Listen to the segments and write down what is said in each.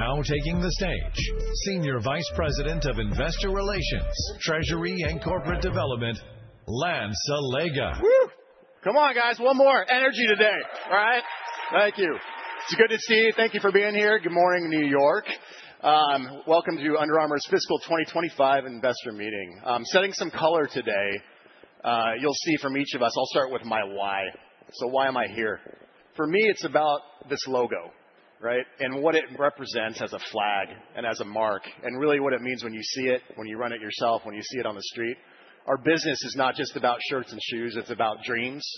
Now taking the stage, Senior Vice President of Investor Relations, Treasury, and Corporate Development, Lance Allega. Woo! Come on, guys. One more! Energy today, right? Thank you. It's good to see you. Thank you for being here. Good morning, New York. Welcome to Under Armour's Fiscal 2025 Investor Meeting. Setting some color today. You'll see from each of us. I'll start with my why. So why am I here? For me, it's about this logo, right, and what it represents as a flag and as a mark, and really what it means when you see it, when you run it yourself, when you see it on the street. Our business is not just about shirts and shoes. It's about dreams,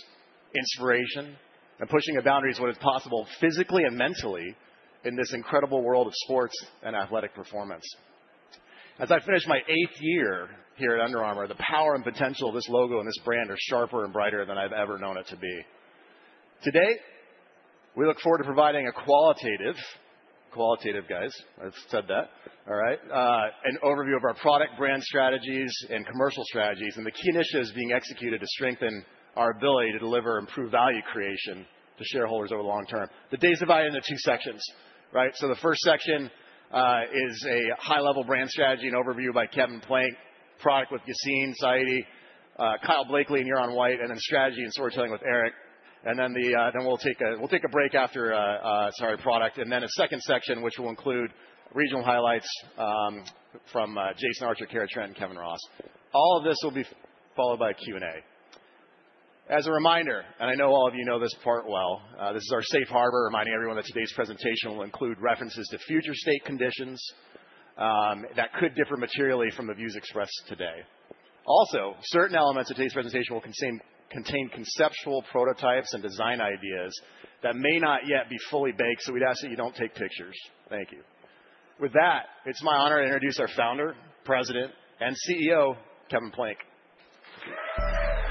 inspiration, and pushing the boundaries of what is possible physically and mentally in this incredible world of sports and athletic performance. As I finish my eighth year here at Under Armour, the power and potential of this logo and this brand are sharper and brighter than I've ever known it to be. Today, we look forward to providing a qualitative - qualitative, guys. I've said that, all right - an overview of our product brand strategies and commercial strategies, and the key initiatives being executed to strengthen our ability to deliver improved value creation to shareholders over the long term. The day is divided into two sections, right? So the first section is a high-level brand strategy and overview by Kevin Plank, product with Yassine Saidi, Kyle Blakely and Yuron White, and then strategy and storytelling with Eric. And then we'll take a break after, sorry, product, and then a second section, which will include regional highlights from Jason Archer, Kara Trent, and Kevin Ross. All of this will be followed by a Q&A. As a reminder, and I know all of you know this part well, this is our safe harbor, reminding everyone that today's presentation will include references to future state conditions that could differ materially from the views expressed today. Also, certain elements of today's presentation will contain conceptual prototypes and design ideas that may not yet be fully baked, so we'd ask that you don't take pictures. Thank you. With that, it's my honor to introduce our Founder, President, and CEO, Kevin Plank.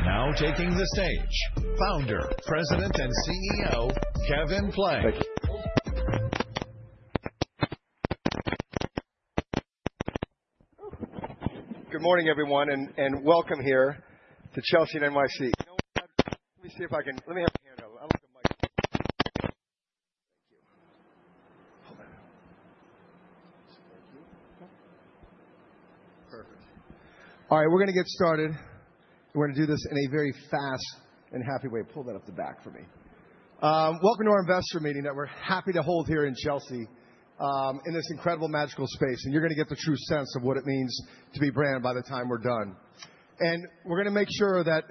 Now taking the stage, Founder, President, and CEO, Kevin Plank. Thank you. Good morning, everyone, and welcome here to Chelsea NYC. Let me have a handheld. Thank you. Hold that. Thank you. Perfect. All right, we're going to get started. We're going to do this in a very fast and happy way. Pull that up the back for me. Welcome to our investor meeting that we're happy to hold here in Chelsea, in this incredible, magical space. You're going to get the true sense of what it means to be brand by the time we're done. We're going to make sure that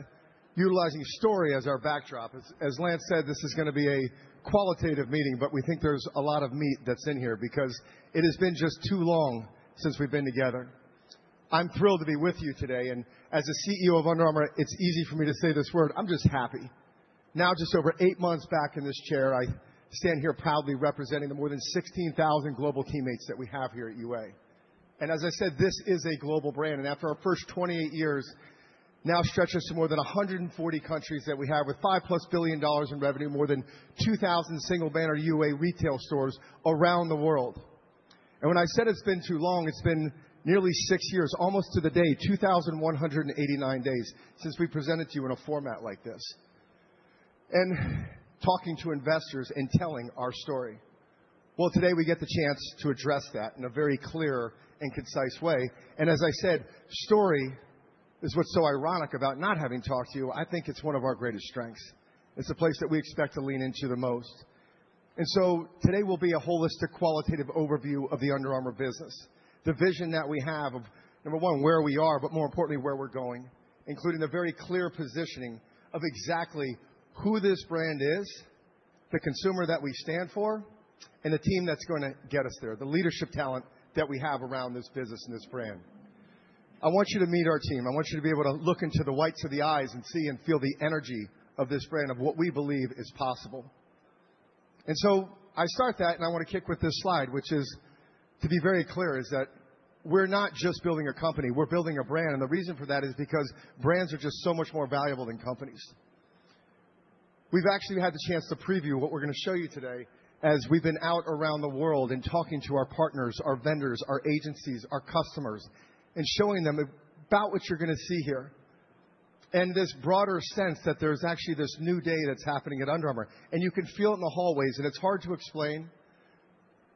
utilizing story as our backdrop. As Lance said, this is going to be a qualitative meeting, but we think there's a lot of meat that's in here because it has been just too long since we've been together. I'm thrilled to be with you today. As a CEO of Under Armour, it's easy for me to say this word. I'm just happy. Now, just over eight months back in this chair, I stand here proudly representing the more than 16,000 global teammates that we have here at UA. And as I said, this is a global brand. And after our first 28 years, now stretch us to more than 140 countries that we have with +$5 billion in revenue, more than 2,000 single-banner UA retail stores around the world. And when I said it's been too long, it's been nearly six years, almost to the day, 2,189 days since we presented to you in a format like this, and talking to investors and telling our story. Well, today we get the chance to address that in a very clear and concise way. And as I said, story is what's so ironic about not having talked to you. I think it's one of our greatest strengths. It's a place that we expect to lean into the most. And so today will be a holistic qualitative overview of the Under Armour business, the vision that we have of, number one, where we are, but more importantly, where we're going, including the very clear positioning of exactly who this brand is, the consumer that we stand for, and the team that's going to get us there, the leadership talent that we have around this business and this brand. I want you to meet our team. I want you to be able to look into the whites of the eyes and see and feel the energy of this brand of what we believe is possible. And so I start that, and I want to kick with this slide, which is, to be very clear, that we're not just building a company. We're building a brand. And the reason for that is because brands are just so much more valuable than companies. We've actually had the chance to preview what we're going to show you today as we've been out around the world and talking to our partners, our vendors, our agencies, our customers, and showing them about what you're going to see here and this broader sense that there's actually this new day that's happening at Under Armour. And you can feel it in the hallways, and it's hard to explain.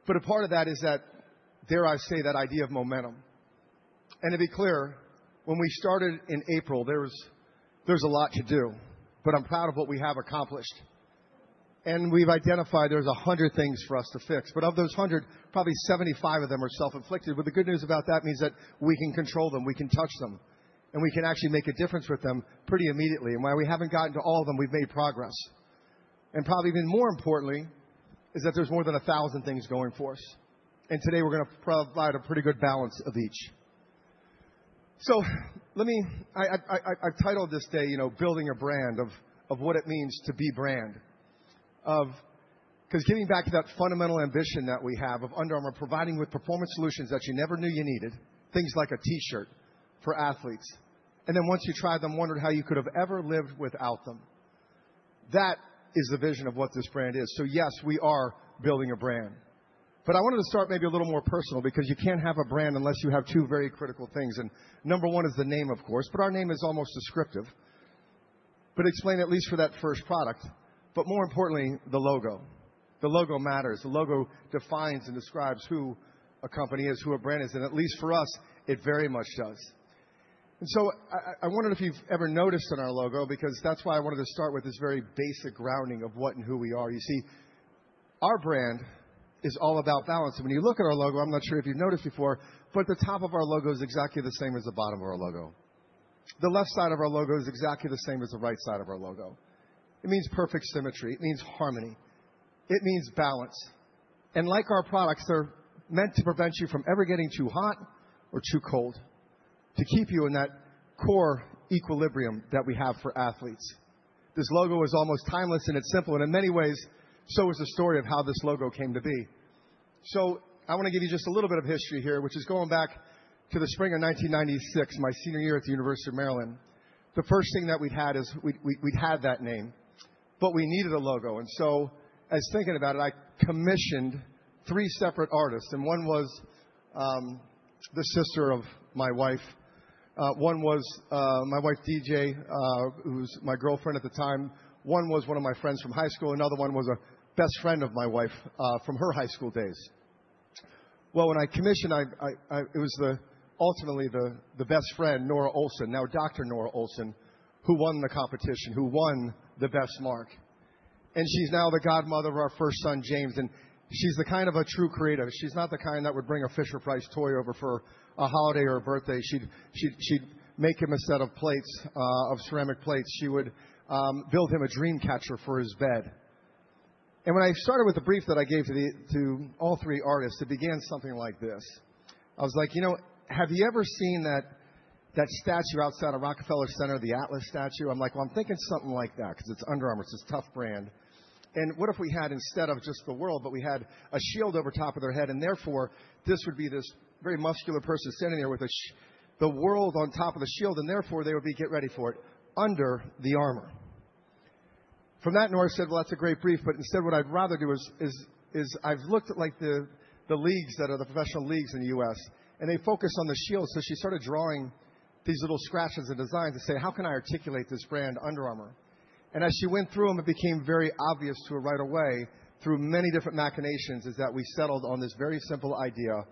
But a part of that is that, dare I say, that idea of momentum. To be clear, when we started in April, there was a lot to do, but I'm proud of what we have accomplished. We've identified there's 100 things for us to fix. Of those 100, probably 75 of them are self-inflicted. The good news about that means that we can control them. We can touch them, and we can actually make a difference with them pretty immediately. While we haven't gotten to all of them, we've made progress. Probably even more importantly is that there's more than 1,000 things going for us. Today we're going to provide a pretty good balance of each. Let me. I've titled this day, you know, Building a Brand, of what it means to be brand. Because getting back to that fundamental ambition that we have of Under Armour, providing you with performance solutions that you never knew you needed, things like a T-shirt for athletes, and then once you tried them, wondered how you could have ever lived without them. That is the vision of what this brand is. So yes, we are building a brand. But I wanted to start maybe a little more personal because you can't have a brand unless you have two very critical things. And number one is the name, of course, but our name is almost descriptive, but explained at least for that first product. But more importantly, the logo. The logo matters. The logo defines and describes who a company is, who a brand is. And at least for us, it very much does. And so I wondered if you've ever noticed in our logo, because that's why I wanted to start with this very basic grounding of what and who we are. You see, our brand is all about balance. And when you look at our logo, I'm not sure if you've noticed before, but the top of our logo is exactly the same as the bottom of our logo. The left side of our logo is exactly the same as the right side of our logo. It means perfect symmetry. It means harmony. It means balance. And like our products, they're meant to prevent you from ever getting too hot or too cold, to keep you in that core equilibrium that we have for athletes. This logo is almost timeless in its simplicity, and in many ways, so is the story of how this logo came to be. So I want to give you just a little bit of history here, which is going back to the spring of 1996, my senior year at the University of Maryland. The first thing that we'd had is we'd had that name, but we needed a logo. And so as thinking about it, I commissioned three separate artists. And one was the sister of my wife. One was my wife, DJ, who was my girlfriend at the time. One was one of my friends from high school. Another one was a best friend of my wife from her high school days. Well, when I commissioned, it was ultimately the best friend, Nora Olson, now Dr. Nora Olson, who won the competition, who won the best mark. And she's now the godmother of our first son, James. And she's the kind of a true creative. She's not the kind that would bring a Fisher-Price toy over for a holiday or a birthday. She'd make him a set of plates, of ceramic plates. She would build him a dream catcher for his bed. And when I started with the brief that I gave to all three artists, it began something like this. I was like, you know, have you ever seen that statue outside of Rockefeller Center, the Atlas statue? I'm like, well, I'm thinking something like that because it's Under Armour. It's a tough brand. And what if we had, instead of just the world, but we had a shield over top of their head, and therefore this would be this very muscular person sitting there with the world on top of the shield, and therefore they would be getting ready for it under the armor? From that, Nora said, well, that's a great brief, but instead what I'd rather do is I've looked at the leagues that are the professional leagues in the U.S., and they focus on the shield. So she started drawing these little scratches and designs to say, how can I articulate this brand, Under Armour? And as she went through them, it became very obvious to her right away through many different machinations that we settled on this very simple idea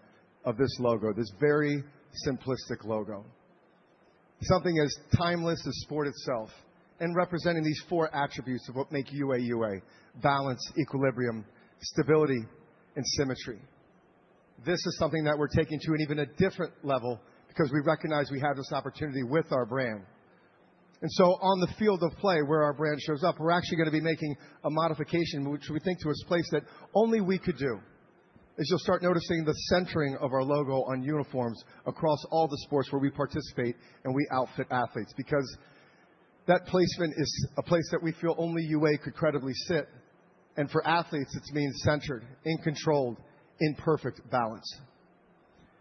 of this logo, this very simplistic logo. Something as timeless as sport itself and representing these four attributes of what make you a UA: balance, equilibrium, stability, and symmetry. This is something that we're taking to an even different level because we recognize we have this opportunity with our brand. And so on the field of play where our brand shows up, we're actually going to be making a modification, which we think is a place that only we could do. As you'll start noticing the centering of our logo on uniforms across all the sports where we participate and we outfit athletes, because that placement is a place that we feel only UA could credibly sit. And for athletes, it means centered, in control, in perfect balance.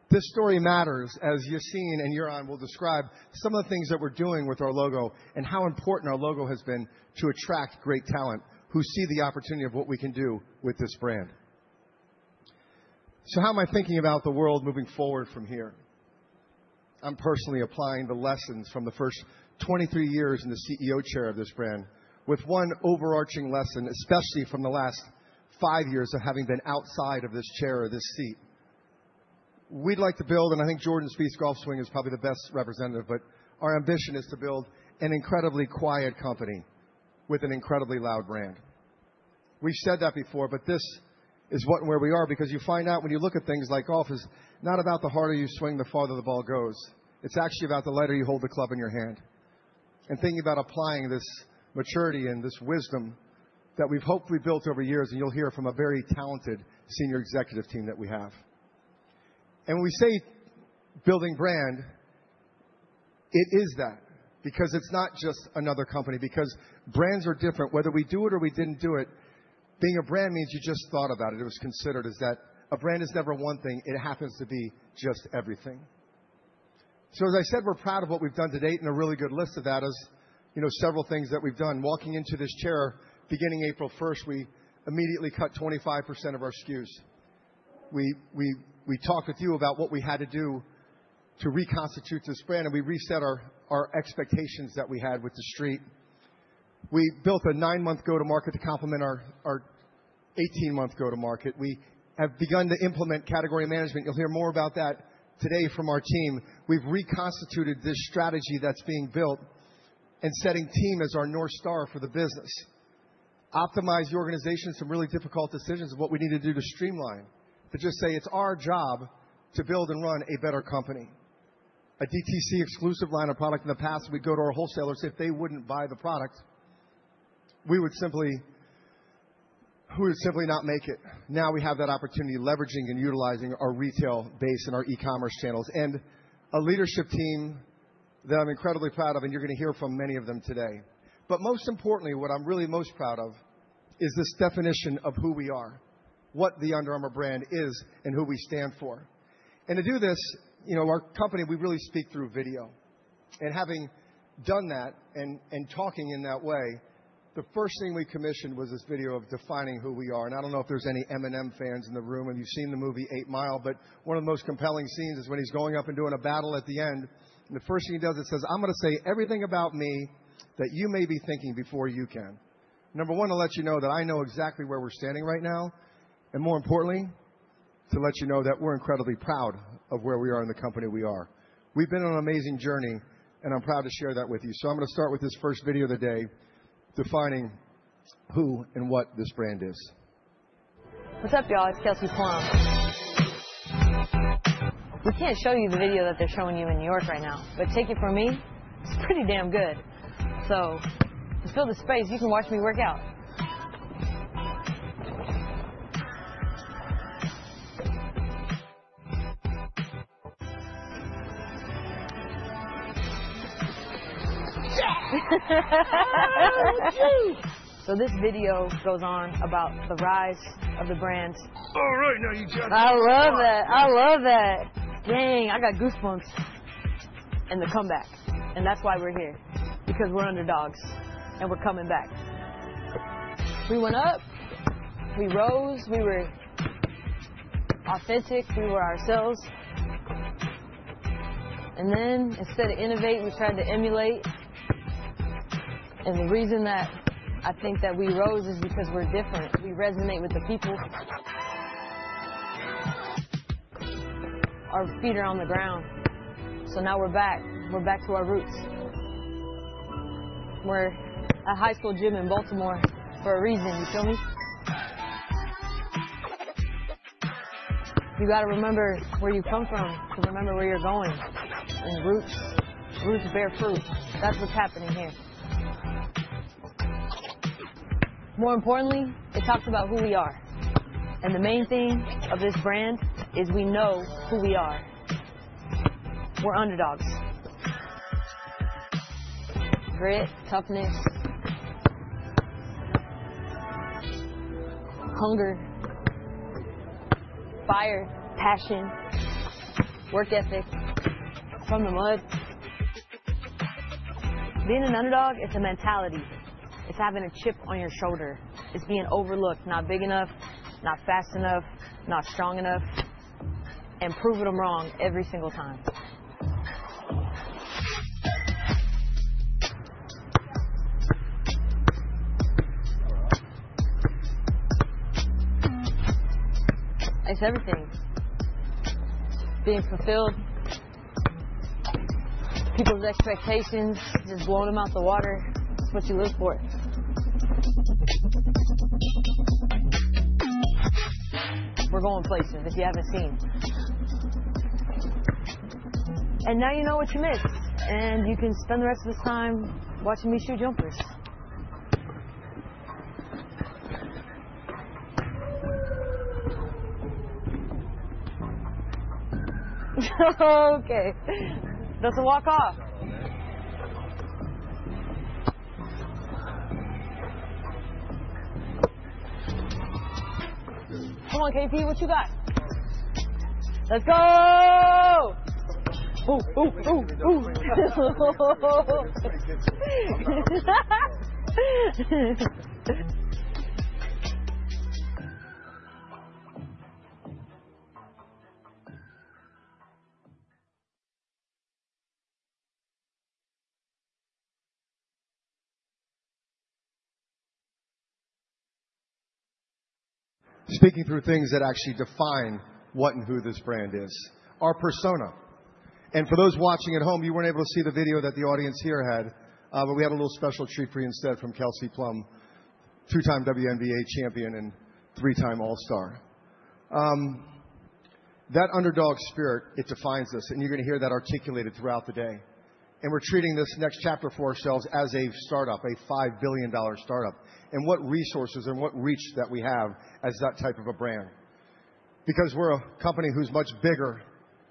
This story matters, as Yassine and Yuron will describe some of the things that we're doing with our logo and how important our logo has been to attract great talent who see the opportunity of what we can do with this brand. So how am I thinking about the world moving forward from here? I'm personally applying the lessons from the first 23 years in the CEO chair of this brand with one overarching lesson, especially from the last five years of having been outside of this chair or this seat. We'd like to build, and I think Jordan Spieth's golf swing is probably the best representative, but our ambition is to build an incredibly quiet company with an incredibly loud brand. We've said that before, but this is where we are because you find out when you look at things like golf; it's not about the harder you swing, the farther the ball goes. It's actually about the lighter you hold the club in your hand, and thinking about applying this maturity and this wisdom that we've hopefully built over years, and you'll hear from a very talented senior executive team that we have. When we say building brand, it is that because it's not just another company, because brands are different. Whether we do it or we didn't do it, being a brand means you just thought about it. It was considered as that a brand is never one thing. It happens to be just everything. So as I said, we're proud of what we've done to date, and a really good list of that is several things that we've done. Walking into this chair, beginning April 1st, we immediately cut 25% of our SKUs. We talked with you about what we had to do to reconstitute this brand, and we reset our expectations that we had with the street. We built a nine-month go-to-market to complement our 18-month go-to-market. We have begun to implement category management. You'll hear more about that today from our team. We've reconstituted this strategy that's being built and setting team as our North Star for the business. Optimize the organization from really difficult decisions of what we need to do to streamline, but just say it's our job to build and run a better company. A DTC exclusive line of product in the past, we'd go to our wholesalers. If they wouldn't buy the product, we would simply not make it. Now we have that opportunity leveraging and utilizing our retail base and our e-commerce channels and a leadership team that I'm incredibly proud of, and you're going to hear from many of them today. But most importantly, what I'm really most proud of is this definition of who we are, what the Under Armour brand is, and who we stand for. And to do this, our company, we really speak through video. Having done that and talking in that way, the first thing we commissioned was this video of defining who we are. I don't know if there's any Eminem fans in the room and you've seen the movie 8 Mile, but one of the most compelling scenes is when he's going up and doing a battle at the end. The first thing he does, it says, I'm going to say everything about me that you may be thinking before you can. Number one, to let you know that I know exactly where we're standing right now. More importantly, to let you know that we're incredibly proud of where we are and the company we are. We've been on an amazing journey, and I'm proud to share that with you. So I'm going to start with this first video of the day, defining who and what this brand is. What's up, y'all? It's Kelsey Plum. We can't show you the video that they're showing you in New York right now, but take it from me, it's pretty damn good. So let's build a space. You can watch me work out. Yeah! So this video goes on about the rise of the brand. All right, now you got it. I love that. I love that. Dang, I got goosebumps. And the comeback. And that's why we're here, because we're underdogs and we're coming back. We went up, we rose, we were authentic, we were ourselves. And then instead of innovate, we tried to emulate. And the reason that I think that we rose is because we're different. We resonate with the people. Our feet are on the ground. So now we're back. We're back to our roots. We're at a high school gym in Baltimore for a reason, you feel me? You got to remember where you come from to remember where you're going, and roots bear fruit. That's what's happening here. More importantly, it talks about who we are, and the main thing of this brand is we know who we are. We're underdogs. Grit, toughness, hunger, fire, passion, work ethic. From the mud. Being an underdog, it's a mentality. It's having a chip on your shoulder. It's being overlooked, not big enough, not fast enough, not strong enough, and proving them wrong every single time. It's everything. Exceeding people's expectations, just blowing them out of the water. That's what you live for. We're going places, if you haven't seen, and now you know what you missed. And you can spend the rest of this time watching me shoot jumpers. Okay. Doesn't walk off. Come on, KP, what you got? Let's go. Ooh, ooh, ooh, ooh. Speaking of things that actually define what and who this brand is, our persona. For those watching at home, you weren't able to see the video that the audience here had, but we had a little special treat for you instead from Kelsey Plum, two-time WNBA champion and three-time All-Star. That underdog spirit, it defines us, and you're going to hear that articulated throughout the day. We're treating this next chapter for ourselves as a startup, a $5 billion startup, and what resources and what reach that we have as that type of a brand. Because we're a company who's much bigger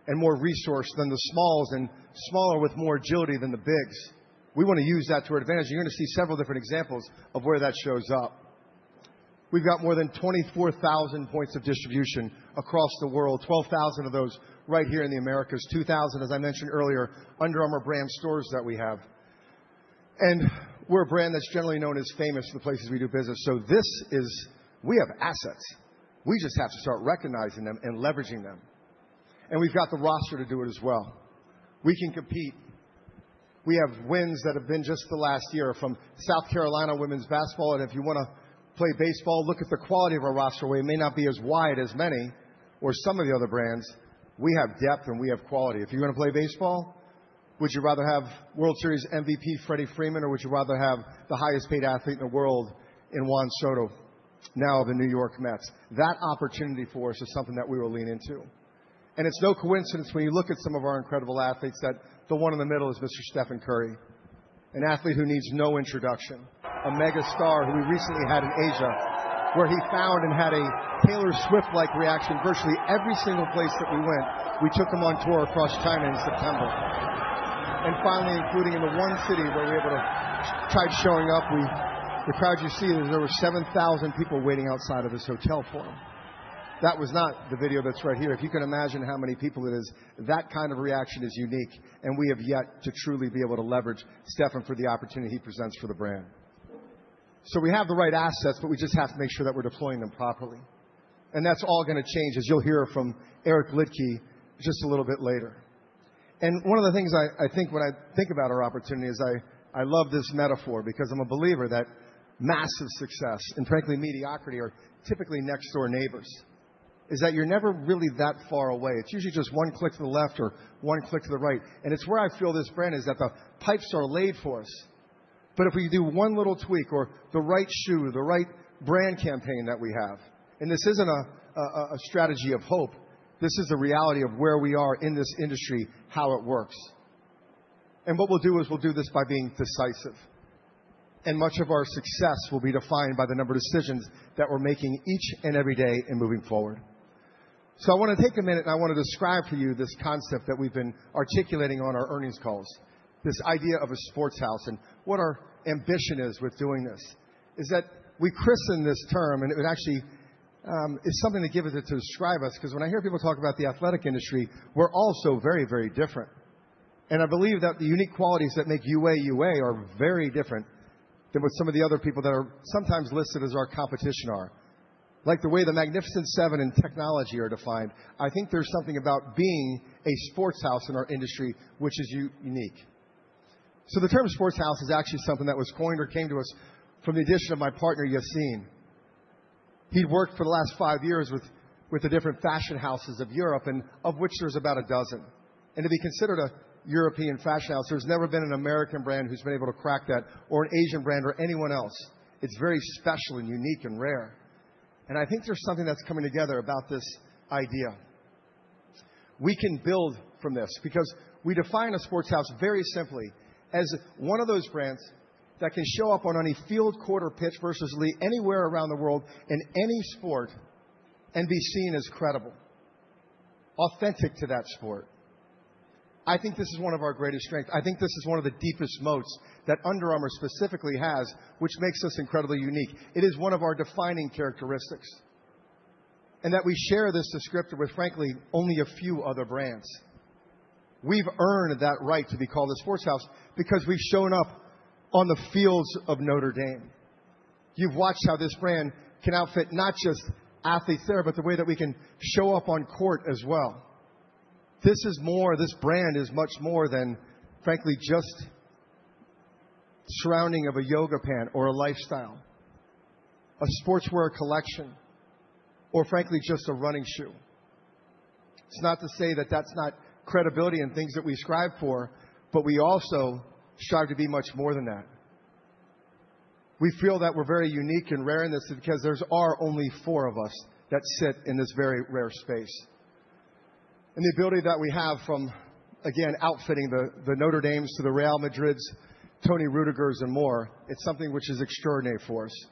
and more resourced than the smalls, and smaller with more agility than the bigs. We want to use that to our advantage. You're going to see several different examples of where that shows up. We've got more than 24,000 points of distribution across the world, 12,000 of those right here in the Americas, 2,000, as I mentioned earlier, Under Armour brand stores that we have. And we're a brand that's generally known as famous for the places we do business. So this is, we have assets. We just have to start recognizing them and leveraging them. And we've got the roster to do it as well. We can compete. We have wins that have been just the last year from South Carolina women's basketball. And if you want to play baseball, look at the quality of our roster, where it may not be as wide as many or some of the other brands, we have depth and we have quality. If you're going to play baseball, would you rather have World Series MVP Freddie Freeman, or would you rather have the highest-paid athlete in the world in Juan Soto, now of the New York Mets? That opportunity for us is something that we will lean into. And it's no coincidence when you look at some of our incredible athletes that the one in the middle is Mr. Stephen Curry, an athlete who needs no introduction, a mega star who we recently had in Asia, where he found and had a Taylor Swift-like reaction virtually every single place that we went. We took him on tour across China in September. And finally, including in the one city where we were able to try showing up, the crowd you see, there were 7,000 people waiting outside of this hotel for him. That was not the video that's right here. If you can imagine how many people it is. That kind of reaction is unique, and we have yet to truly be able to leverage Stephen for the opportunity he presents for the brand. So we have the right assets, but we just have to make sure that we're deploying them properly. And that's all going to change, as you'll hear from Eric Liedtke just a little bit later. One of the things I think when I think about our opportunity is I love this metaphor because I'm a believer that massive success and frankly, mediocrity are typically next-door neighbors. [The point] is that you're never really that far away. It's usually just one click to the left or one click to the right. And it's where I feel this brand is that the pipes are laid for us. But if we do one little tweak or the right shoe, the right brand campaign that we have, and this isn't a strategy of hope, this is the reality of where we are in this industry, how it works. And what we'll do is we'll do this by being decisive. And much of our success will be defined by the number of decisions that we're making each and every day and moving forward. So I want to take a minute, and I want to describe for you this concept that we've been articulating on our earnings calls, this idea of a Sports House and what our ambition is with doing this, is that we christen this term, and it actually is something that gives it to describe us, because when I hear people talk about the athletic industry, we're also very, very different. I believe that the unique qualities that make UA, UA are very different than what some of the other people that are sometimes listed as our competition are. Like the way the Magnificent Seven and technology are defined, I think there's something about being a sports house in our industry, which is unique. So the term sports house is actually something that was coined or came to us from the addition of my partner, Yassine. He'd worked for the last five years with the different fashion houses of Europe, and of which there's about a dozen. And to be considered a European fashion house, there's never been an American brand who's been able to crack that, or an Asian brand or anyone else. It's very special and unique and rare. And I think there's something that's coming together about this idea. We can build from this because we define a sports house very simply as one of those brands that can show up on any field, court, or pitch versus league anywhere around the world in any sport and be seen as credible, authentic to that sport. I think this is one of our greatest strengths. I think this is one of the deepest moats that Under Armour specifically has, which makes us incredibly unique. It is one of our defining characteristics, and that we share this descriptor with, frankly, only a few other brands. We've earned that right to be called a sports house because we've shown up on the fields of Notre Dame. You've watched how this brand can outfit not just athletes there, but the way that we can show up on court as well. This is more; this brand is much more than, frankly, just surrounding of a yoga pant or a lifestyle, a sportswear collection, or frankly, just a running shoe. It's not to say that that's not credibility and things that we strive for, but we also strive to be much more than that. We feel that we're very unique and rare in this because there are only four of us that sit in this very rare space. And the ability that we have from, again, outfitting the Notre Dames to the Real Madrids, Toni Rüdiger's, and more, it's something which is extraordinary for us.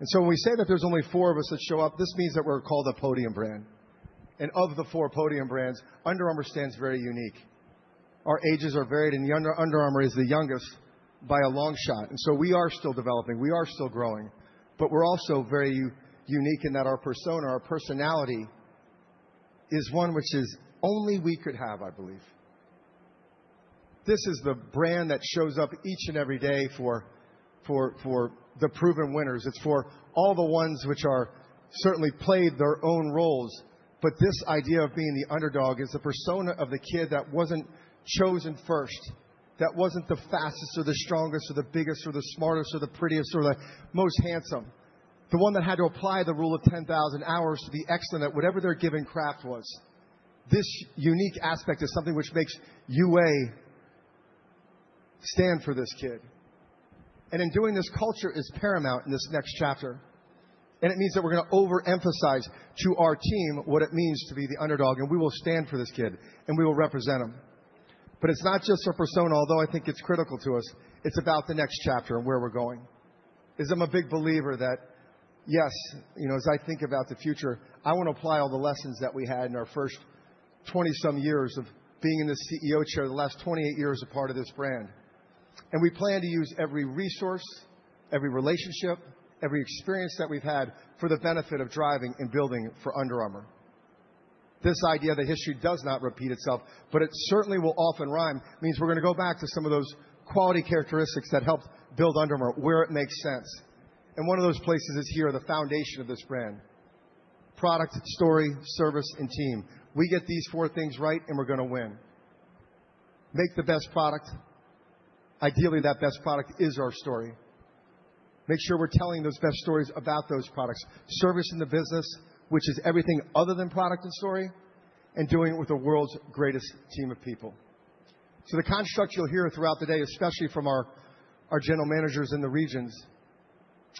And so when we say that there's only four of us that show up, this means that we're called a podium brand. And of the four podium brands, Under Armour stands very unique. Our ages are varied, and Under Armour is the youngest by a long shot. We are still developing. We are still growing. We're also very unique in that our persona, our personality is one which is only we could have, I believe. This is the brand that shows up each and every day for the proven winners. It's for all the ones which are certainly played their own roles. This idea of being the underdog is the persona of the kid that wasn't chosen first, that wasn't the fastest or the strongest or the biggest or the smartest or the prettiest or the most handsome, the one that had to apply the rule of 10,000 hours to be excellent at whatever their given craft was. This unique aspect is something which makes UA stand for this kid. In doing this, culture is paramount in this next chapter. And it means that we're going to overemphasize to our team what it means to be the underdog, and we will stand for this kid, and we will represent them. But it's not just our persona, although I think it's critical to us. It's about the next chapter and where we're going. As I'm a big believer that, yes, as I think about the future, I want to apply all the lessons that we had in our first 20-some years of being in the CEO chair the last 28 years a part of this brand. And we plan to use every resource, every relationship, every experience that we've had for the benefit of driving and building for Under Armour. This idea that history does not repeat itself, but it certainly will often rhyme, means we're going to go back to some of those quality characteristics that helped build Under Armour where it makes sense. And one of those places is here, the foundation of this brand: product, story, service, and team. We get these four things right, and we're going to win. Make the best product. Ideally, that best product is our story. Make sure we're telling those best stories about those products. Service in the business, which is everything other than product and story, and doing it with the world's greatest team of people. So the constructs you'll hear throughout the day, especially from our general managers in the regions,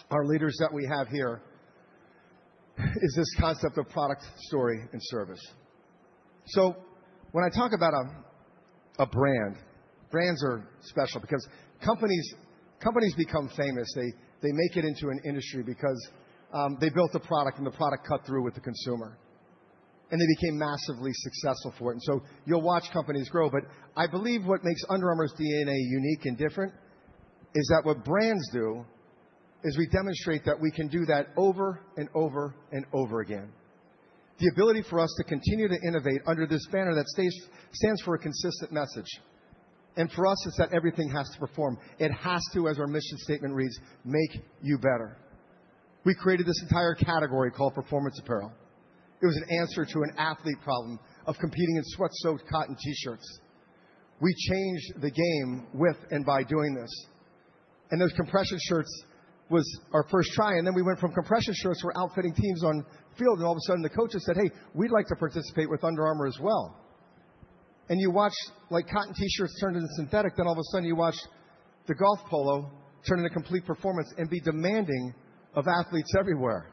our leaders that we have here, is this concept of product, story, and service. So when I talk about a brand, brands are special because companies become famous. They make it into an industry because they built a product, and the product cut through with the consumer. And they became massively successful for it. And so you'll watch companies grow, but I believe what makes Under Armour's DNA unique and different is that what brands do is we demonstrate that we can do that over and over and over again. The ability for us to continue to innovate under this banner that stands for a consistent message. And for us, it's that everything has to perform. It has to, as our mission statement reads, make you better. We created this entire category called performance apparel. It was an answer to an athlete problem of competing in sweat-soaked cotton T-shirts. We changed the game with and by doing this. And those compression shirts was our first try. And then we went from compression shirts who were outfitting teams on the field, and all of a sudden, the coaches said, "Hey, we'd like to participate with Under Armour as well." And you watched cotton T-shirts turned into synthetic, then all of a sudden, you watched the golf polo turn into complete performance and be demanding of athletes everywhere.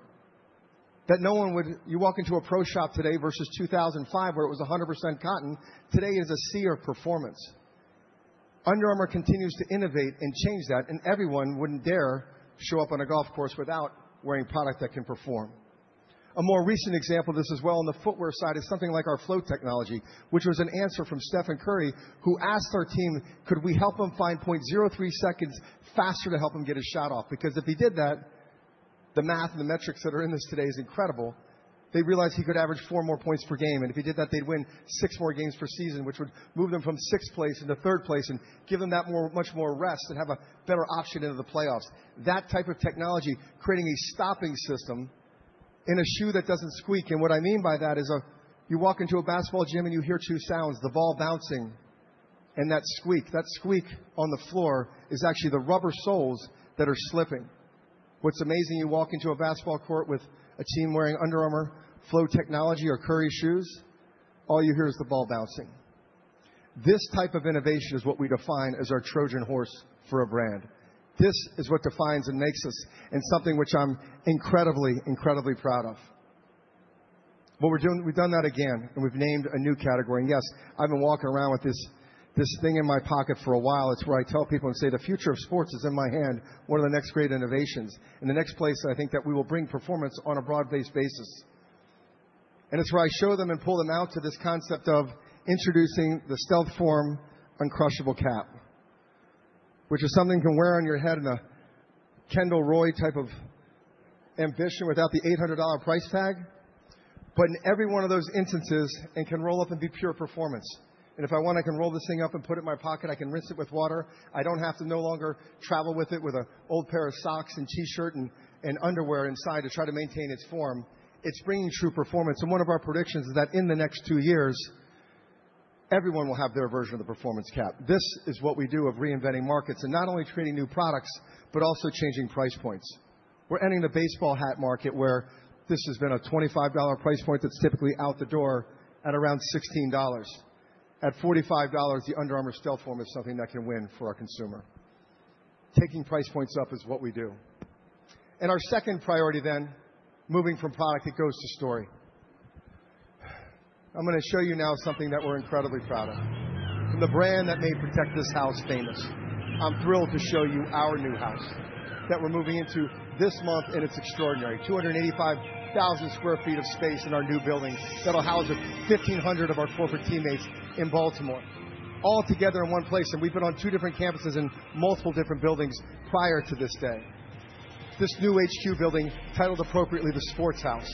That no one would. You walk into a pro shop today versus 2005, where it was 100% cotton. Today is a sea of performance. Under Armour continues to innovate and change that, and everyone wouldn't dare show up on a golf course without wearing product that can perform. A more recent example of this as well on the footwear side is something like our Flow technology, which was an answer from Stephen Curry, who asked our team, "Could we help him find 0.03 seconds faster to help him get his shot off?" Because if he did that, the math and the metrics that are in this today is incredible. They realized he could average four more points per game, and if he did that, they'd win six more games per season, which would move them from sixth place into third place and give them that much more rest and have a better option into the playoffs. That type of technology creating a stopping system in a shoe that doesn't squeak. And what I mean by that is you walk into a basketball gym and you hear two sounds: the ball bouncing and that squeak. That squeak on the floor is actually the rubber soles that are slipping. What's amazing, you walk into a basketball court with a team wearing Under Armour Flow technology or Curry shoes, all you hear is the ball bouncing. This type of innovation is what we define as our Trojan horse for a brand. This is what defines and makes us and something which I'm incredibly, incredibly proud of. What we're doing, we've done that again, and we've named a new category. And yes, I've been walking around with this thing in my pocket for a while. It's where I tell people and say, "The future of sports is in my hand. What are the next great innovations?" And the next place I think that we will bring performance on a broad-based basis. And it's where I show them and pull them out to this concept of introducing the StealthForm Uncrushable Cap, which is something you can wear on your head in a Kendall Roy type of ambition without the $800 price tag, but in every one of those instances, it can roll up and be pure performance. And if I want, I can roll this thing up and put it in my pocket. I can rinse it with water. I don't have to no longer travel with it with an old pair of socks and T-shirt and underwear inside to try to maintain its form. It's bringing true performance. And one of our predictions is that in the next two years, everyone will have their version of the performance cap. This is what we do of reinventing markets and not only creating new products, but also changing price points. We're ending the baseball hat market where this has been a $25 price point that's typically out the door at around $16. At $45, the Under Armour StealthForm is something that can win for our consumer. Taking price points up is what we do, and our second priority then, moving from product, it goes to story. I'm going to show you now something that we're incredibly proud of. From the brand that made Protect This House famous, I'm thrilled to show you our new house that we're moving into this month, and it's extraordinary: 285,000sqft of space in our new building that'll house 1,500 of our corporate teammates in Baltimore, all together in one place, and we've been on two different campuses and multiple different buildings prior to this day. This new HQ building, titled appropriately, the Sports House,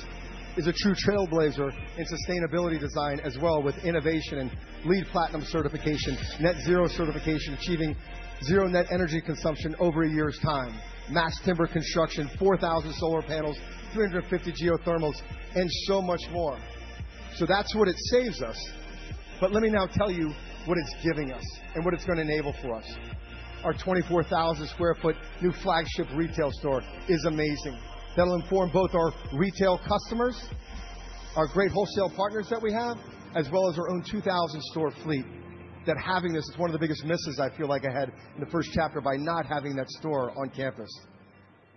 is a true trailblazer in sustainability design as well with innovation and LEED Platinum certification, net zero certification, achieving zero net energy consumption over a year's time, mass timber construction, 4,000 solar panels, 350 geothermals, and so much more. So that's what it saves us. But let me now tell you what it's giving us and what it's going to enable for us. Our 24,000sqft new flagship retail store is amazing. That'll inform both our retail customers, our great wholesale partners that we have, as well as our own 2,000-store fleet. That having this, it's one of the biggest misses I feel like I had in the first chapter by not having that store on campus.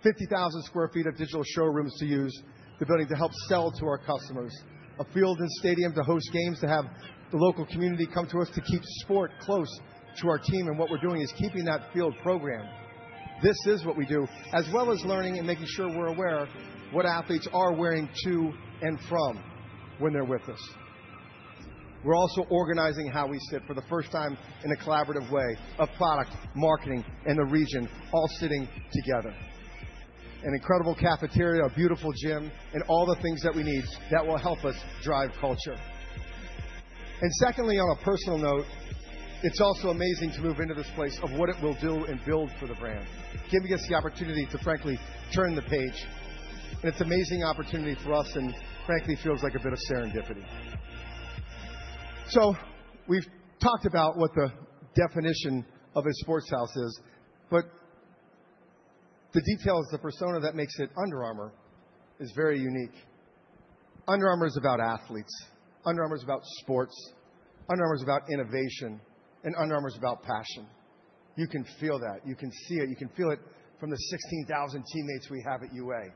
50,000sqft of digital showrooms to use, the building to help sell to our customers, a field and stadium to host games, to have the local community come to us to keep sport close to our team. What we're doing is keeping that field program. This is what we do, as well as learning and making sure we're aware what athletes are wearing to and from when they're with us. We're also organizing how we sit for the first time in a collaborative way of product, marketing, and the region, all sitting together. An incredible cafeteria, a beautiful gym, and all the things that we need that will help us drive culture. Secondly, on a personal note, it's also amazing to move into this place of what it will do and build for the brand, giving us the opportunity to, frankly, turn the page. And it's an amazing opportunity for us, and frankly, feels like a bit of serendipity. So we've talked about what the definition of a sports house is, but the details, the persona that makes it Under Armour is very unique. Under Armour is about athletes. Under Armour is about sports. Under Armour is about innovation. And Under Armour is about passion. You can feel that. You can see it. You can feel it from the 16,000 teammates we have at UA.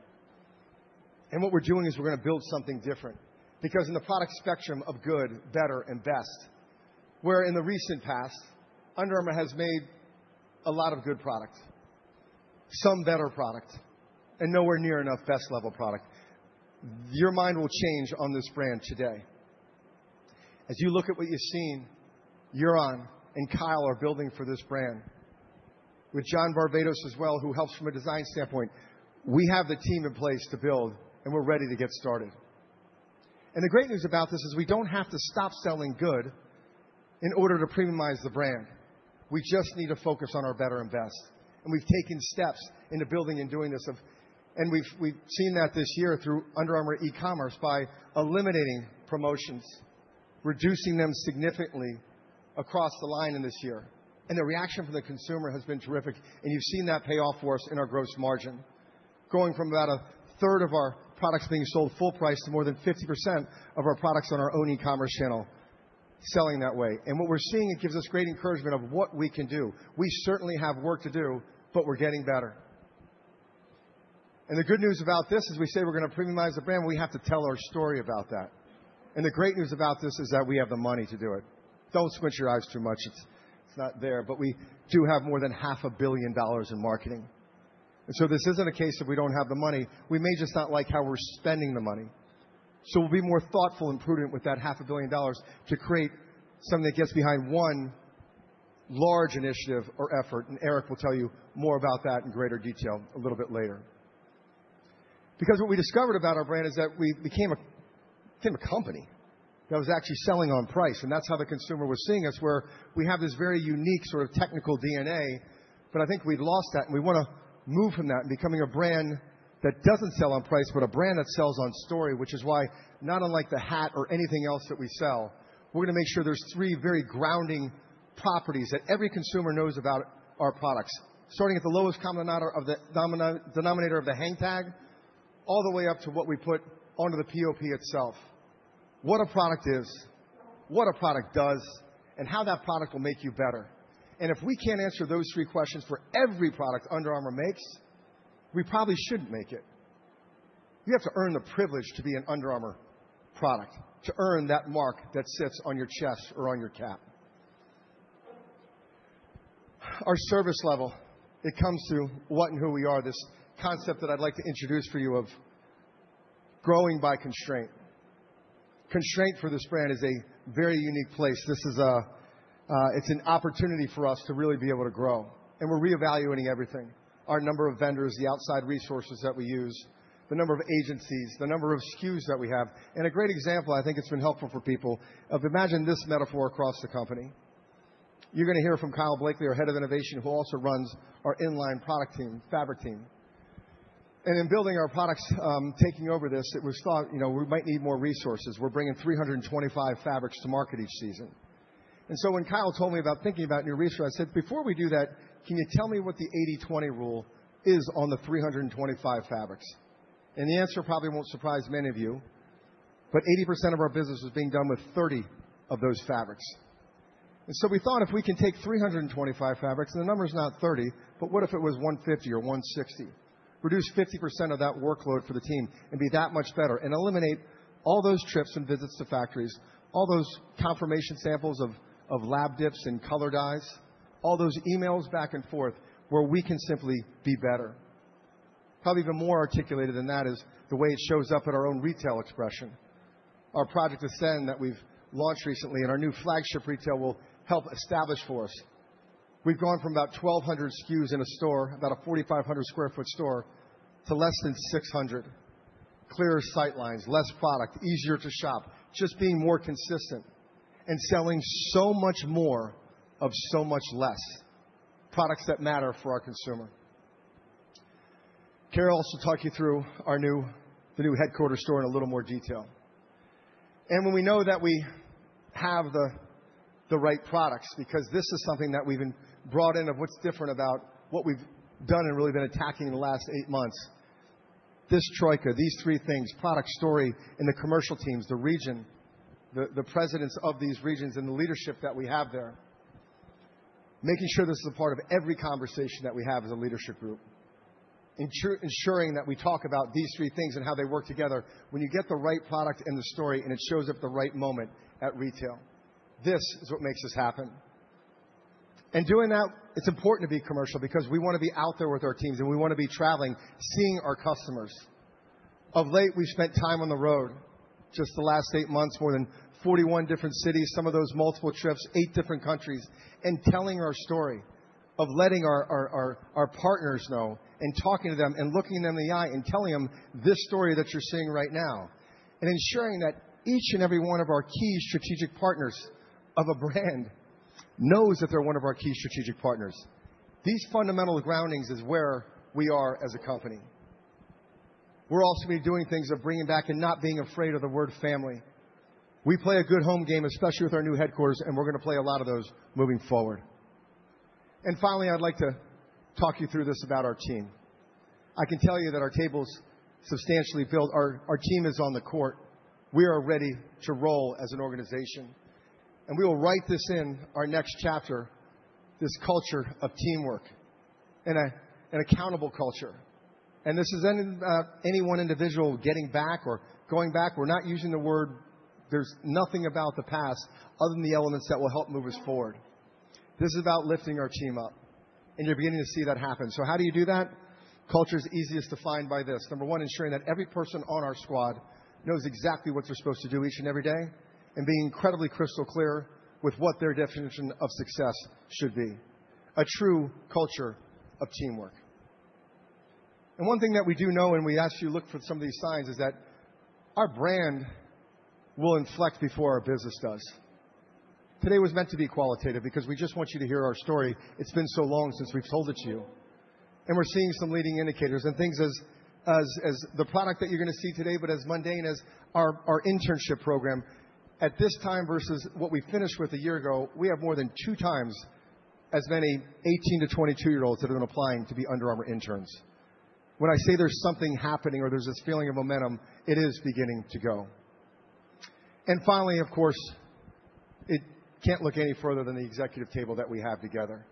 And what we're doing is we're going to build something different because in the product spectrum of good, better, and best, where in the recent past, Under Armour has made a lot of good product, some better product, and nowhere near enough best level product, your mind will change on this brand today. As you look at what you've seen, Yuron and Kyle are building for this brand, with John Varvatos as well, who helps from a design standpoint. We have the team in place to build, and we're ready to get started. And the great news about this is we don't have to stop selling good in order to premiumize the brand. We just need to focus on our better and best. And we've taken steps into building and doing this, and we've seen that this year through Under Armour e-commerce by eliminating promotions, reducing them significantly across the line in this year. And the reaction from the consumer has been terrific. And you've seen that pay off for us in our gross margin, going from about a third of our products being sold full price to more than 50% of our products on our own e-commerce channel selling that way. And what we're seeing, it gives us great encouragement of what we can do. We certainly have work to do, but we're getting better. And the good news about this is we say we're going to premiumize the brand, we have to tell our story about that. And the great news about this is that we have the money to do it. Don't squint your eyes too much. It's not there, but we do have more than $500 million in marketing. And so this isn't a case of we don't have the money. We may just not like how we're spending the money. So we'll be more thoughtful and prudent with that $500 million to create something that gets behind one large initiative or effort. And Eric will tell you more about that in greater detail a little bit later. Because what we discovered about our brand is that we became a company that was actually selling on price. And that's how the consumer was seeing us, where we have this very unique sort of technical DNA, but I think we'd lost that. And we want to move from that and becoming a brand that doesn't sell on price, but a brand that sells on story, which is why not unlike the hat or anything else that we sell, we're going to make sure there's three very grounding properties that every consumer knows about our products, starting at the lowest common denominator of the hang tag, all the way up to what we put onto the POP itself. What a product is, what a product does, and how that product will make you better. And if we can't answer those three questions for every product Under Armour makes, we probably shouldn't make it. You have to earn the privilege to be an Under Armour product, to earn that mark that sits on your chest or on your cap. Our service level, it comes to what and who we are, this concept that I'd like to introduce for you of growing by constraint. Constraint for this brand is a very unique place. It's an opportunity for us to really be able to grow. And we're reevaluating everything: our number of vendors, the outside resources that we use, the number of agencies, the number of SKUs that we have. And a great example, I think it's been helpful for people, of imagine this metaphor across the company. You're going to hear from Kyle Blakely, our head of innovation, who also runs our inline product team, fabric team. And in building our products, taking over this, we thought we might need more resources. We're bringing 325 fabrics to market each season. And so when Kyle told me about thinking about new resources, I said, "Before we do that, can you tell me what the 80/20 rule is on the 325 fabrics?" And the answer probably won't surprise many of you, but 80% of our business is being done with 30 of those fabrics. And so we thought if we can take 325 fabrics, and the number is not 30, but what if it was 150 or 160? Reduce 50% of that workload for the team and be that much better and eliminate all those trips and visits to factories, all those confirmation samples of lab dips and color dyes, all those emails back and forth where we can simply be better. Probably even more articulated than that is the way it shows up in our own retail expression. Our Project Ascend that we've launched recently and our new flagship retail will help establish for us. We've gone from about 1,200 SKUs in a store, about a 4,500sqft store, to less than 600. Clearer sight lines, less product, easier to shop, just being more consistent and selling so much more of so much less products that matter for our consumer. Carol will also talk you through the new headquarters store in a little more detail. And when we know that we have the right products, because this is something that we've brought in of what's different about what we've done and really been attacking in the last eight months, this Troika, these three things, product story in the commercial teams, the region, the presidents of these regions, and the leadership that we have there, making sure this is a part of every conversation that we have as a leadership group, ensuring that we talk about these three things and how they work together when you get the right product and the story and it shows up at the right moment at retail. This is what makes this happen. And doing that, it's important to be commercial because we want to be out there with our teams and we want to be traveling, seeing our customers. Of late, we've spent time on the road just the last eight months, more than 41 different cities, some of those multiple trips, eight different countries, and telling our story of letting our partners know and talking to them and looking them in the eye and telling them this story that you're seeing right now and ensuring that each and every one of our key strategic partners of a brand knows that they're one of our key strategic partners. These fundamental groundings is where we are as a company. We're also going to be doing things of bringing back and not being afraid of the word family. We play a good home game, especially with our new headquarters, and we're going to play a lot of those moving forward. And finally, I'd like to talk you through this about our team. I can tell you that our tables substantially filled. Our team is on the court. We are ready to roll as an organization, and we will write this in our next chapter, this culture of teamwork and an accountable culture, and this isn't about any one individual getting back or going back. We're not using the word. There's nothing about the past other than the elements that will help move us forward. This is about lifting our team up, and you're beginning to see that happen, so how do you do that? Culture is easiest to find by this. Number one, ensuring that every person on our squad knows exactly what they're supposed to do each and every day and being incredibly crystal clear with what their definition of success should be: a true culture of teamwork. And one thing that we do know and we ask you to look for some of these signs is that our brand will inflect before our business does. Today was meant to be qualitative because we just want you to hear our story. It's been so long since we've told it to you. And we're seeing some leading indicators and things as the product that you're going to see today, but as mundane as our internship program. At this time versus what we finished with a year ago, we have more than 2x as many 18-22-year-olds that have been applying to be Under Armour interns. When I say there's something happening or there's this feeling of momentum, it is beginning to go. And finally, of course, it can't look any further than the executive table that we have together.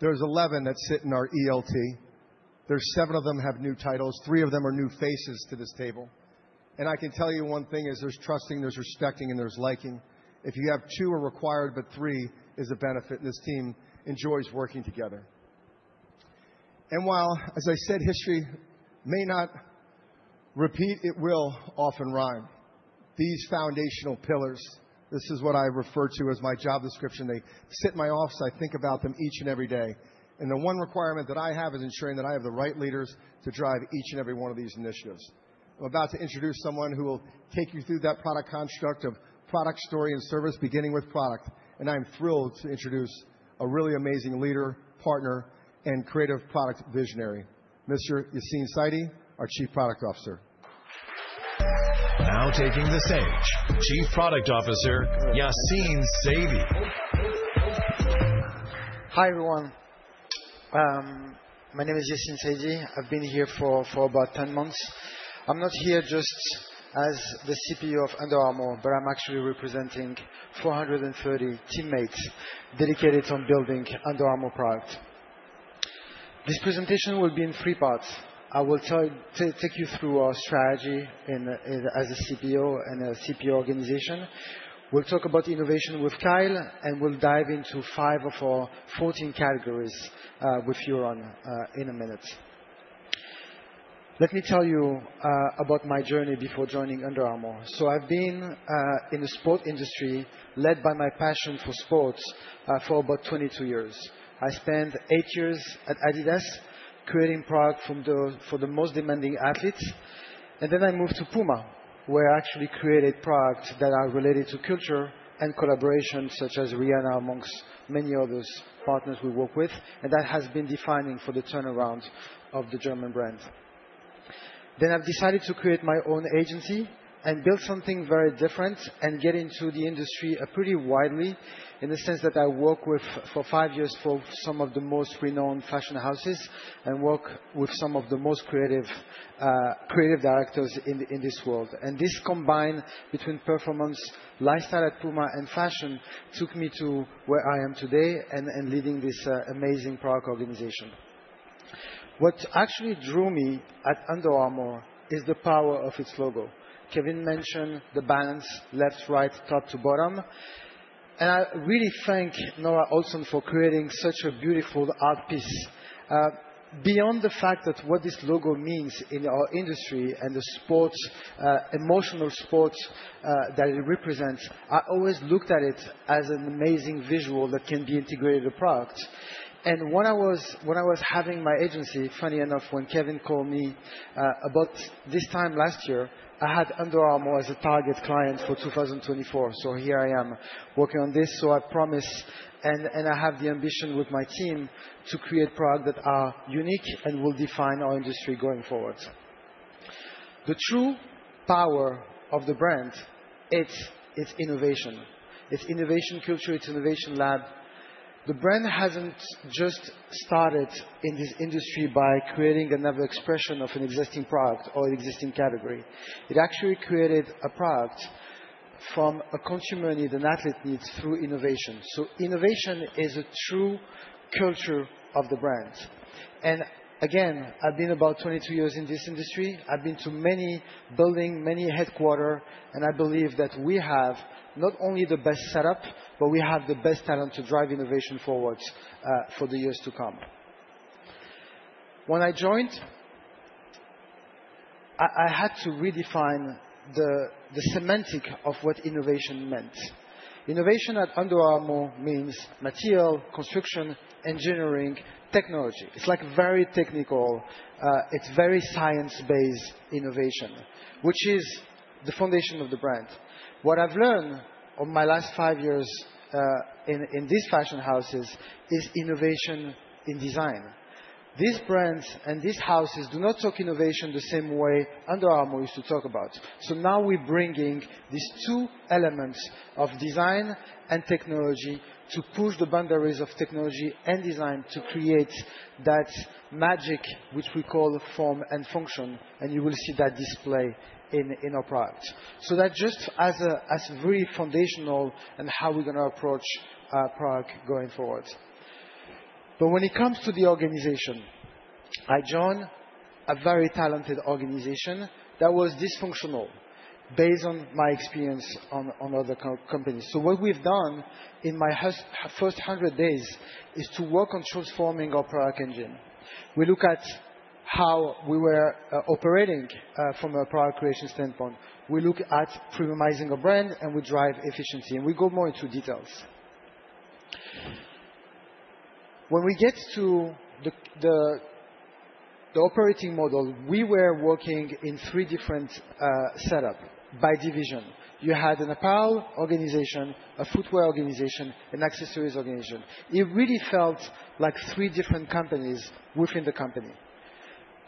There's 11 that sit in our ELT. There's seven of them have new titles. Three of them are new faces to this table. And I can tell you one thing is there's trusting, there's respecting, and there's liking. If you have two are required, but three is a benefit. This team enjoys working together. And while, as I said, history may not repeat, it will often rhyme. These foundational pillars, this is what I refer to as my job description. They sit in my office. I think about them each and every day. And the one requirement that I have is ensuring that I have the right leaders to drive each and every one of these initiatives. I'm about to introduce someone who will take you through that product construct of product story and service, beginning with product. And I'm thrilled to introduce a really amazing leader, partner, and creative product visionary, Mr. Yassine Saidi, our Chief Product Officer. Now taking the stage, Chief Product Officer, Yassine Saidi. Hi everyone. My name is Yassine Saidi. I've been here for about 10 months. I'm not here just as the CPO of Under Armour, but I'm actually representing 430 teammates dedicated to building Under Armour product. This presentation will be in three parts. I will take you through our strategy as a CPO and a CPO organization. We'll talk about innovation with Kyle, and we'll dive into five of our 14 categories with Yuron in a minute. Let me tell you about my journey before joining Under Armour. So I've been in the sport industry led by my passion for sports for about 22 years. I spent eight years at Adidas creating product for the most demanding athletes. And then I moved to Puma, where I actually created products that are related to culture and collaboration, such as Rihanna among many other partners we work with. And that has been defining for the turnaround of the German brand. Then I've decided to create my own agency and build something very different and get into the industry pretty widely in the sense that I worked for five years for some of the most renowned fashion houses and worked with some of the most creative directors in this world. And this combined between performance, lifestyle at Puma, and fashion took me to where I am today and leading this amazing product organization. What actually drew me at Under Armour is the power of its logo. Kevin mentioned the balance, left, right, top to bottom. And I really thank Nora Olson for creating such a beautiful art piece. Beyond the fact that what this logo means in our industry and the emotional sports that it represents, I always looked at it as an amazing visual that can be integrated into products, and when I was having my agency, funny enough, when Kevin called me about this time last year, I had Under Armour as a target client for 2024. Here I am working on this. I promise and I have the ambition with my team to create products that are unique and will define our industry going forward. The true power of the brand, it's innovation. It's innovation culture, it's innovation lab. The brand hasn't just started in this industry by creating another expression of an existing product or existing category. It actually created a product from a consumer need, an athlete need through innovation. Innovation is a true culture of the brand. Again, I've been about 22 years in this industry. I've been to many buildings, many headquarters, and I believe that we have not only the best setup, but we have the best talent to drive innovation forward for the years to come. When I joined, I had to redefine the semantics of what innovation meant. Innovation at Under Armour means material, construction, engineering, technology. It's like very technical. It's very science-based innovation, which is the foundation of the brand. What I've learned in my last five years in these fashion houses is innovation in design. These brands and these houses do not talk innovation the same way Under Armour used to talk about. So now we're bringing these two elements of design and technology to push the boundaries of technology and design to create that magic which we call form and function. And you will see that display in our product. So that's just a very foundational and how we're going to approach product going forward, but when it comes to the organization, I joined a very talented organization that was dysfunctional based on my experience on other companies, so what we've done in my first 100 days is to work on transforming our product engine. We look at how we were operating from a product creation standpoint. We look at premiumizing our brand and we drive efficiency, and we go more into details when we get to the operating model. We were working in three different setups by division. You had an apparel organization, a footwear organization, an accessories organization. It really felt like three different companies within the company.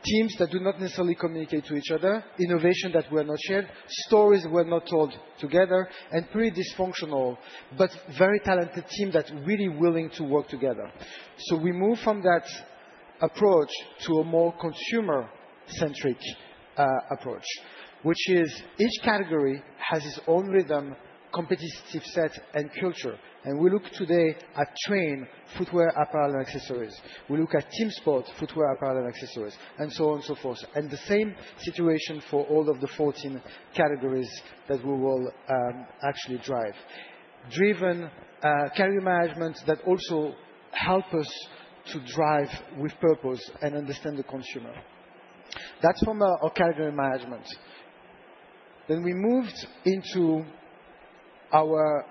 Teams that do not necessarily communicate to each other, innovation that were not shared, stories were not told together, and pretty dysfunctional, but very talented team that really willing to work together. So we moved from that approach to a more consumer-centric approach, which is each category has its own rhythm, competitive set, and culture. And we look today at training, footwear, apparel, and accessories. We look at team sports, footwear, apparel, and accessories, and so on and so forth. And the same situation for all of the 14 categories that we will actually drive. Driven category management that also helps us to drive with purpose and understand the consumer. That's from our category management. Then we moved into our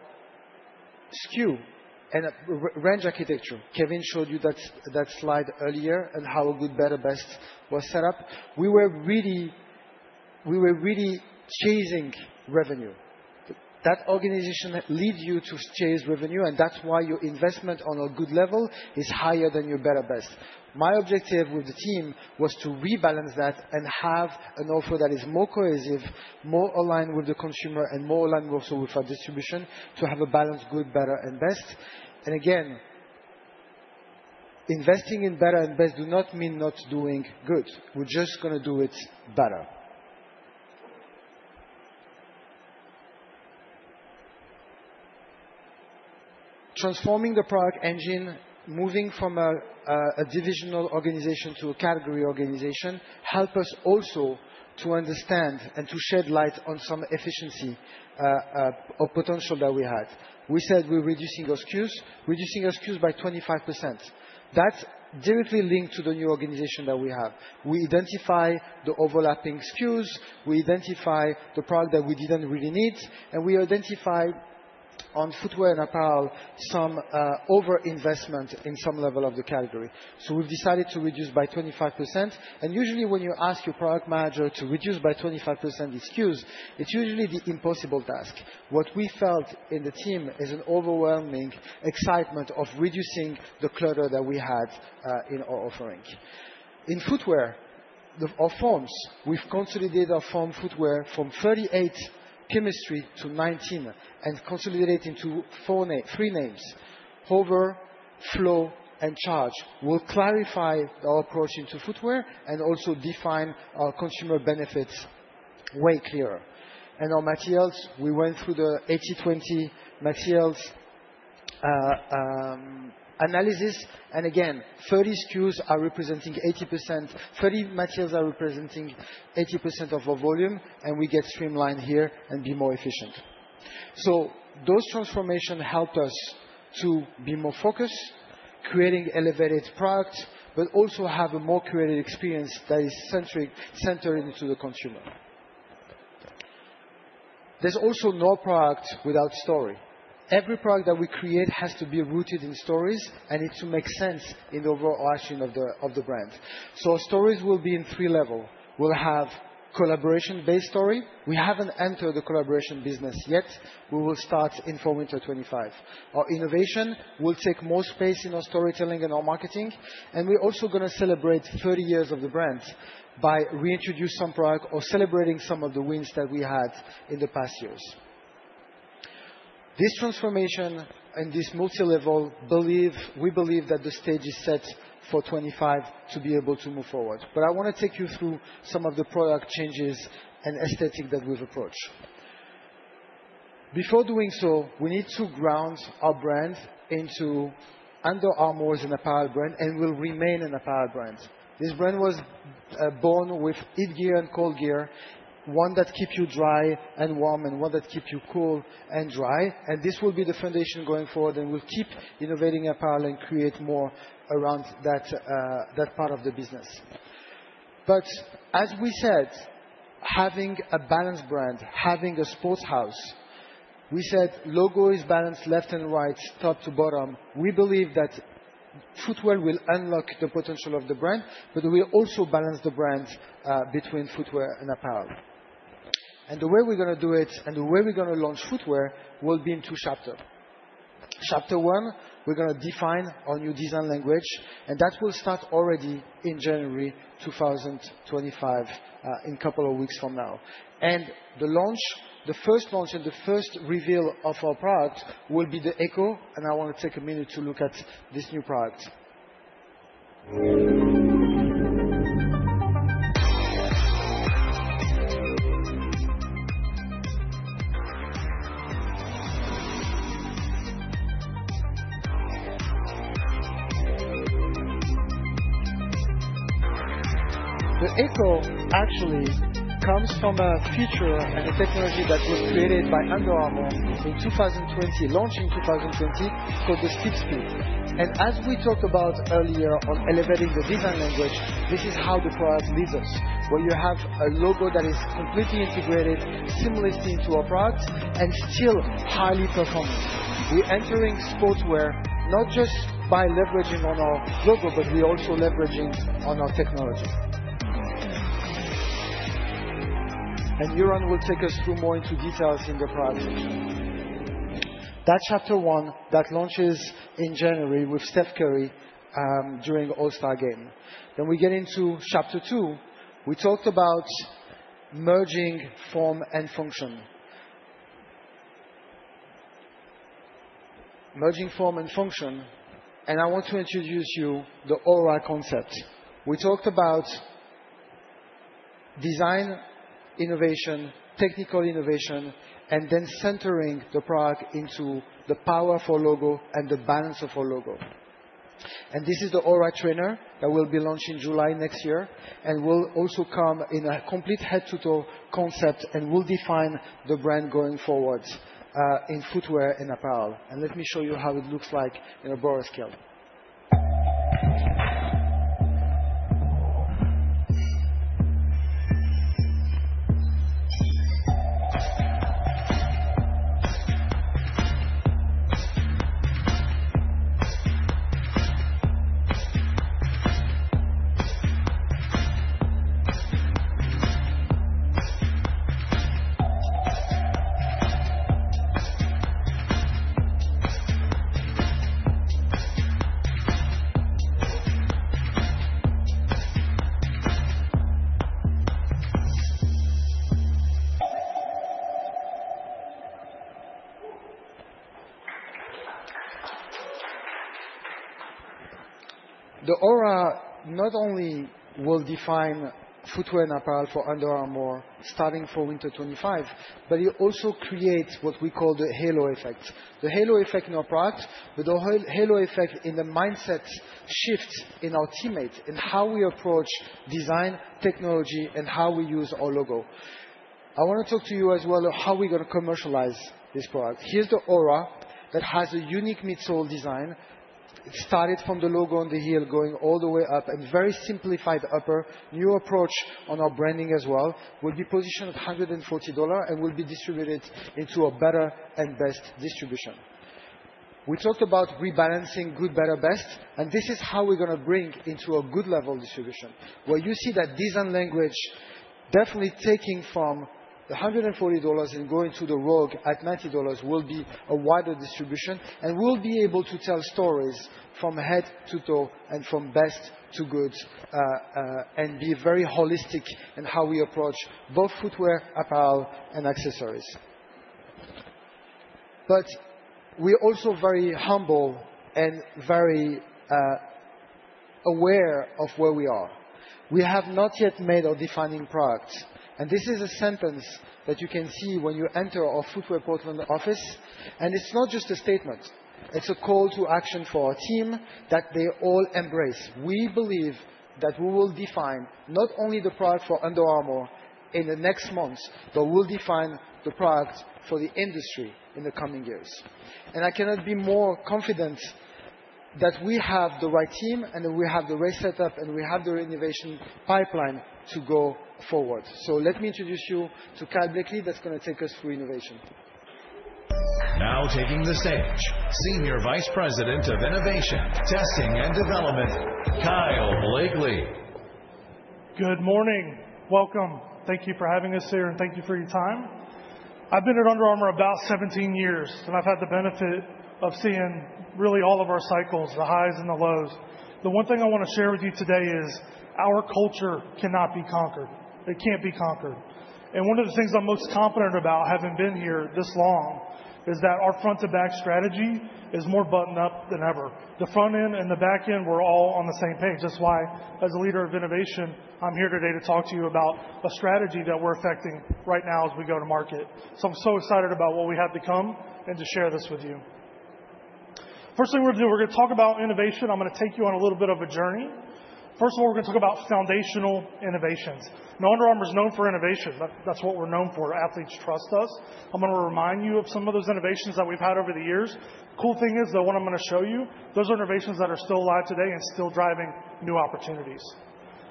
SKU and range architecture. Kevin showed you that slide earlier and how a good, better, best was set up. We were really chasing revenue. That organization leads you to chase revenue, and that's why your investment on a good level is higher than your better, best. My objective with the team was to rebalance that and have an offer that is more cohesive, more aligned with the consumer, and more aligned also with our distribution to have a balanced good, better, and best. And again, investing in better and best do not mean not doing good. We're just going to do it better. Transforming the product engine, moving from a divisional organization to a category organization helped us also to understand and to shed light on some efficiency or potential that we had. We said we're reducing our SKUs, reducing our SKUs by 25%. That's directly linked to the new organization that we have. We identify the overlapping SKUs. We identify the product that we didn't really need. We identified on footwear and apparel some over-investment in some level of the category. So we've decided to reduce by 25%. And usually when you ask your product manager to reduce by 25% the SKUs, it's usually the impossible task. What we felt in the team is an overwhelming excitement of reducing the clutter that we had in our offering. In footwear, our foams, we've consolidated our foam footwear from 38 chemistries to 19 and consolidated into three names, HOVR, Flow, and Charged. We'll clarify our approach into footwear and also define our consumer benefits way clearer. And our materials, we went through the 80/20 materials analysis. And again, 30 SKUs are representing 80%. 30 materials are representing 80% of our volume, and we get streamlined here and be more efficient. Those transformations helped us to be more focused, creating elevated products, but also have a more creative experience that is centered into the consumer. There's also no product without story. Every product that we create has to be rooted in stories, and it's to make sense in the overall action of the brand. Our stories will be in three levels. We'll have collaboration-based story. We haven't entered the collaboration business yet. We will start in Fall Winter 2025. Our innovation will take more space in our storytelling and our marketing. We're also going to celebrate 30 years of the brand by reintroducing some products or celebrating some of the wins that we had in the past years. This transformation and this multi-level, we believe, that the stage is set for 2025 to be able to move forward. But I want to take you through some of the product changes and aesthetic that we've approached. Before doing so, we need to ground our brand into Under Armour as an apparel brand, and we'll remain an apparel brand. This brand was born with HeatGear and ColdGear, one that keeps you dry and warm and one that keeps you cool and dry. And this will be the foundation going forward, and we'll keep innovating apparel and create more around that part of the business. But as we said, having a balanced brand, having a Sports House, we said logo is balanced left and right, top to bottom. We believe that footwear will unlock the potential of the brand, but we'll also balance the brand between footwear and apparel. And the way we're going to do it and the way we're going to launch footwear will be in two chapters. Chapter One, we're going to define our new design language, and that will start already in January 2025, in a couple of weeks from now. And the launch, the first launch and the first reveal of our product will be the Echo, and I want to take a minute to look at this new product. The Echo actually comes from a feature and a technology that was created by Under Armour in 2020, launched in 2020, called the SpeedForm. And as we talked about earlier on elevating the design language, this is how the product leads us, where you have a logo that is completely integrated, seamlessly into our products, and still highly performant. We're entering sportswear not just by leveraging on our logo, but we're also leveraging on our technology. And Yuron will take us through more into details in the product section. That's chapter one that launches in January with Steph Curry during All-Star Game, then we get into chapter two. We talked about merging form and function. Merging form and function, and I want to introduce you to the Aura concept. We talked about design, innovation, technical innovation, and then centering the product into the power of our logo and the balance of our logo, and this is the Aura trainer that will be launched in July next year, and we'll also come in a complete head-to-toe concept and we'll define the brand going forward in footwear and apparel, let me show you how it looks like in a broader scale. The Aura not only will define footwear and apparel for Under Armour starting Fall, Winter 2025, but it also creates what we call the halo effect. The halo effect in our product, but the halo effect in the mindset shift in our teammates and how we approach design, technology, and how we use our logo. I want to talk to you as well of how we're going to commercialize this product. Here's the Aura that has a unique midsole design. It started from the logo on the heel, going all the way up and very simplified upper. New approach on our branding as well. We'll be positioned at $140 and we'll be distributed into a better and best distribution. We talked about rebalancing good, better, best, and this is how we're going to bring into a good level distribution, where you see that design language definitely taking from $140 and going to the Echo at $90 will be a wider distribution. And we'll be able to tell stories from head to toe and from best to good and be very holistic in how we approach both footwear, apparel, and accessories. But we're also very humble and very aware of where we are. We have not yet made our defining product. And this is a sentence that you can see when you enter our footwear Portland office. And it's not just a statement. It's a call to action for our team that they all embrace. We believe that we will define not only the product for Under Armour in the next months, but we'll define the product for the industry in the coming years. And I cannot be more confident that we have the right team and that we have the right setup and we have the innovation pipeline to go forward. So let me introduce you to Kyle Blakely that's going to take us through innovation. Now taking the stage, Senior Vice President of Innovation, Testing, and Development, Kyle Blakely. Good morning. Welcome. Thank you for having us here and thank you for your time. I've been at Under Armour about 17 years, and I've had the benefit of seeing really all of our cycles, the highs and the lows. The one thing I want to share with you today is our culture cannot be conquered. It can't be conquered. And one of the things I'm most confident about having been here this long is that our front-to-back strategy is more buttoned up than ever. The front end and the back end, we're all on the same page. That's why, as a leader of innovation, I'm here today to talk to you about a strategy that we're effecting right now as we go to market. So I'm so excited about what we have to come and to share this with you. First thing we're going to do, we're going to talk about innovation. I'm going to take you on a little bit of a journey. First of all, we're going to talk about foundational innovations. Now, Under Armour is known for innovation. That's what we're known for. Athletes trust us. I'm going to remind you of some of those innovations that we've had over the years. The cool thing is that what I'm going to show you, those are innovations that are still alive today and still driving new opportunities.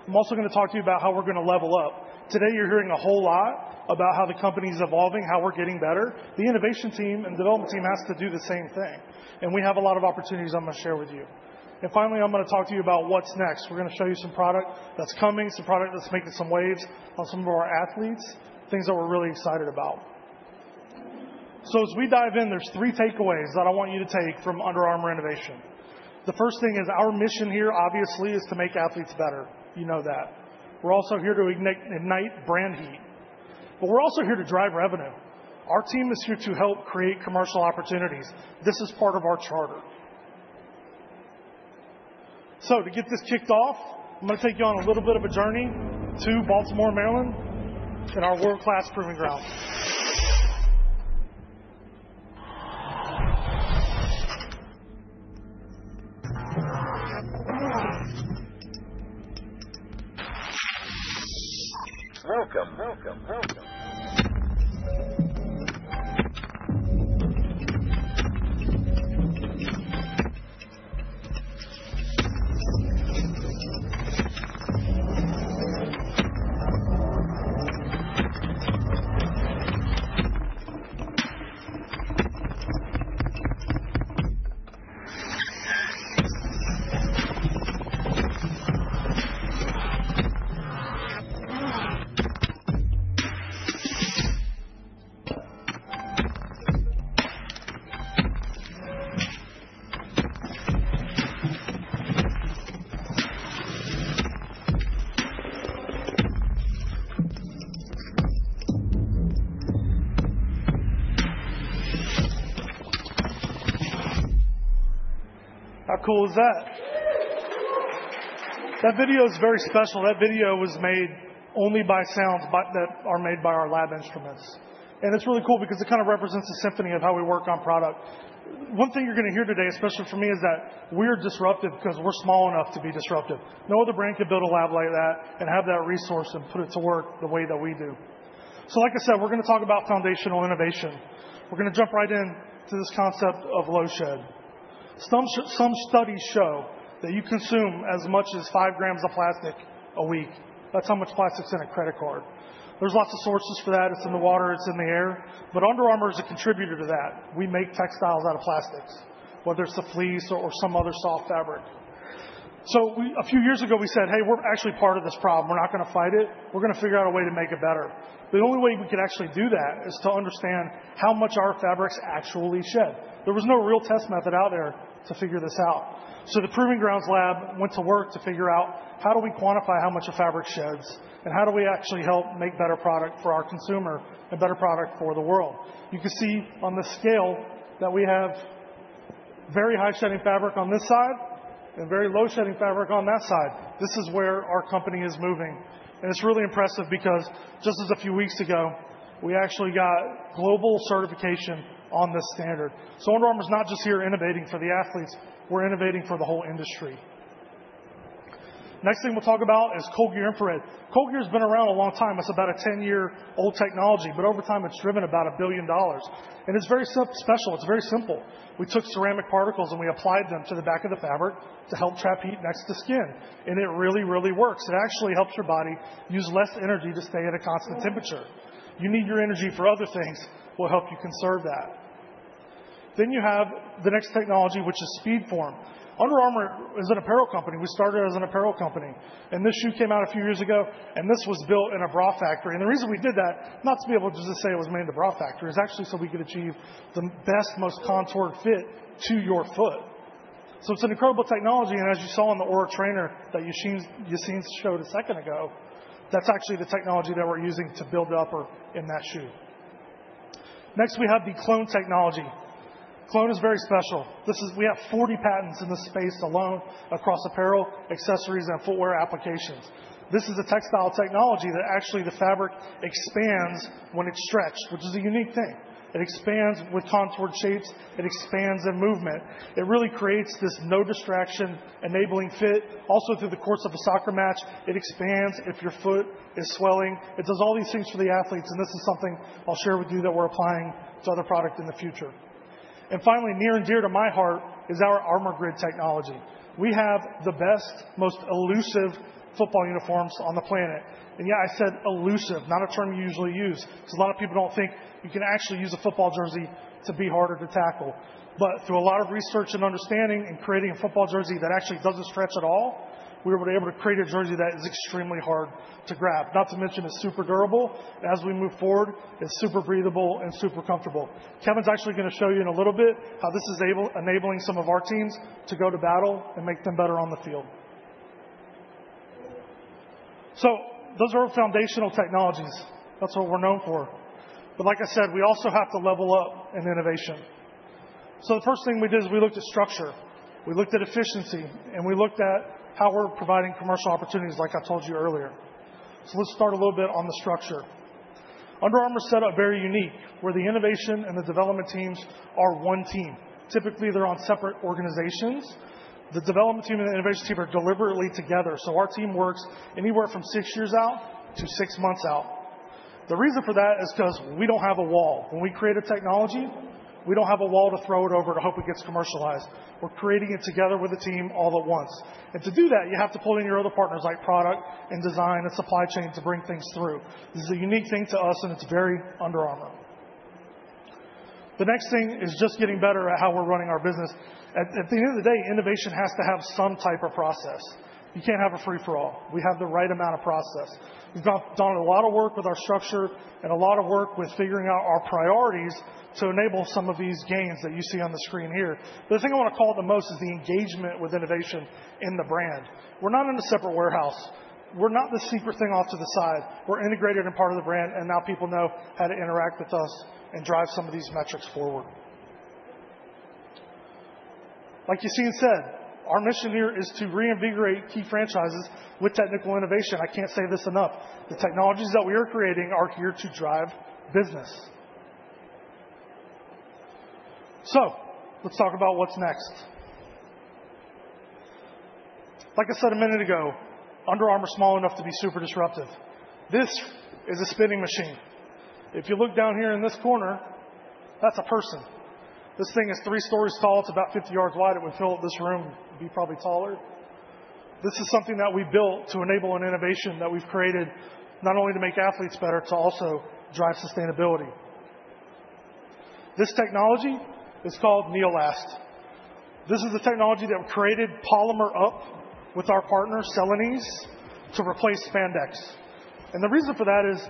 I'm also going to talk to you about how we're going to level up. Today, you're hearing a whole lot about how the company is evolving, how we're getting better. The innovation team and development team has to do the same thing. And we have a lot of opportunities I'm going to share with you. And finally, I'm going to talk to you about what's next. We're going to show you some product that's coming, some product that's making some waves on some of our athletes, things that we're really excited about. So as we dive in, there's three takeaways that I want you to take from Under Armour innovation. The first thing is our mission here, obviously, is to make athletes better. You know that. We're also here to ignite brand heat. But we're also here to drive revenue. Our team is here to help create commercial opportunities. This is part of our charter. So to get this kicked off, I'm going to take you on a little bit of a journey to Baltimore, Maryland, in our world-class proving ground. Welcome, welcome, welcome. How cool is that? That video is very special. That video was made only by sounds that are made by our lab instruments. And it's really cool because it kind of represents a symphony of how we work on product. One thing you're going to hear today, especially for me, is that we're disruptive because we're small enough to be disruptive. No other brand could build a lab like that and have that resource and put it to work the way that we do. So like I said, we're going to talk about foundational innovation. We're going to jump right into this concept of low shed. Some studies show that you consume as much as five grams of plastic a week. That's how much plastic's in a credit card. There's lots of sources for that. It's in the water. It's in the air. But Under Armour is a contributor to that. We make textiles out of plastics, whether it's a fleece or some other soft fabric. So a few years ago, we said, "Hey, we're actually part of this problem. We're not going to fight it. We're going to figure out a way to make it better." The only way we could actually do that is to understand how much our fabrics actually shed. There was no real test method out there to figure this out. So the Proving Grounds Lab went to work to figure out how do we quantify how much a fabric sheds and how do we actually help make better product for our consumer and better product for the world. You can see on the scale that we have very high-shedding fabric on this side and very low-shedding fabric on that side. This is where our company is moving. And it's really impressive because just as a few weeks ago, we actually got global certification on this standard. So Under Armour's not just here innovating for the athletes. We're innovating for the whole industry. Next thing we'll talk about is ColdGear Infrared. ColdGear has been around a long time. It's about a 10-year-old technology, but over time, it's driven about $1 billion. And it's very special. It's very simple. We took ceramic particles and we applied them to the back of the fabric to help trap heat next to skin. And it really, really works. It actually helps your body use less energy to stay at a constant temperature. You need your energy for other things. We'll help you conserve that. Then you have the next technology, which is SpeedForm. Under Armour is an apparel company. We started as an apparel company. And this shoe came out a few years ago, and this was built in a bra factory. And the reason we did that, not to be able to just say it was made in a bra factory, is actually so we could achieve the best, most contoured fit to your foot. So it's an incredible technology. And as you saw in the Aura trainer that Yassine showed a second ago, that's actually the technology that we're using to build up in that shoe. Next, we have the Clone technology. Clone is very special. We have 40 patents in this space alone across apparel, accessories, and footwear applications. This is a textile technology that actually the fabric expands when it's stretched, which is a unique thing. It expands with contoured shapes. It expands in movement. It really creates this no distraction, enabling fit. Also, through the course of a soccer match, it expands if your foot is swelling. It does all these things for the athletes. And this is something I'll share with you that we're applying to other products in the future. And finally, near and dear to my heart is our ArmourGrid technology. We have the best, most elusive football uniforms on the planet. And yeah, I said elusive, not a term you usually use, because a lot of people don't think you can actually use a football jersey to be harder to tackle. But through a lot of research and understanding and creating a football jersey that actually doesn't stretch at all, we were able to create a jersey that is extremely hard to grab, not to mention it's super durable. As we move forward, it's super breathable and super comfortable. Kevin's actually going to show you in a little bit how this is enabling some of our teams to go to battle and make them better on the field. So those are our foundational technologies. That's what we're known for. But like I said, we also have to level up in innovation. So the first thing we did is we looked at structure. We looked at efficiency, and we looked at how we're providing commercial opportunities, like I told you earlier. So let's start a little bit on the structure. Under Armour's setup is very unique, where the innovation and the development teams are one team. Typically, they're on separate organizations. The development team and the innovation team are deliberately together. So our team works anywhere from six years out to six months out. The reason for that is because we don't have a wall. When we create a technology, we don't have a wall to throw it over to hope it gets commercialized. We're creating it together with the team all at once. And to do that, you have to pull in your other partners like product and design and supply chain to bring things through. This is a unique thing to us, and it's very Under Armour. The next thing is just getting better at how we're running our business. At the end of the day, innovation has to have some type of process. You can't have a free-for-all. We have the right amount of process. We've done a lot of work with our structure and a lot of work with figuring out our priorities to enable some of these gains that you see on the screen here. The thing I want to call it the most is the engagement with innovation in the brand. We're not in a separate warehouse. We're not the secret thing off to the side. We're integrated and part of the brand, and now people know how to interact with us and drive some of these metrics forward. Like Yassine said, our mission here is to reinvigorate key franchises with technical innovation. I can't say this enough. The technologies that we are creating are here to drive business. So let's talk about what's next. Like I said a minute ago, Under Armour's small enough to be super disruptive. This is a spinning machine. If you look down here in this corner, that's a person. This thing is three stories tall. It's about 50 yards wide. It would fill this room and be probably taller. This is something that we built to enable an innovation that we've created not only to make athletes better, to also drive sustainability. This technology is called NEOLAST. This is a technology that we created a polymer with our partner, Celanese, to replace Spandex. And the reason for that is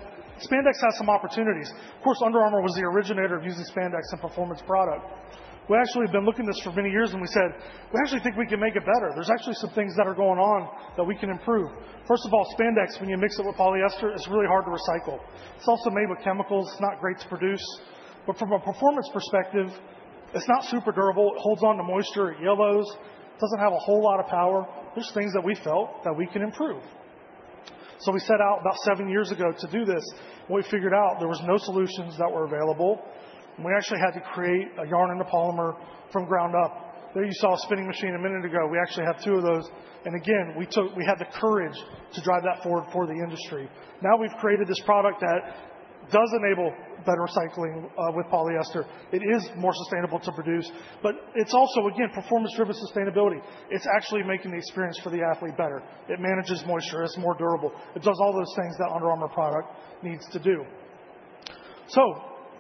Spandex has some opportunities. Of course, Under Armour was the originator of using Spandex in performance product. We actually have been looking at this for many years, and we said, "We actually think we can make it better. There's actually some things that are going on that we can improve. First of all, Spandex, when you mix it with polyester, it's really hard to recycle. It's also made with chemicals. It's not great to produce. But from a performance perspective, it's not super durable. It holds on to moisture, yellows. It doesn't have a whole lot of power. There's things that we felt that we can improve. So we set out about seven years ago to do this. We figured out there were no solutions that were available. We actually had to create a yarn and a polymer from the ground up. There you saw a spinning machine a minute ago. We actually have two of those. And again, we had the courage to drive that forward for the industry. Now we've created this product that does enable better recycling with polyester. It is more sustainable to produce, but it's also, again, performance-driven sustainability. It's actually making the experience for the athlete better. It manages moisture. It's more durable. It does all those things that Under Armour product needs to do. So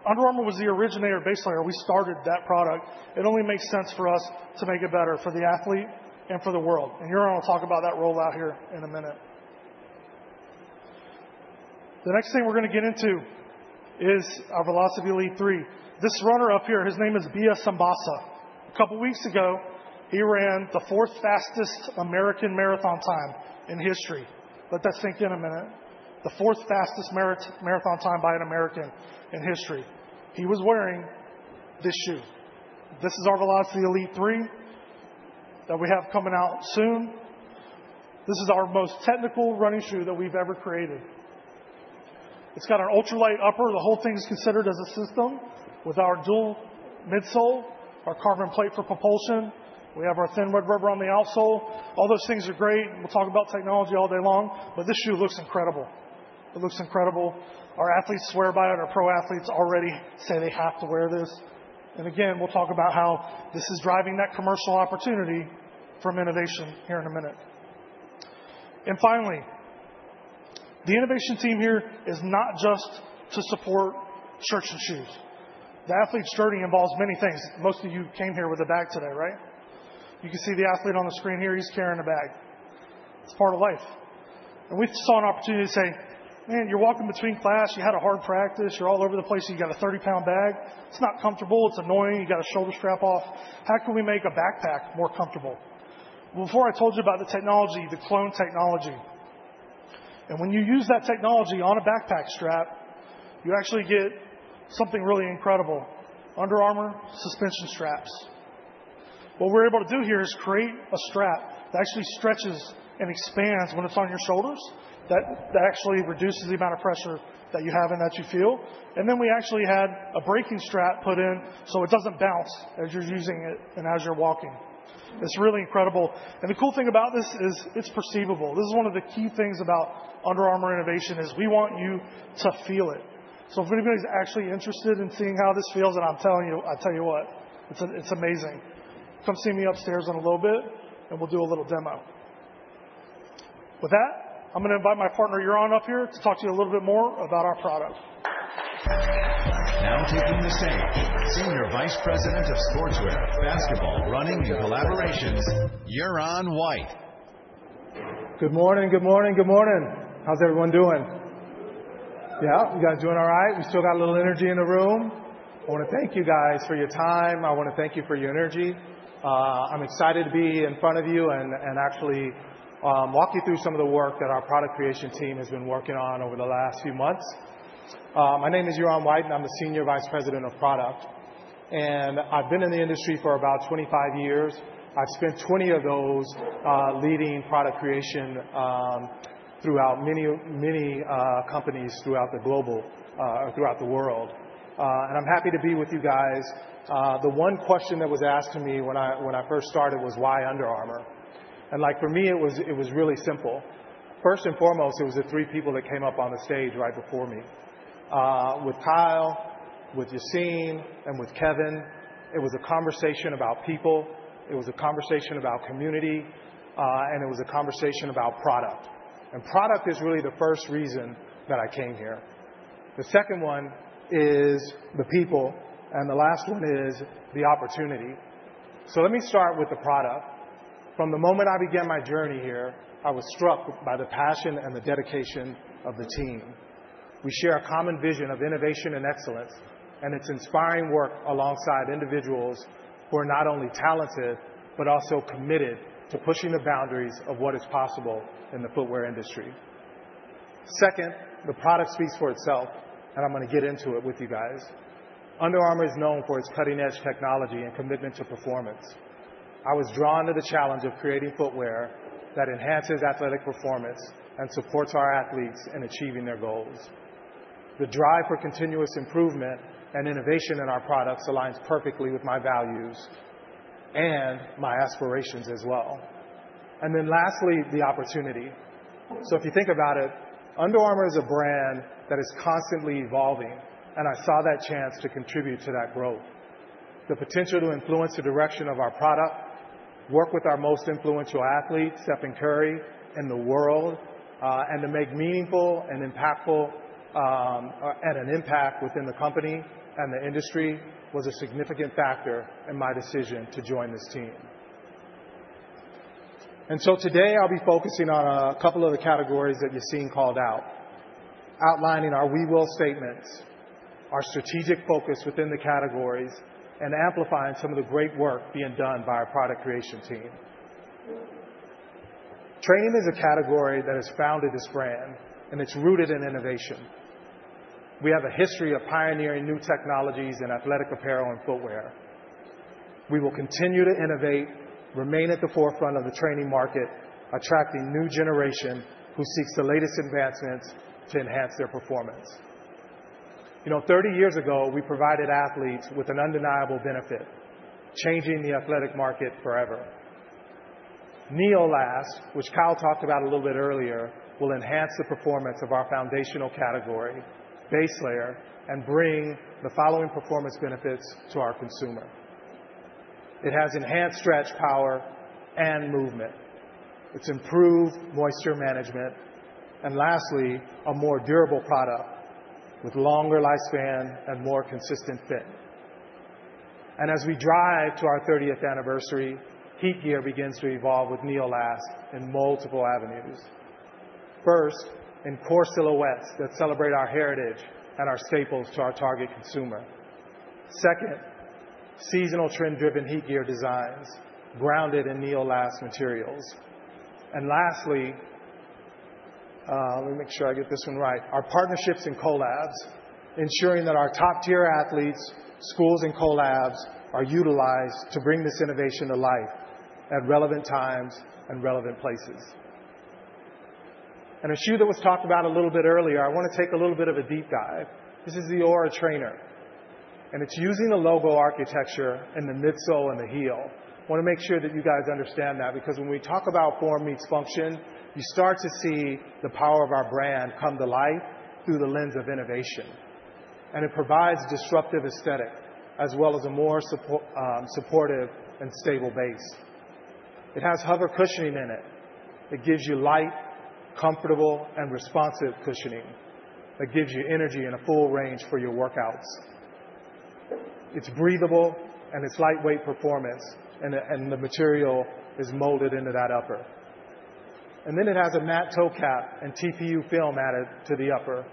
Under Armour was the originator, base layer. We started that product. It only makes sense for us to make it better for the athlete and for the world, and you're going to talk about that rollout here in a minute. The next thing we're going to get into is our Velociti Elite 3. This runner up here, his name is Biya Simbassa. A couple of weeks ago, he ran the fourth-fastest American marathon time in history. Let that sink in a minute. The fourth-fastest marathon time by an American in history. He was wearing this shoe. This is our Velociti Elite 3 that we have coming out soon. This is our most technical running shoe that we've ever created. It's got an ultralight upper. The whole thing is considered as a system with our dual midsole, our carbon plate for propulsion. We have our thin red rubber on the outsole. All those things are great. We'll talk about technology all day long, but this shoe looks incredible. It looks incredible. Our athletes swear by it. Our pro athletes already say they have to wear this. And again, we'll talk about how this is driving that commercial opportunity from innovation here in a minute. And finally, the innovation team here is not just to support shirts and shoes. The athlete's journey involves many things. Most of you came here with a bag today, right? You can see the athlete on the screen here. He's carrying a bag. It's part of life. We saw an opportunity to say, "Man, you're walking between class. You had a hard practice. You're all over the place. You got a 30-pound bag. It's not comfortable. It's annoying. You got a shoulder strap off. How can we make a backpack more comfortable?" Before, I told you about the technology, the Clone technology. And when you use that technology on a backpack strap, you actually get something really incredible: Under Armour suspension straps. What we're able to do here is create a strap that actually stretches and expands when it's on your shoulders, that actually reduces the amount of pressure that you have and that you feel. And then we actually had a braking strap put in so it doesn't bounce as you're using it and as you're walking. It's really incredible. And the cool thing about this is it's perceivable. This is one of the key things about Under Armour innovation: we want you to feel it. So if anybody's actually interested in seeing how this feels, and I'm telling you, I'll tell you what, it's amazing. Come see me upstairs in a little bit, and we'll do a little demo. With that, I'm going to invite my partner, Yuron, up here to talk to you a little bit more about our product. Now taking the stage, Senior Vice President of Sportswear, Basketball, Running, and Collaborations, Yuron White. Good morning. Good morning. Good morning. How's everyone doing? Yeah. You guys doing all right? We still got a little energy in the room. I want to thank you guys for your time. I want to thank you for your energy. I'm excited to be in front of you and actually walk you through some of the work that our product creation team has been working on over the last few months. My name is Yuron White, and I'm the Senior Vice President of Product. And I've been in the industry for about 25 years. I've spent 20 of those leading product creation throughout many, many companies throughout the global or throughout the world. And I'm happy to be with you guys. The one question that was asked to me when I first started was, "Why Under Armour?" And for me, it was really simple. First and foremost, it was the three people that came up on the stage right before me. With Kyle, with Yassine, and with Kevin, it was a conversation about people. It was a conversation about community, and it was a conversation about product. Product is really the first reason that I came here. The second one is the people, and the last one is the opportunity. Let me start with the product. From the moment I began my journey here, I was struck by the passion and the dedication of the team. We share a common vision of innovation and excellence, and it's inspiring work alongside individuals who are not only talented but also committed to pushing the boundaries of what is possible in the footwear industry. Second, the product speaks for itself, and I'm going to get into it with you guys. Under Armour is known for its cutting-edge technology and commitment to performance. I was drawn to the challenge of creating footwear that enhances athletic performance and supports our athletes in achieving their goals. The drive for continuous improvement and innovation in our products aligns perfectly with my values and my aspirations as well, and then lastly, the opportunity, so if you think about it, Under Armour is a brand that is constantly evolving, and I saw that chance to contribute to that growth. The potential to influence the direction of our product, work with our most influential athlete, Stephen Curry, in the world, and to make meaningful and impactful and an impact within the company and the industry was a significant factor in my decision to join this team, and so today, I'll be focusing on a couple of the categories that you've seen called out, outlining our We Will statements, our strategic focus within the categories, and amplifying some of the great work being done by our product creation team. Training is a category that has founded this brand, and it's rooted in innovation. We have a history of pioneering new technologies in athletic apparel and footwear. We will continue to innovate, remain at the forefront of the training market, attracting new generation who seeks the latest advancements to enhance their performance. 30 years ago, we provided athletes with an undeniable benefit: changing the athletic market forever. NEOLAST, which Kyle talked about a little bit earlier, will enhance the performance of our foundational category, Base Layer, and bring the following performance benefits to our consumer. It has enhanced stretch power and movement. It's improved moisture management. And lastly, a more durable product with longer lifespan and more consistent fit. And as we drive to our 30th anniversary, HeatGear begins to evolve with NEOLAST in multiple avenues. First, in core silhouettes that celebrate our heritage and our staples to our target consumer. Second, seasonal trend-driven HeatGear designs grounded in NEOLAST materials. And lastly, let me make sure I get this one right: our partnerships and collabs, ensuring that our top-tier athletes, schools, and collabs are utilized to bring this innovation to life at relevant times and relevant places. And a shoe that was talked about a little bit earlier, I want to take a little bit of a deep dive. This is the UA Aura, and it's using the logo architecture in the midsole and the heel. I want to make sure that you guys understand that because when we talk about form meets function, you start to see the power of our brand come to life through the lens of innovation. And it provides disruptive aesthetic as well as a more supportive and stable base. It has HOVR cushioning in it. It gives you light, comfortable, and responsive cushioning. It gives you energy and a full range for your workouts. It's breathable, and it's lightweight performance, and the material is molded into that upper. Then it has a matte toe cap and TPU film added to the upper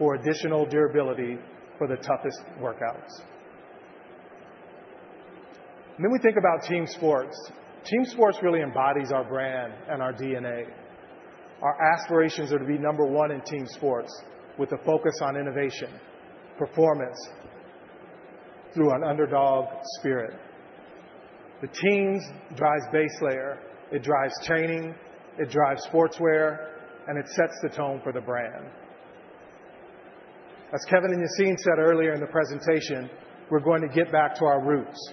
for additional durability for the toughest workouts. Then we think about Team Sports. Team Sports really embodies our brand and our DNA. Our aspirations are to be number one in Team Sports with a focus on innovation, performance through an underdog spirit. The teams drive Base Layer. It drives training. It drives sportswear, and it sets the tone for the brand. As Kevin and Yassine said earlier in the presentation, we're going to get back to our roots.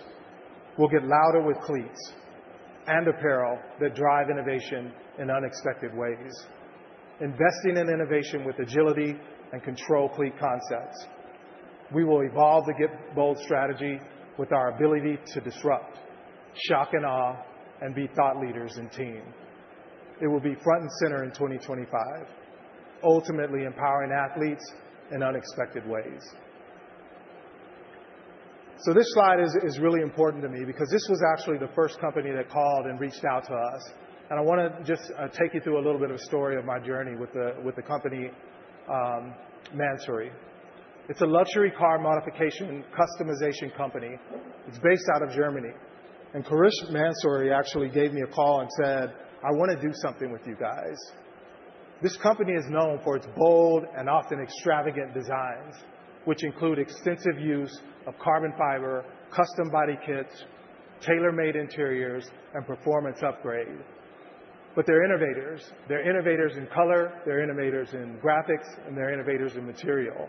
We'll get louder with cleats and apparel that drive innovation in unexpected ways, investing in innovation with agility and control-cleat concepts. We will evolve the get-bold strategy with our ability to disrupt, shock and awe, and be thought leaders in team. It will be front and center in 2025, ultimately empowering athletes in unexpected ways. So this slide is really important to me because this was actually the first company that called and reached out to us. And I want to just take you through a little bit of a story of my journey with the company Mansory. It's a luxury car modification customization company. It's based out of Germany. Kourosh Mansory actually gave me a call and said, "I want to do something with you guys." This company is known for its bold and often extravagant designs, which include extensive use of carbon fiber, custom body kits, tailor-made interiors, and performance upgrade. But they're innovators. They're innovators in color. They're innovators in graphics, and they're innovators in material.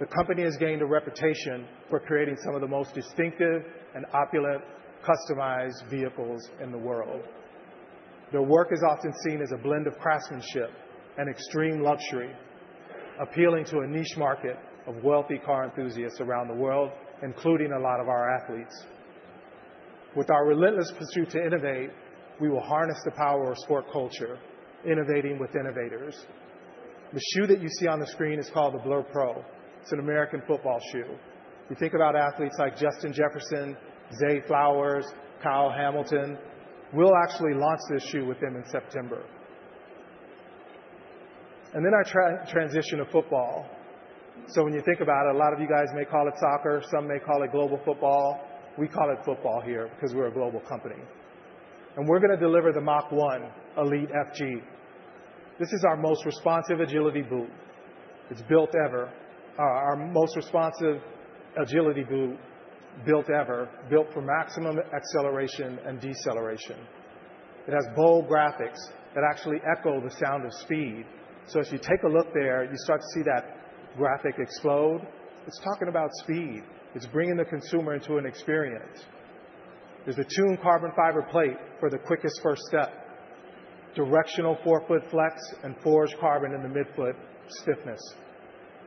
The company has gained a reputation for creating some of the most distinctive and opulent customized vehicles in the world. Their work is often seen as a blend of craftsmanship and extreme luxury, appealing to a niche market of wealthy car enthusiasts around the world, including a lot of our athletes. With our relentless pursuit to innovate, we will harness the power of sport culture, innovating with innovators. The shoe that you see on the screen is called the Blur Pro. It's an American football shoe. You think about athletes like Justin Jefferson, Zay Flowers, Kyle Hamilton. We'll actually launch this shoe with them in September. And then our transition to football. So when you think about it, a lot of you guys may call it soccer. Some may call it global football. We call it football here because we're a global company. And we're going to deliver the Mach 1 Elite FG. This is our most responsive agility boot built ever, built for maximum acceleration and deceleration. It has bold graphics that actually Echo the sound of speed. So as you take a look there, you start to see that graphic explode. It's talking about speed. It's bringing the consumer into an experience. There's a tuned carbon fiber plate for the quickest first step, directional forefoot flex, and forged carbon in the midfoot stiffness.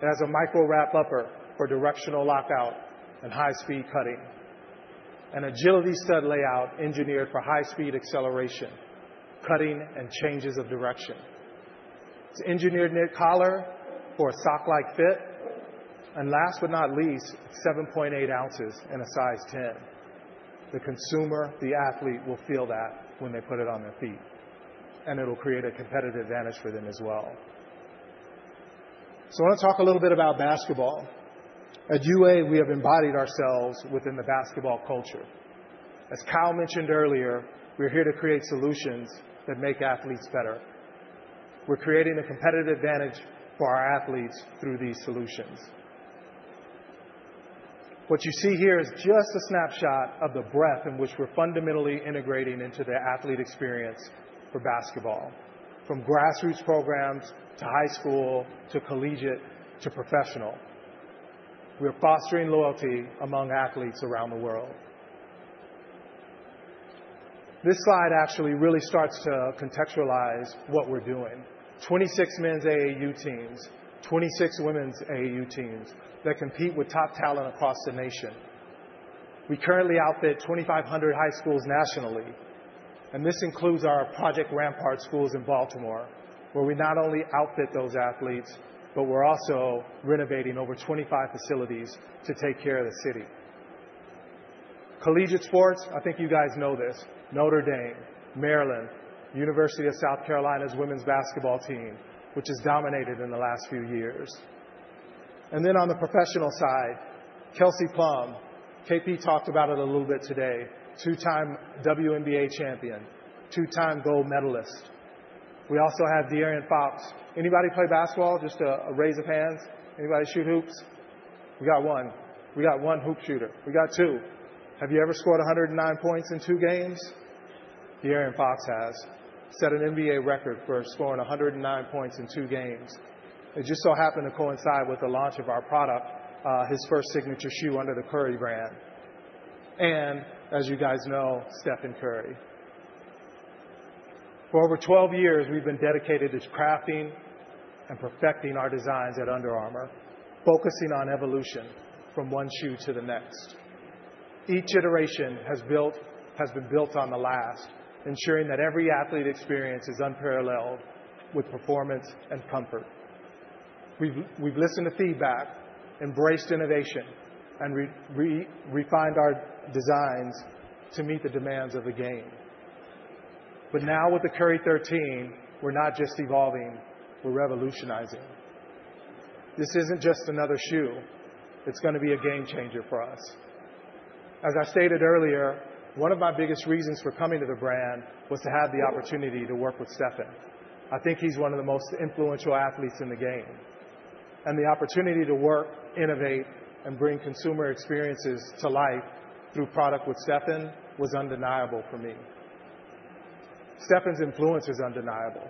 It has a micro wrap upper for directional lockdown and high-speed cutting, an agility stud layout engineered for high-speed acceleration, cutting, and changes of direction. It's engineered knit collar for a sock-like fit. And last but not least, it's 7.8 ounces in a size 10. The consumer, the athlete will feel that when they put it on their feet, and it'll create a competitive advantage for them as well. So I want to talk a little bit about basketball. At UA, we have embedded ourselves within the basketball culture. As Kyle mentioned earlier, we're here to create solutions that make athletes better. We're creating a competitive advantage for our athletes through these solutions. What you see here is just a snapshot of the breadth in which we're fundamentally integrating into the athlete experience for basketball, from grassroots programs to high school to collegiate to professional. We're fostering loyalty among athletes around the world. This slide actually really starts to contextualize what we're doing: 26 men's AAU teams, 26 women's AAU teams that compete with top talent across the nation. We currently outfit 2,500 high schools nationally, and this includes our Project Rampart schools in Baltimore, where we not only outfit those athletes, but we're also renovating over 25 facilities to take care of the city. Collegiate sports, I think you guys know this: Notre Dame, Maryland, University of South Carolina's women's basketball team, which has dominated in the last few years. And then on the professional side, Kelsey Plum. KP talked about it a little bit today: two-time WNBA champion, two-time gold medalist. We also have De'Aaron Fox. Anybody play basketball? Just a raise of hands. Anybody shoot hoops? We got one. We got one hoop shooter. We got two. Have you ever scored 109 points in two games? De'Aaron Fox has set an NBA record for scoring 109 points in two games. It just so happened to coincide with the launch of our product, his first signature shoe under the Curry brand. And as you guys know, Stephen Curry. For over 12 years, we've been dedicated to crafting and perfecting our designs at Under Armour, focusing on evolution from one shoe to the next. Each iteration has been built on the last, ensuring that every athlete experience is unparalleled with performance and comfort. We've listened to feedback, embraced innovation, and refined our designs to meet the demands of the game. But now with the Curry 13, we're not just evolving. We're revolutionizing. This isn't just another shoe. It's going to be a game changer for us. As I stated earlier, one of my biggest reasons for coming to the brand was to have the opportunity to work with Stephen. I think he's one of the most influential athletes in the game, and the opportunity to work, innovate, and bring consumer experiences to life through product with Stephen was undeniable for me. Stephen's influence is undeniable.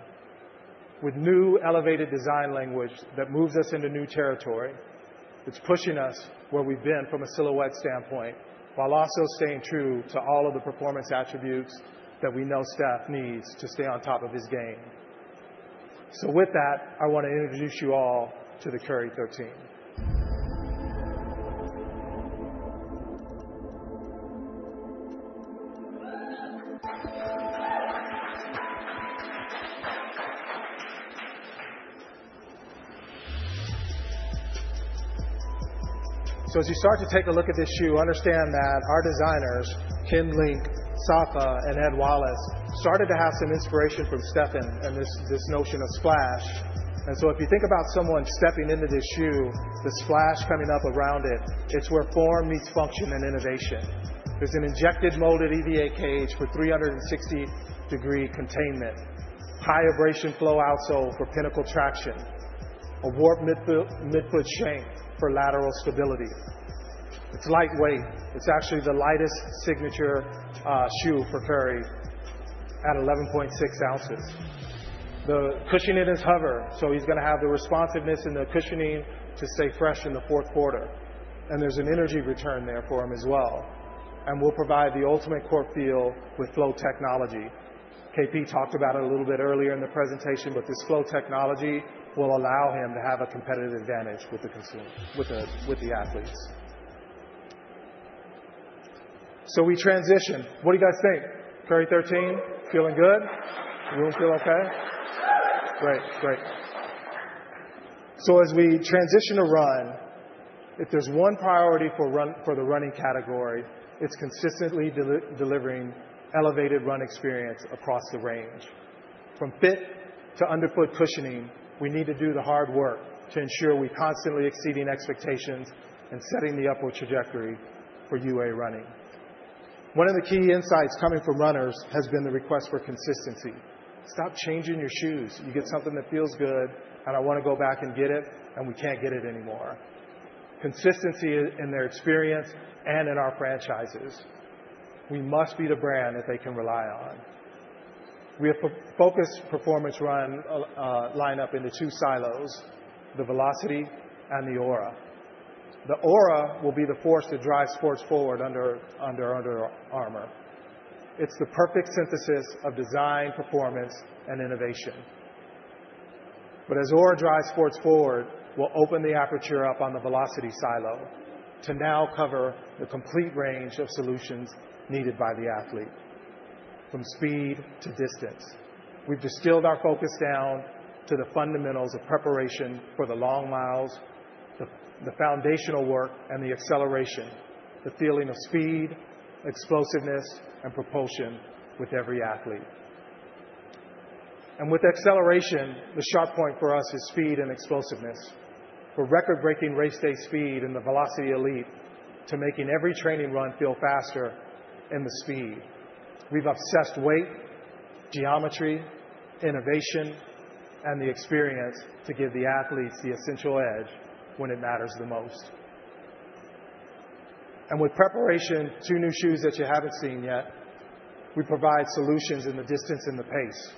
With new elevated design language that moves us into new territory, it's pushing us where we've been from a silhouette standpoint while also staying true to all of the performance attributes that we know Steph needs to stay on top of his game, so with that, I want to introduce you all to the Curry 13. So as you start to take a look at this shoe, understand that our designers, Ken Link, Safa, and Ed Wallace, started to have some inspiration from Stephen and this notion of splash. And so if you think about someone stepping into this shoe, the splash coming up around it, it's where form meets function and innovation. There's an injection molded EVA cage for 360-degree containment, high abrasion Flow outsole for pinnacle traction, a Warp midfoot shank for lateral stability. It's lightweight. It's actually the lightest signature shoe for Curry at 11.6 ounces. The cushioning is HOVR, so he's going to have the responsiveness in the cushioning to stay fresh in the 4th quarter. And there's an energy return there for him as well. And we'll provide the ultimate court feel with Flow technology. KP talked about it a little bit earlier in the presentation, but this Flow technology will allow him to have a competitive advantage with the athletes. So we transition. What do you guys think? Curry 13, feeling good? Everyone feel okay? Great, great. As we transition to running, if there's one priority for the running category, it's consistently delivering elevated running experience across the range. From fit to underfoot cushioning, we need to do the hard work to ensure we're constantly exceeding expectations and setting the upward trajectory for UA running. One of the key insights coming from runners has been the request for consistency. Stop changing your shoes. You get something that feels good, and I want to go back and get it, and we can't get it anymore. Consistency in their experience and in our franchises. We must be the brand that they can rely on. We have focused performance run lineup into two silos: the Velociti and the Aura. The Aura will be the force that drives sports forward under Under Armour. It's the perfect synthesis of design, performance, and innovation. But as Aura drives sports forward, we'll open the aperture up on the Velociti silo to now cover the complete range of solutions needed by the athlete, from speed to distance. We've distilled our focus down to the fundamentals of preparation for the long miles, the foundational work, and the acceleration, the feeling of speed, explosiveness, and propulsion with every athlete. And with acceleration, the sharp point for us is speed and explosiveness. We're record-breaking race day speed in the Velociti Elite to making every training run feel faster in the speed. We've obsessed weight, geometry, innovation, and the experience to give the athletes the essential edge when it matters the most. And with preparation, two new shoes that you haven't seen yet, we provide solutions in the distance and the pace.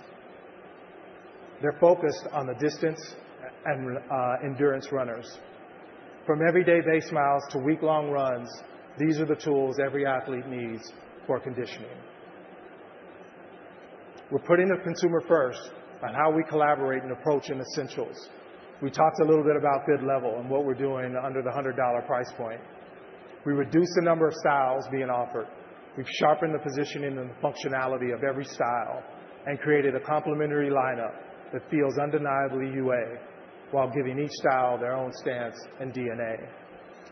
They're focused on the distance and endurance runners. From everyday base miles to week-long runs, these are the tools every athlete needs for conditioning. We're putting the consumer first and how we collaborate and approach in essentials. We talked a little bit about mid-level and what we're doing under the $100 price point. We reduce the number of styles being offered. We've sharpened the positioning and the functionality of every style and created a complementary lineup that feels undeniably UA while giving each style their own stance and DNA.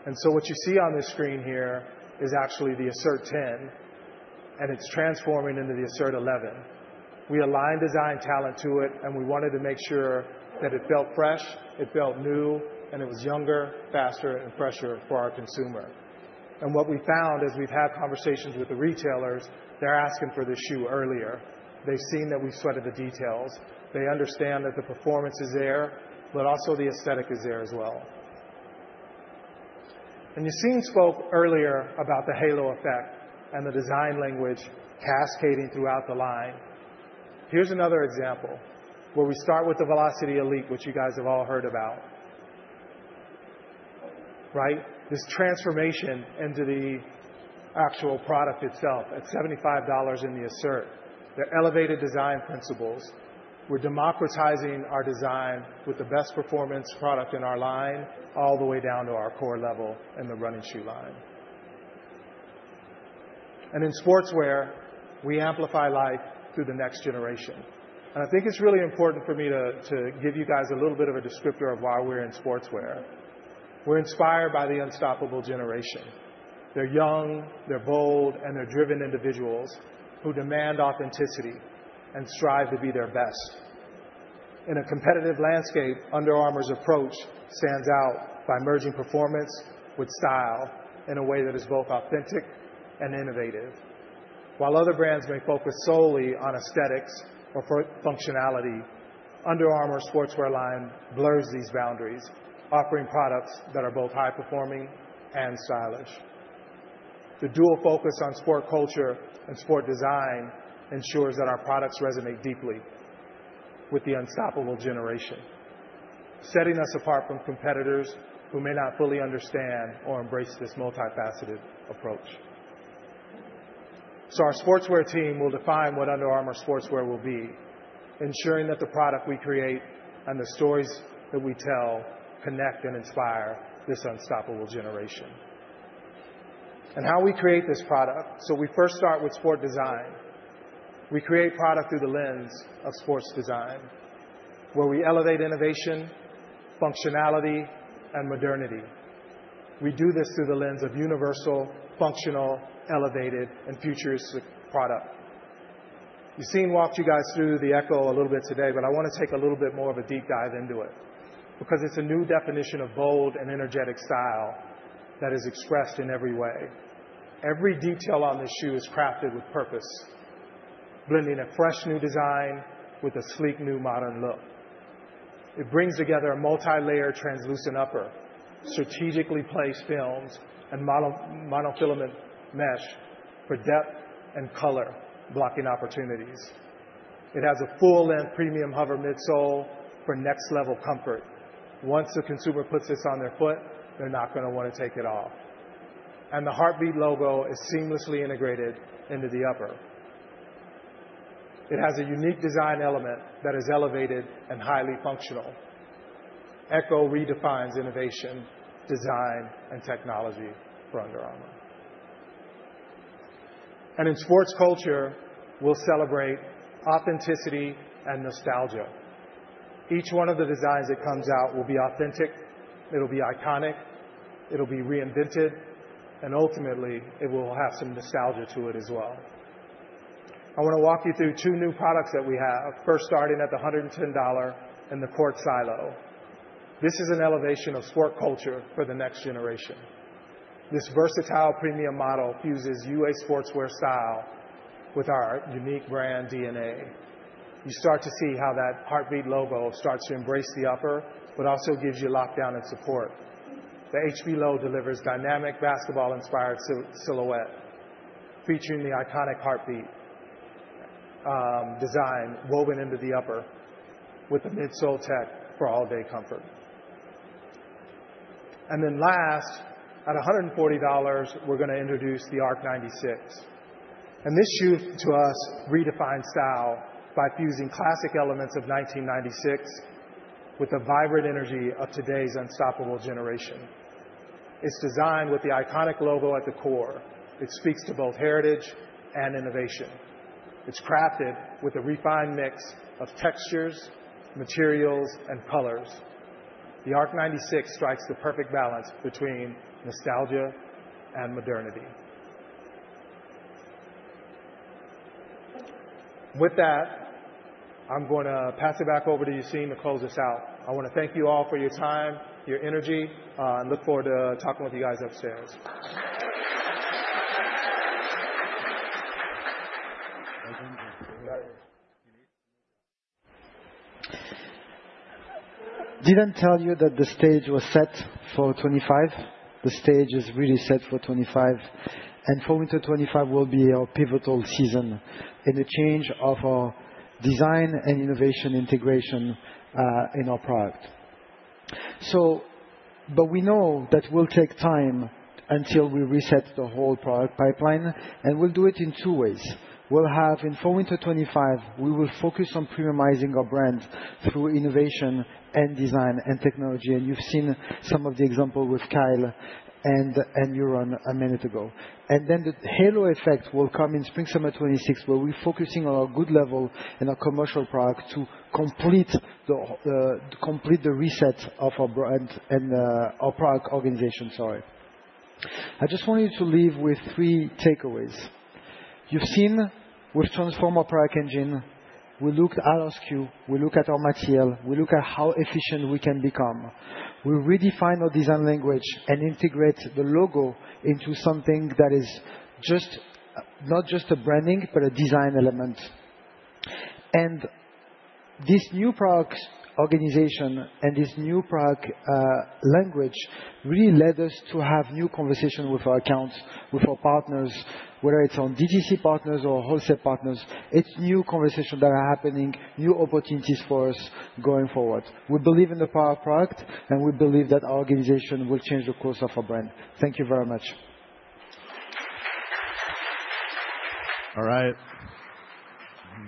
And so what you see on this screen here is actually the Assert 10, and it's transforming into the Assert 11. We aligned design talent to it, and we wanted to make sure that it felt fresh, it felt new, and it was younger, faster, and fresher for our consumer. And what we found as we've had conversations with the retailers, they're asking for this shoe earlier. They've seen that we've sweated the details. They understand that the performance is there, but also the aesthetic is there as well. And you've seen, spoke earlier about the halo effect and the design language cascading throughout the line. Here's another example where we start with the Velociti Elite, which you guys have all heard about. Right? This transformation into the actual product itself at $75 in the Assert. They're elevated design principles. We're democratizing our design with the best performance product in our line all the way down to our core level in the running shoe line. And in sportswear, we amplify life through the next generation. And I think it's really important for me to give you guys a little bit of a descriptor of why we're in sportswear. We're inspired by the unstoppable generation. They're young, they're bold, and they're driven individuals who demand authenticity and strive to be their best. In a competitive landscape, Under Armour's approach stands out by merging performance with style in a way that is both authentic and innovative. While other brands may focus solely on aesthetics or functionality, Under Armour's sportswear line blurs these boundaries, offering products that are both high-performing and stylish. The dual focus on sport culture and sport design ensures that our products resonate deeply with the unstoppable generation, setting us apart from competitors who may not fully understand or embrace this multifaceted approach. So our sportswear team will define what Under Armour sportswear will be, ensuring that the product we create and the stories that we tell connect and inspire this unstoppable generation. And how we create this product, so we first start with sport design. We create product through the lens of sports design, where we elevate innovation, functionality, and modernity. We do this through the lens of universal, functional, elevated, and futuristic product. You've seen. I walked you guys through the Echo a little bit today, but I want to take a little bit more of a deep dive into it because it's a new definition of bold and energetic style that is expressed in every way. Every detail on this shoe is crafted with purpose, blending a fresh new design with a sleek new modern look. It brings together a multi-layer translucent upper, strategically placed films, and monofilament mesh for depth and color blocking opportunities. It has a full-length premium HOVR midsole for next-level comfort. Once a consumer puts this on their foot, they're not going to want to take it off, and the Heartbeat logo is seamlessly integrated into the upper. It has a unique design element that is elevated and highly functional. Echo redefines innovation, design, and technology for Under Armour. And in sports culture, we'll celebrate authenticity and nostalgia. Each one of the designs that comes out will be authentic. It'll be iconic. It'll be reinvented. And ultimately, it will have some nostalgia to it as well. I want to walk you through two new products that we have, first starting at the $110 in the court silo. This is an elevation of sport culture for the next generation. This versatile premium model fuses UA sportswear style with our unique brand DNA. You start to see how that Heartbeat logo starts to embrace the upper, but also gives you lockdown and support. The HB Low delivers dynamic basketball-inspired silhouette, featuring the iconic Heartbeat design woven into the upper with the midsole tech for all-day comfort. And then last, at $140, we're going to introduce the Arc 96. And this shoe, to us, redefines style by fusing classic elements of 1996 with the vibrant energy of today's unstoppable generation. It's designed with the iconic logo at the core. It speaks to both heritage and innovation. It's crafted with a refined mix of textures, materials, and colors. The Arc 96 strikes the perfect balance between nostalgia and modernity. With that, I'm going to pass it back over to you, Yassine, to close this out. I want to thank you all for your time, your energy, and look forward to talking with you guys upstairs. Didn't I tell you that the stage was set for 2025? The stage is really set for 2025. And leading to 2025 will be our pivotal season in the change of our design and innovation integration in our product. But we know that we'll take time until we reset the whole product pipeline. And we'll do it in two ways. We'll have in fall into 2025, we will focus on premiumizing our brand through innovation and design and technology. And you've seen some of the examples with Kyle and Yuron a minute ago. And then the halo effect will come in spring summer 2026, where we're focusing on our good level and our commercial product to complete the reset of our brand and our product organization, sorry. I just want you to leave with three takeaways. You've seen we've transformed our product engine. We looked at our SKU. We look at our material. We look at how efficient we can become. We redefine our design language and integrate the logo into something that is not just a branding, but a design element. This new product organization and this new product language really led us to have new conversations with our accounts, with our partners, whether it's on DTC partners or wholesale partners. It's new conversations that are happening, new opportunities for us going forward. We believe in the power of product, and we believe that our organization will change the course of our brand. Thank you very much. All right.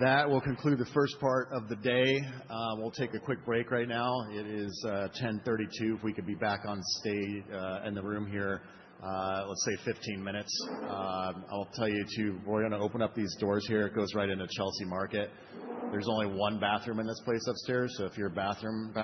That will conclude the first part of the day. We'll take a quick break right now. It is 10:32 A.M. If we could be back on stage in the room here, let's say 15 minutes. I'll tell you too, we're going to open up these doors here. It goes right into Chelsea Market. There's only one bathroom in this place upstairs. So if you're a bathroom...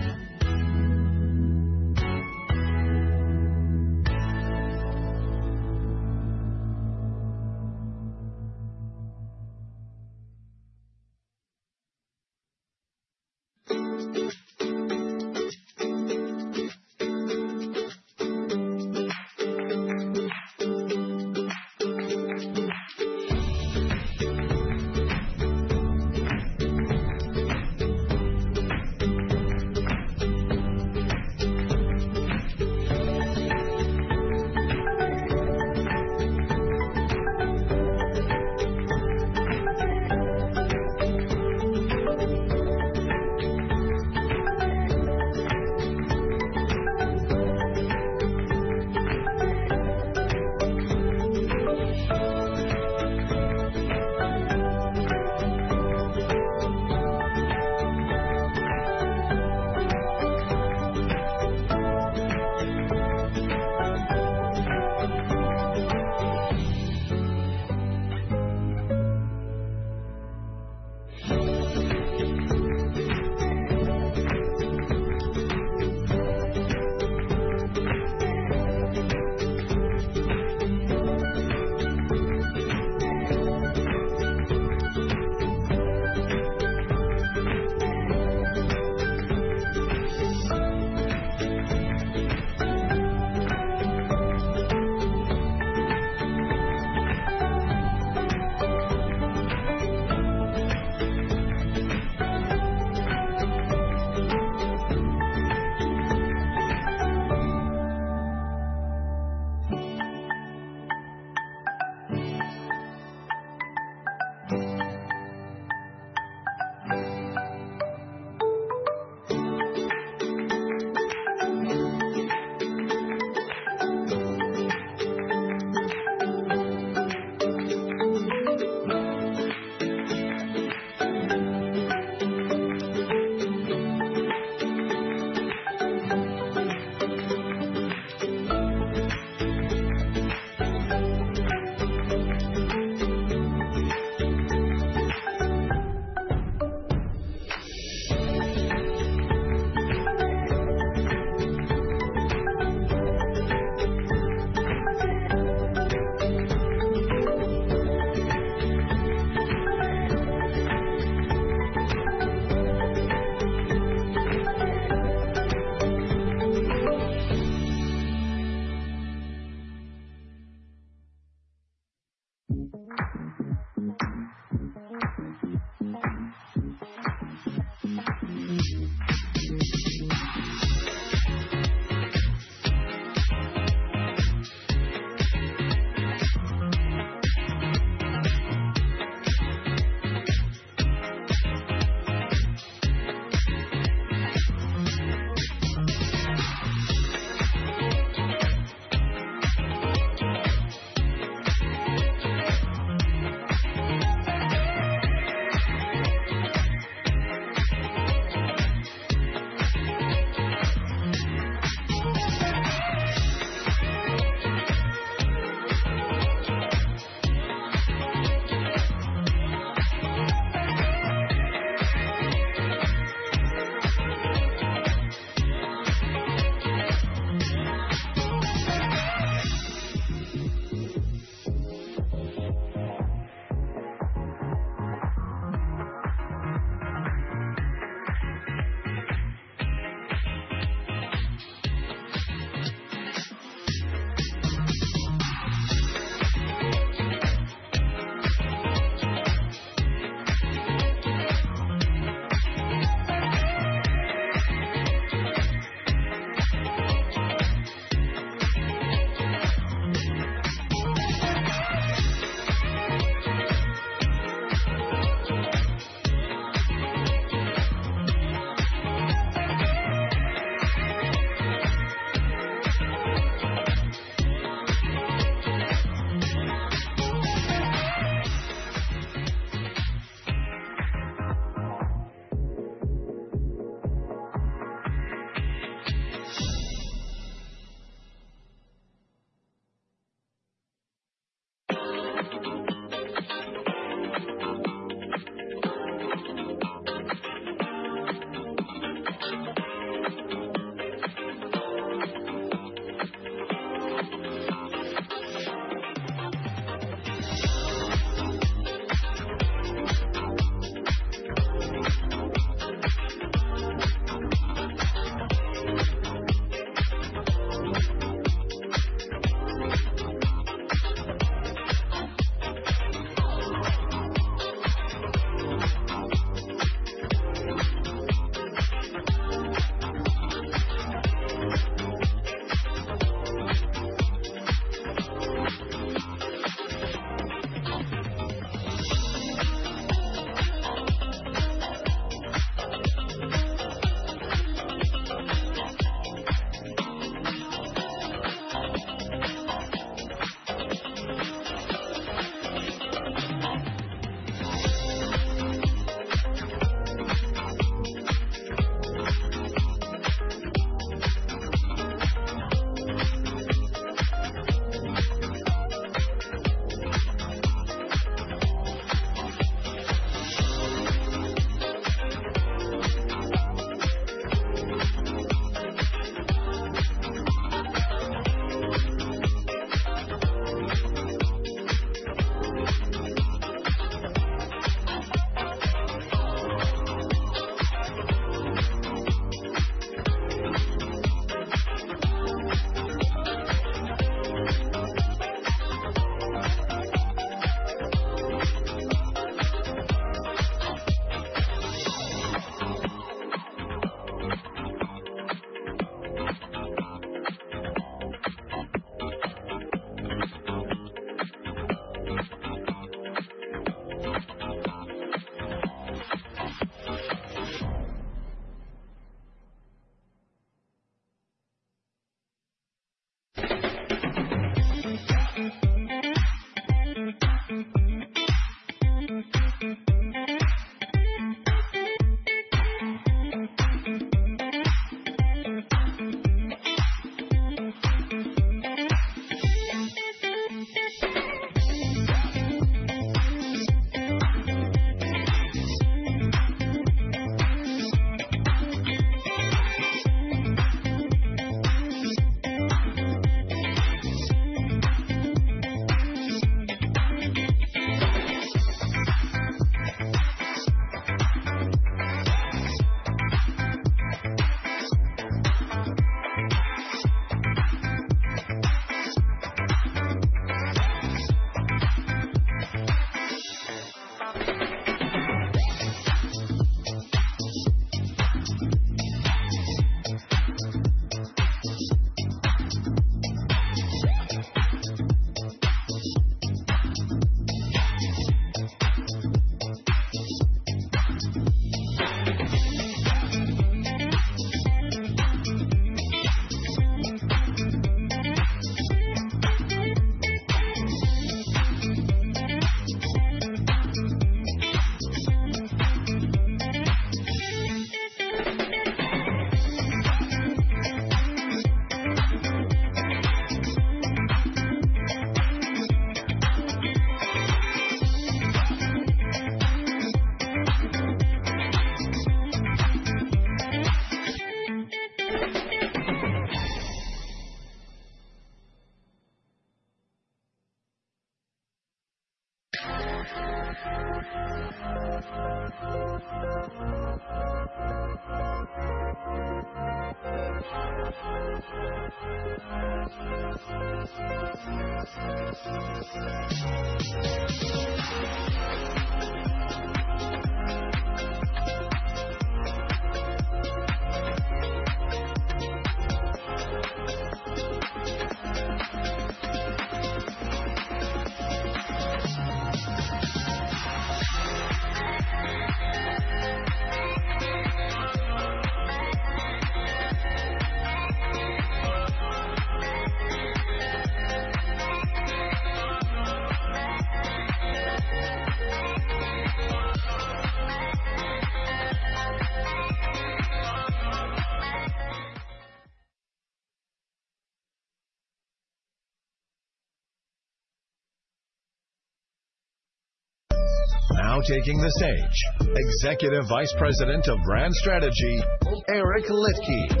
Now taking the stage, Executive Vice President of Brand Strategy, Eric Liedtke. There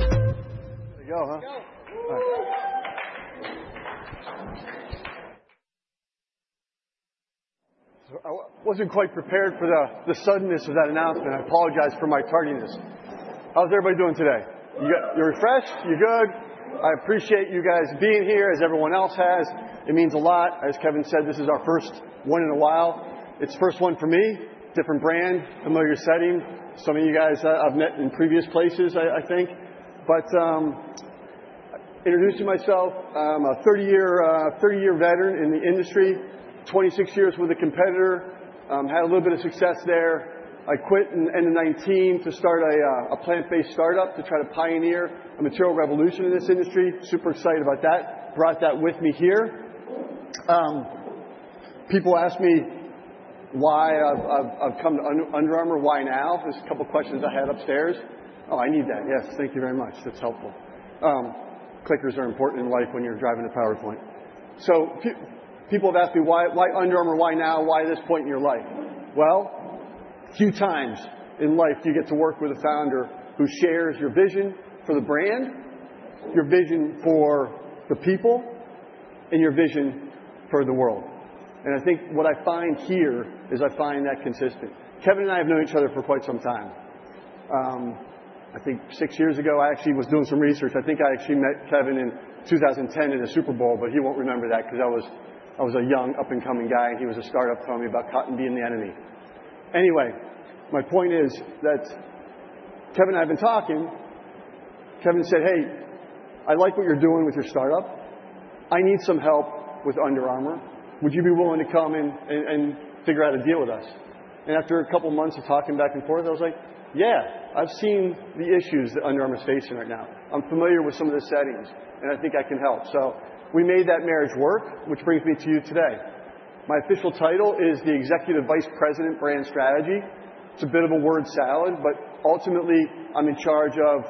you go, huh? I wasn't quite prepared for the suddenness of that announcement. I apologize for my tardiness. How's everybody doing today? You're refreshed? You're good? I appreciate you guys being here, as everyone else has. It means a lot. As Kevin said, this is our first one in a while. It's the first one for me, different brand, familiar setting. Some of you guys I've met in previous places, I think. Introducing myself, I'm a 30-year veteran in the industry, 26 years with a competitor, had a little bit of success there. I quit in 2019 to start a plant-based startup to try to pioneer a material revolution in this industry. Super excited about that. Brought that with me here. People ask me why I've come to Under Armour, why now? There's a couple of questions I had upstairs. Oh, I need that. Yes, thank you very much. That's helpful. Clickers are important in life when you're driving a PowerPoint. So people have asked me, why Under Armour, why now? Why at this point in your life? Well, a few times in life do you get to work with a founder who shares your vision for the brand, your vision for the people, and your vision for the world. And I think what I find here is I find that consistent. Kevin and I have known each other for quite some time. I think six years ago, I actually was doing some research. I think I actually met Kevin in 2010 at a Super Bowl, but he won't remember that because I was a young, up-and-coming guy, and he was a startup, telling me about cotton being the enemy. Anyway, my point is that Kevin and I have been talking. Kevin said, "Hey, I like what you're doing with your startup. I need some help with Under Armour. Would you be willing to come in and figure out a deal with us?" And after a couple of months of talking back and forth, I was like, "Yeah, I've seen the issues that Under Armour is facing right now. I'm familiar with some of the settings, and I think I can help." So we made that marriage work, which brings me to you today. My official title is the Executive Vice President of Brand Strategy. It's a bit of a word salad, but ultimately, I'm in charge of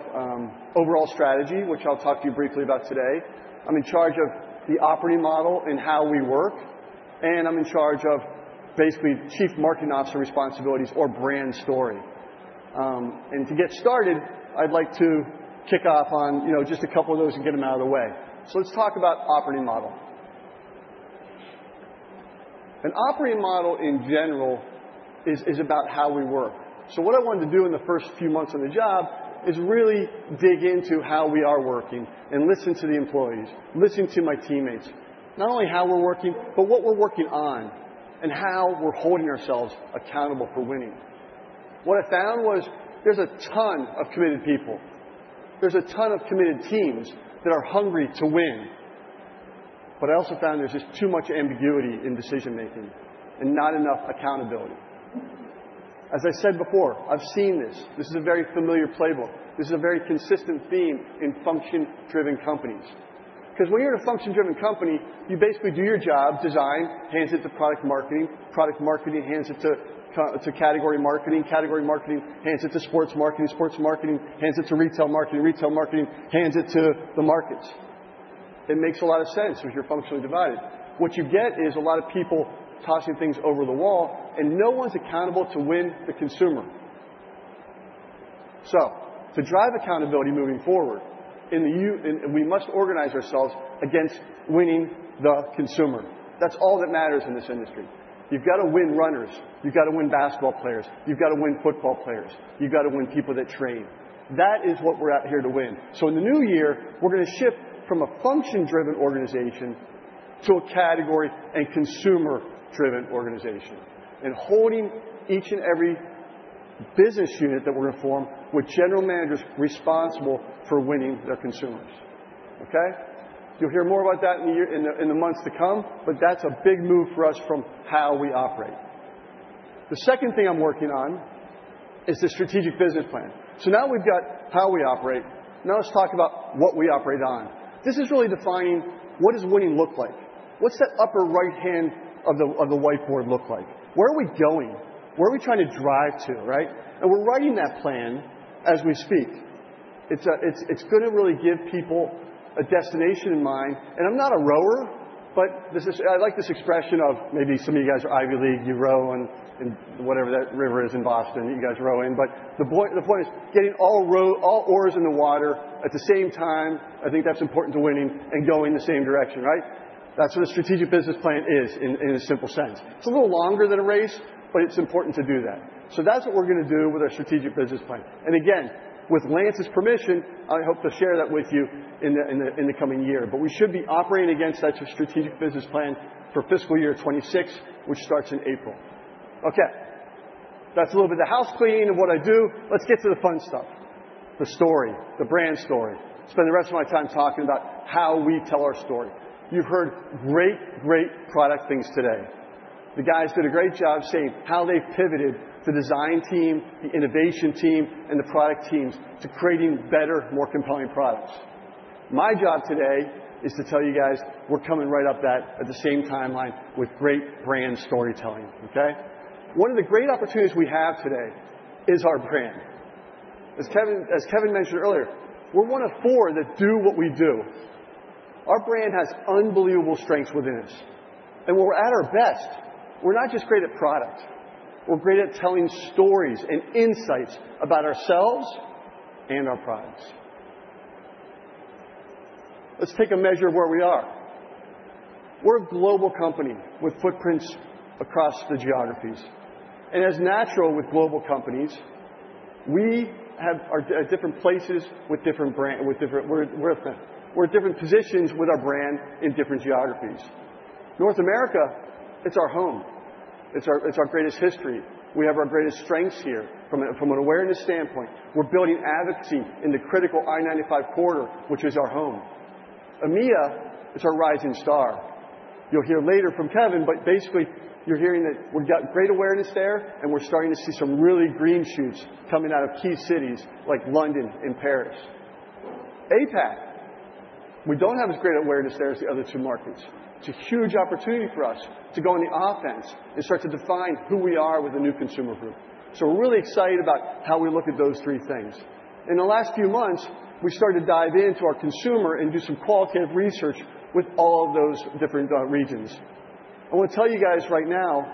overall strategy, which I'll talk to you briefly about today. I'm in charge of the operating model and how we work, and I'm in charge of basically chief marketing officer responsibilities or brand story. And to get started, I'd like to kick off on just a couple of those and get them out of the way. So let's talk about operating model. An operating model in general is about how we work. So what I wanted to do in the first few months on the job is really dig into how we are working and listen to the employees, listen to my teammates, not only how we're working, but what we're working on and how we're holding ourselves accountable for winning. What I found was there's a ton of committed people. There's a ton of committed teams that are hungry to win. But I also found there's just too much ambiguity in decision-making and not enough accountability. As I said before, I've seen this. This is a very familiar playbook. This is a very consistent theme in function-driven companies. Because when you're in a function-driven company, you basically do your job. Design hands it to product marketing, product marketing hands it to category marketing, category marketing hands it to sports marketing, sports marketing hands it to retail marketing, retail marketing hands it to the markets. It makes a lot of sense because you're functionally divided. What you get is a lot of people tossing things over the wall, and no one's accountable to win the consumer. So to drive accountability moving forward, we must organize ourselves against winning the consumer. That's all that matters in this industry. You've got to win runners. You've got to win basketball players. You've got to win football players. You've got to win people that train. That is what we're out here to win. So in the new year, we're going to shift from a function-driven organization to a category and consumer-driven organization, and holding each and every business unit that we're going to form with general managers responsible for winning their consumers. Okay? You'll hear more about that in the months to come, but that's a big move for us from how we operate. The second thing I'm working on is the strategic business plan. So now we've got how we operate. Now let's talk about what we operate on. This is really defining what does winning look like? What's that upper right hand of the whiteboard look like? Where are we going? Where are we trying to drive to? Right? And we're writing that plan as we speak. It's going to really give people a destination in mind. And I'm not a rower, but I like this expression of maybe some of you guys are Ivy League. You row in whatever that river is in Boston that you guys row in. But the point is getting all oars in the water at the same time. I think that's important to winning and going the same direction. Right? That's what a strategic business plan is in a simple sense. It's a little longer than a race, but it's important to do that. So that's what we're going to do with our strategic business plan. And again, with Lance's permission, I hope to share that with you in the coming year. But we should be operating against that strategic business plan for fiscal year 2026, which starts in April. Okay. That's a little bit of house cleaning of what I do. Let's get to the fun stuff, the story, the brand story. Spend the rest of my time talking about how we tell our story. You've heard great, great product things today. The guys did a great job saying how they pivoted the design team, the innovation team, and the product teams to creating better, more compelling products. My job today is to tell you guys we're coming right up to that at the same timeline with great brand storytelling. Okay? One of the great opportunities we have today is our brand. As Kevin mentioned earlier, we're one of four that do what we do. Our brand has unbelievable strengths within us. And when we're at our best, we're not just great at product. We're great at telling stories and insights about ourselves and our products. Let's take a measure of where we are. We're a global company with footprints across the geographies. And as natural with global companies, we have different places with different brands. We're at different positions with our brand in different geographies. North America, it's our home. It's our greatest history. We have our greatest strengths here from an awareness standpoint. We're building advocacy in the critical I-95 corridor, which is our home. EMEA, it's our rising star. You'll hear later from Kevin, but basically, you're hearing that we've got great awareness there, and we're starting to see some really green shoots coming out of key cities like London and Paris. APAC, we don't have as great awareness there as the other two markets. It's a huge opportunity for us to go on the offense and start to define who we are with a new consumer group. So we're really excited about how we look at those three things. In the last few months, we started to dive into our consumer and do some qualitative research with all of those different regions. I want to tell you guys right now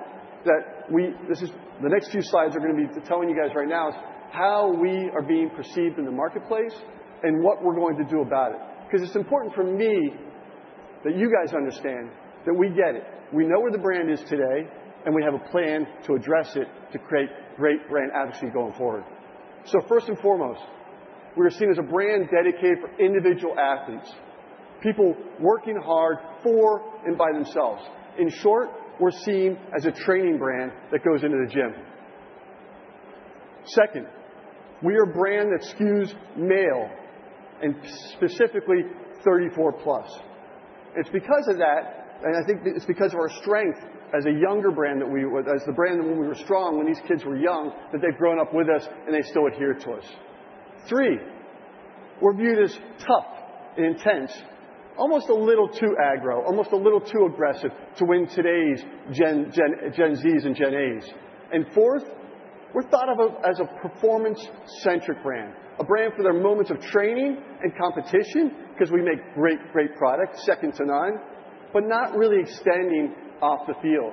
that the next few slides are going to be telling you guys right now how we are being perceived in the marketplace and what we're going to do about it. Because it's important for me that you guys understand that we get it. We know where the brand is today, and we have a plan to address it to create great brand advocacy going forward. So first and foremost, we are seen as a brand dedicated for individual athletes, people working hard for and by themselves. In short, we're seen as a training brand that goes into the gym. Second, we are a brand that SKUs male and specifically 34 plus. It's because of that, and I think it's because of our strength as a younger brand that we were as the brand when we were strong when these kids were young that they've grown up with us and they still adhere to us. Three, we're viewed as tough and intense, almost a little too aggro, almost a little too aggressive to win today's Gen Z's and Gen A's. And fourth, we're thought of as a performance-centric brand, a brand for their moments of training and competition because we make great, great product, second to none, but not really extending off the field.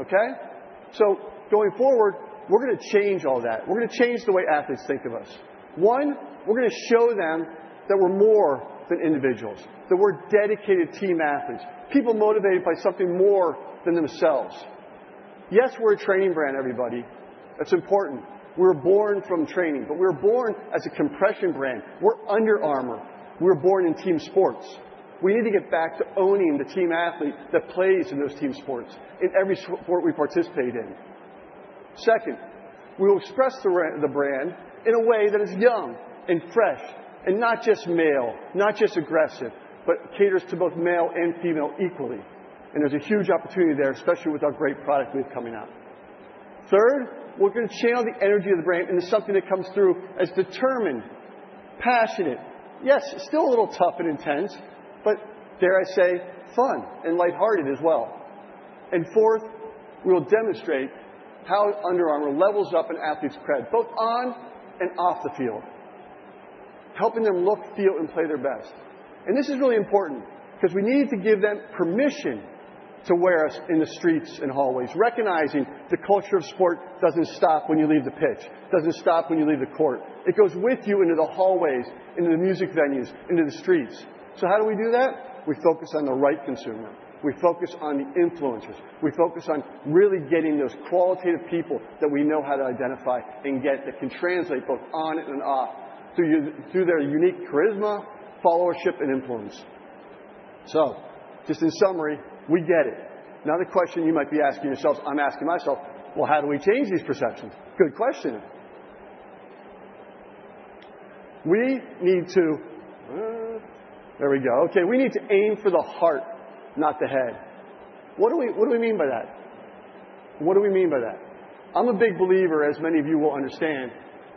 Okay? So going forward, we're going to change all that. We're going to change the way athletes think of us. One, we're going to show them that we're more than individuals, that we're dedicated team athletes, people motivated by something more than themselves. Yes, we're a training brand, everybody. That's important. We were born from training, but we were born as a compression brand. We're Under Armour. We were born in team sports. We need to get back to owning the team athlete that plays in those team sports in every sport we participate in. Second, we will express the brand in a way that is young and fresh and not just male, not just aggressive, but caters to both male and female equally. And there's a huge opportunity there, especially with our great product we have coming up. Third, we're going to channel the energy of the brand into something that comes through as determined, passionate. Yes, still a little tough and intense, but dare I say, fun and lighthearted as well. And fourth, we will demonstrate how Under Armour levels up an athlete's cred, both on and off the field, helping them look, feel, and play their best. And this is really important because we need to give them permission to wear us in the streets and hallways, recognizing the culture of sport doesn't stop when you leave the pitch, doesn't stop when you leave the court. It goes with you into the hallways, into the music venues, into the streets. So how do we do that? We focus on the right consumer. We focus on the influencers. We focus on really getting those qualitative people that we know how to identify and get that can translate both on and off through their unique charisma, followership, and influence. So just in summary, we get it. Now, the question you might be asking yourself, I'm asking myself, well, how do we change these perceptions? Good question. We need to aim for the heart, not the head. What do we mean by that? What do we mean by that? I'm a big believer, as many of you will understand,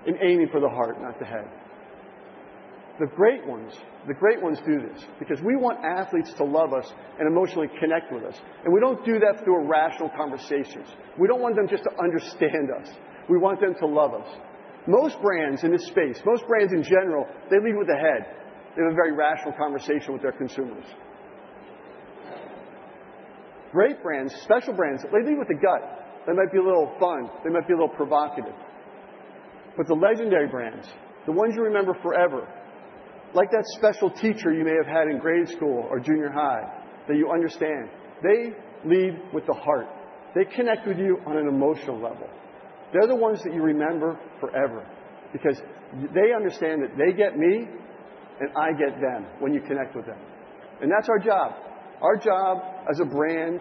in aiming for the heart, not the head. The great ones do this because we want athletes to love us and emotionally connect with us. And we don't do that through irrational conversations. We don't want them just to understand us. We want them to love us. Most brands in this space, most brands in general, they lead with the head. They have a very rational conversation with their consumers. Great brands, special brands, they lead with the gut. They might be a little fun. They might be a little provocative. But the legendary brands, the ones you remember forever, like that special teacher you may have had in grade school or junior high that you understand, they lead with the heart. They connect with you on an emotional level. They're the ones that you remember forever because they understand that they get me and I get them when you connect with them. And that's our job. Our job as a brand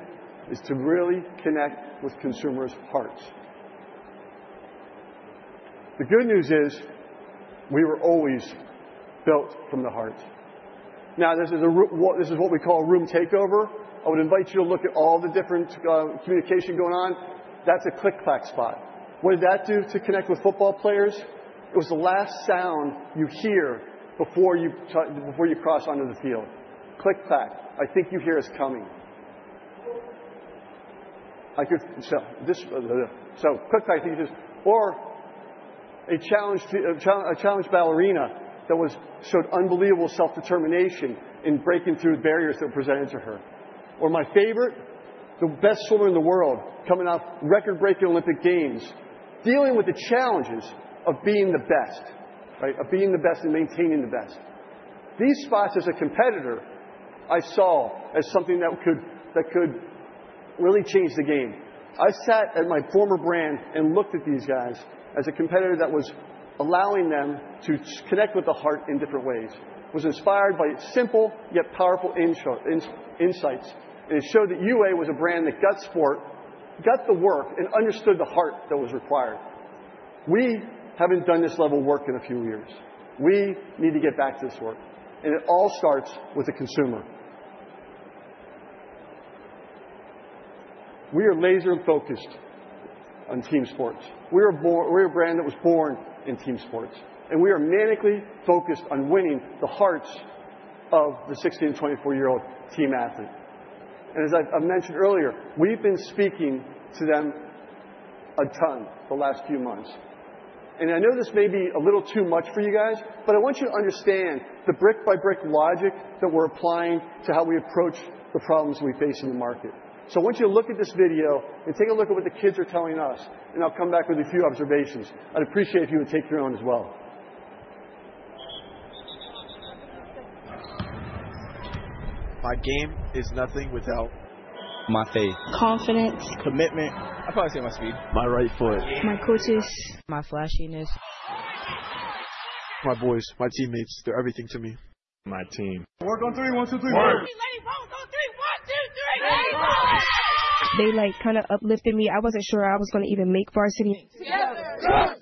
is to really connect with consumers' hearts. The good news is we were always built from the heart. Now, this is what we call room takeover. I would invite you to look at all the different communication going on. That's a Click-Clack spot. What did that do to connect with football players? It was the last sound you hear before you cross onto the field. Click-Clack. I think you hear us coming. Click-Clack, I think it's just or a challenged ballerina that showed unbelievable self-determination in breaking through the barriers that were presented to her. Or my favorite, the best swimmer in the world coming off record-breaking Olympic Games, dealing with the challenges of being the best, right? Of being the best and maintaining the best. These spots as a competitor, I saw as something that could really change the game. I sat at my former brand and looked at these guys as a competitor that was allowing them to connect with the heart in different ways. It was inspired by simple yet powerful insights. And it showed that UA was a brand that got sport, got the work, and understood the heart that was required. We haven't done this level of work in a few years. We need to get back to this work. It all starts with the consumer. We are laser-focused on team sports. We are a brand that was born in team sports. We are manically focused on winning the hearts of the 16- to 24-year-old team athlete. As I mentioned earlier, we've been speaking to them a ton the last few months. I know this may be a little too much for you guys, but I want you to understand the brick-by-brick logic that we're applying to how we approach the problems we face in the market. I want you to look at this video and take a look at what the kids are telling us, and I'll come back with a few observations. I'd appreciate if you would take your own as well. My game is nothing without my faith, confidence, commitment. I probably say my speed, my right foot, my coaches, my flashiness, my boys, my teammates. They're everything to me. My team. Work on three. One, two, three. Work. Ladies roll. Go three. One, two, three. Ladies roll. They kind of uplifted me. I wasn't sure I was going to even make varsity. Together.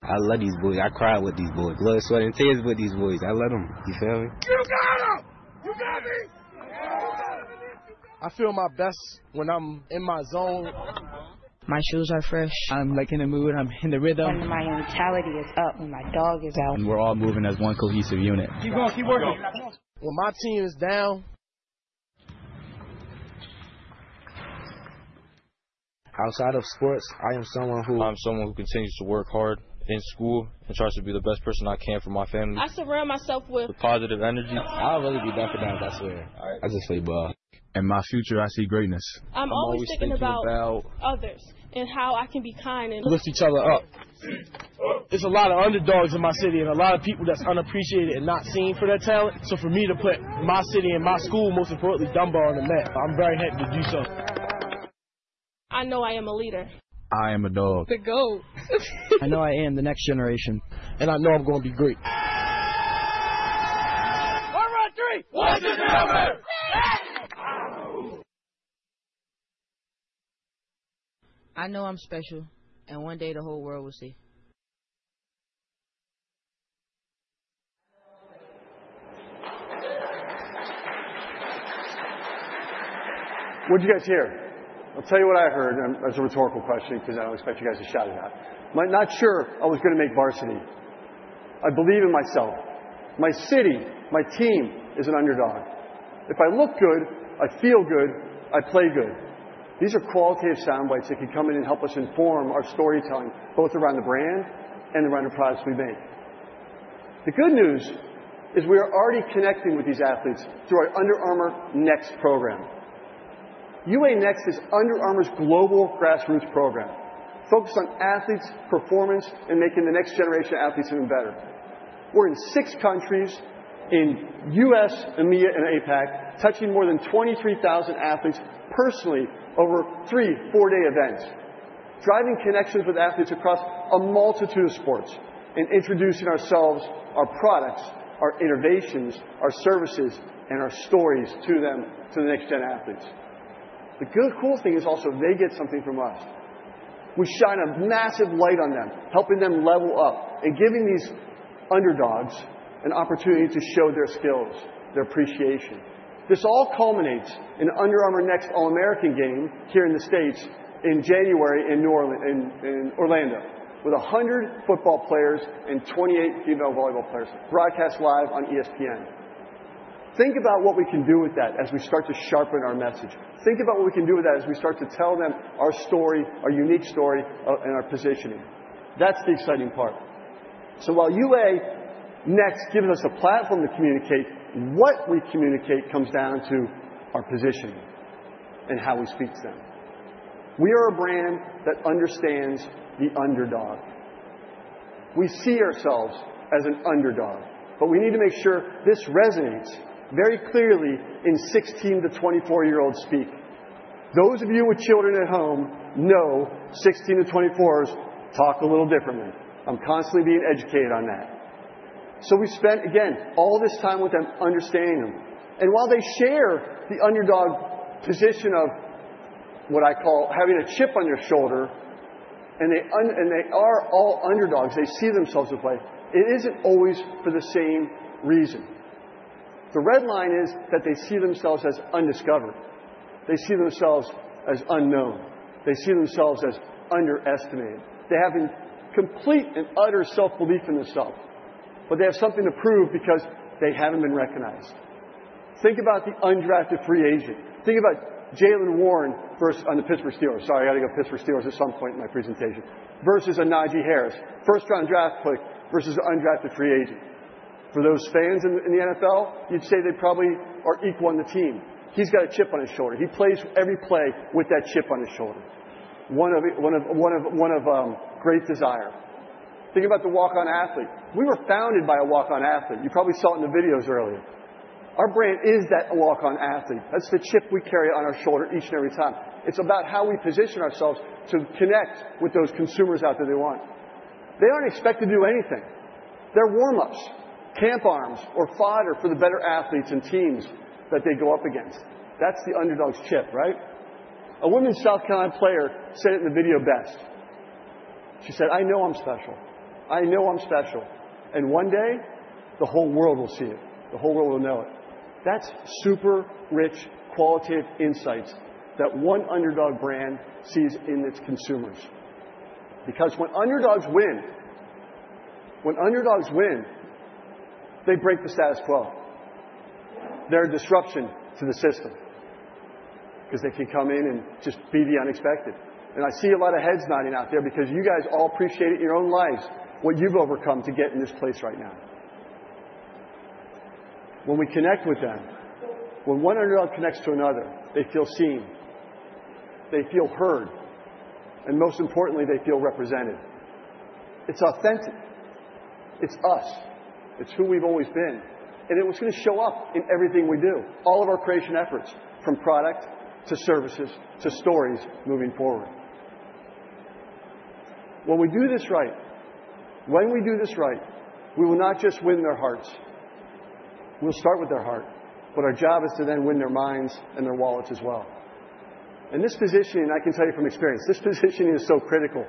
I love these boys. I cry with these boys. Blood, sweat, and tears with these boys. I love them. You feel me? You got it. You got me. I feel my best when I'm in my zone. My shoes are fresh. I'm in the mood. I'm in the rhythm. When my mentality is up, when my dog is out, we're all moving as one cohesive unit. Keep going. Keep working. When my team is down. Outside of sports, I am someone who continues to work hard in school and tries to be the best person I can for my family. I surround myself with positive energy. I'll rather be back for Dallas. I swear. I just play ball. In my future, I see greatness. I'm always thinking about others and how I can be kind and lift each other up. There's a lot of underdogs in my city and a lot of people that's unappreciated and not seen for their talent. So for me to put my city and my school, most importantly, on the map, I'm very happy to do so. I know I am a leader. I am a dog. The goat. I know I am the next generation. And I know I'm going to be great. All right. Three. One second. I know I'm special, and one day the whole world will see. What'd you guys hear? I'll tell you what I heard. It's a rhetorical question because I don't expect you guys to shout it out. I'm not sure I was going to make varsity. I believe in myself. My city, my team is an underdog. If I look good, I feel good, I play good. These are qualitative soundbites that can come in and help us inform our storytelling both around the brand and around the products we make. The good news is we are already connecting with these athletes through our Under Armour Next program. UA Next is Under Armour's global grassroots program focused on athletes, performance, and making the next generation of athletes even better. We're in six countries, in U.S., EMEA, and APAC, touching more than 23,000 athletes personally over three four-day events, driving connections with athletes across a multitude of sports and introducing ourselves, our products, our innovations, our services, and our stories to them, to the next-gen athletes. The good, cool thing is also they get something from us. We shine a massive light on them, helping them level up and giving these underdogs an opportunity to show their skills, their appreciation. This all culminates in UA Next All-American Game here in the States in January in Orlando with 100 football players and 28 female volleyball players broadcast live on ESPN. Think about what we can do with that as we start to sharpen our message. Think about what we can do with that as we start to tell them our story, our unique story, and our positioning. That's the exciting part, so while UA Next gives us a platform to communicate, what we communicate comes down to our positioning and how we speak to them. We are a brand that understands the underdog. We see ourselves as an underdog, but we need to make sure this resonates very clearly in 16- to 24-year-old speak. Those of you with children at home know 16- to 24s talk a little differently. I'm constantly being educated on that, so we spent, again, all this time with them understanding them, and while they share the underdog position of what I call having a chip on your shoulder, and they are all underdogs, they see themselves as like, it isn't always for the same reason. The red line is that they see themselves as undiscovered. They see themselves as unknown. They see themselves as underestimated. They have complete and utter self-belief in themselves, but they have something to prove because they haven't been recognized. Think about the undrafted free agent. Think about Jaylen Warren first on the Pittsburgh Steelers. Sorry, I got to go Pittsburgh Steelers at some point in my presentation versus a Najee Harris, first-round draft pick versus undrafted free agent. For those fans in the NFL, you'd say they probably are equal on the team. He's got a chip on his shoulder. He plays every play with that chip on his shoulder. One of great desire. Think about the walk-on athlete. We were founded by a walk-on athlete. You probably saw it in the videos earlier. Our brand is that walk-on athlete. That's the chip we carry on our shoulder each and every time. It's about how we position ourselves to connect with those consumers out there they want. They aren't expected to do anything. They're warm-ups, camp arms, or fodder for the better athletes and teams that they go up against. That's the underdog's chip, right? A woman's South Carolina player said it in the video best. She said, "I know I'm special. I know I'm special." And one day, the whole world will see it. The whole world will know it. That's super rich, qualitative insights that one underdog brand sees in its consumers. Because when underdogs win, when underdogs win, they break the status quo. They're a disruption to the system because they can come in and just be the unexpected. And I see a lot of heads nodding out there because you guys all appreciate it in your own lives, what you've overcome to get in this place right now. When we connect with them, when one underdog connects to another, they feel seen. They feel heard. And most importantly, they feel represented. It's authentic. It's us. It's who we've always been. And it was going to show up in everything we do, all of our creation efforts from product to services to stories moving forward. When we do this right, when we do this right, we will not just win their hearts. We'll start with their heart, but our job is to then win their minds and their wallets as well. And this positioning, I can tell you from experience, this positioning is so critical.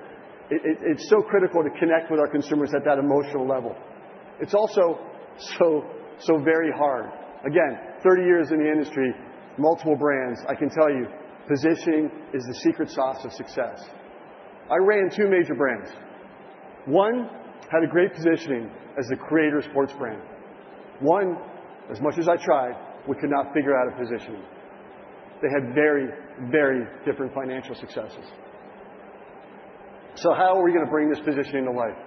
It's so critical to connect with our consumers at that emotional level. It's also so very hard. Again, 30 years in the industry, multiple brands, I can tell you positioning is the secret sauce of success. I ran two major brands. One had a great positioning as the creator sports brand. One, as much as I tried, we could not figure out a positioning. They had very, very different financial successes. So how are we going to bring this positioning to life?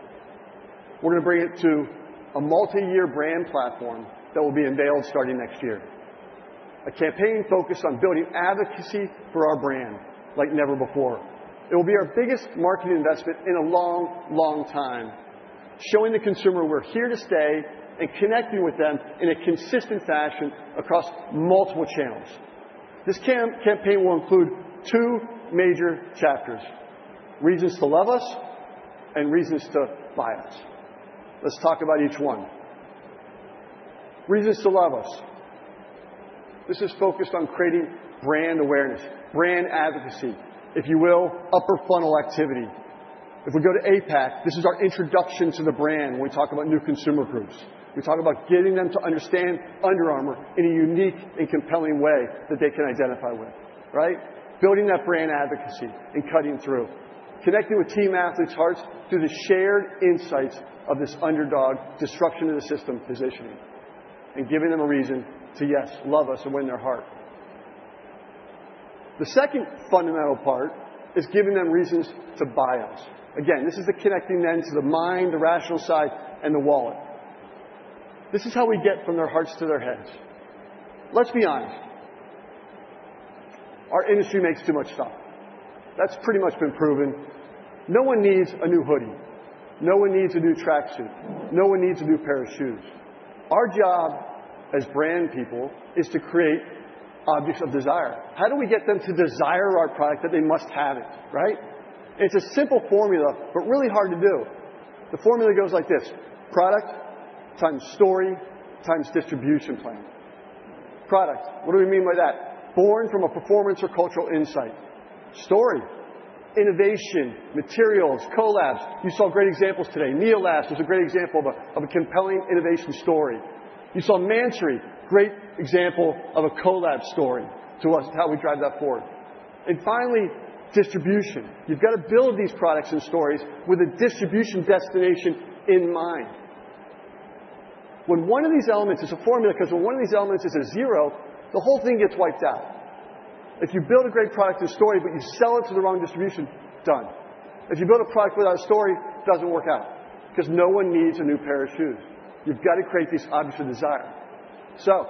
We're going to bring it to a multi-year brand platform that will be unveiled starting next year. A campaign focused on building advocacy for our brand like never before. It will be our biggest marketing investment in a long, long time, showing the consumer we're here to stay and connecting with them in a consistent fashion across multiple channels. This campaign will include two major chapters: Reasons to Love Us and Reasons to Buy Us. Let's talk about each one. Reasons to Love Us. This is focused on creating brand awareness, brand advocacy, if you will, upper funnel activity. If we go to APAC, this is our introduction to the brand when we talk about new consumer groups. We talk about getting them to understand Under Armour in a unique and compelling way that they can identify with, right? Building that brand advocacy and cutting through, connecting with team athletes' hearts through the shared insights of this underdog disruption to the system positioning and giving them a reason to, yes, love us and win their heart. The second fundamental part is giving them reasons to buy us. Again, this is the connecting then to the mind, the rational side, and the wallet. This is how we get from their hearts to their heads. Let's be honest. Our industry makes too much stock. That's pretty much been proven. No one needs a new hoodie. No one needs a new tracksuit. No one needs a new pair of shoes. Our job as brand people is to create objects of desire. How do we get them to desire our product that they must have it, right? It's a simple formula, but really hard to do. The formula goes like this: product times story times distribution plan. Product. What do we mean by that? Born from a performance or cultural insight. Story. Innovation, materials, collabs. You saw great examples today. NEOLAST was a great example of a compelling innovation story. You saw Mansory, great example of a collab story to us, how we drive that forward. And finally, distribution. You've got to build these products and stories with a distribution destination in mind. When one of these elements is a zero, the whole thing gets wiped out. If you build a great product and story, but you sell it to the wrong distribution, done. If you build a product without a story, it doesn't work out because no one needs a new pair of shoes. You've got to create these objects of desire. So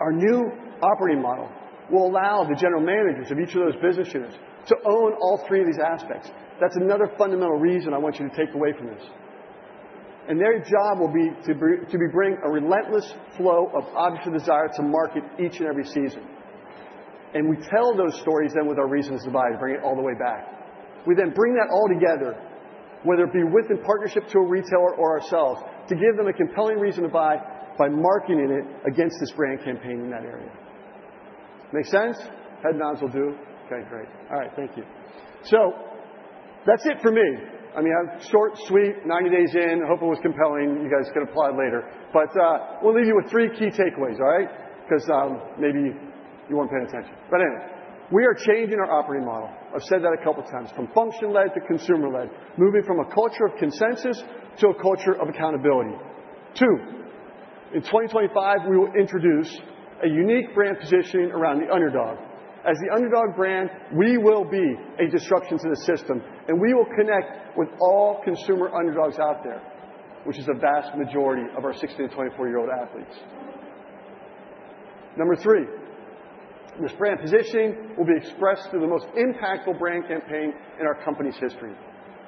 our new operating model will allow the general managers of each of those business units to own all three of these aspects. That's another fundamental reason I want you to take away from this, and their job will be to bring a relentless flow of objects of desire to market each and every season, and we tell those stories then with our reasons to buy, bring it all the way back. We then bring that all together, whether it be within partnership to a retailer or ourselves, to give them a compelling reason to buy by marketing it against this brand campaign in that area. Make sense? Head nods will do. Okay, great. All right. Thank you. So that's it for me. I mean, short, sweet, 90 days in. I hope it was compelling. You guys can apply later. But we'll leave you with three key takeaways, all right? Because maybe you weren't paying attention. But anyway, we are changing our operating model. I've said that a couple of times. From function-led to consumer-led, moving from a culture of consensus to a culture of accountability. Two, in 2025, we will introduce a unique brand positioning around the underdog. As the underdog brand, we will be a disruption to the system, and we will connect with all consumer underdogs out there, which is a vast majority of our 16- to 24-year-old athletes. Number three, this brand positioning will be expressed through the most impactful brand campaign in our company's history.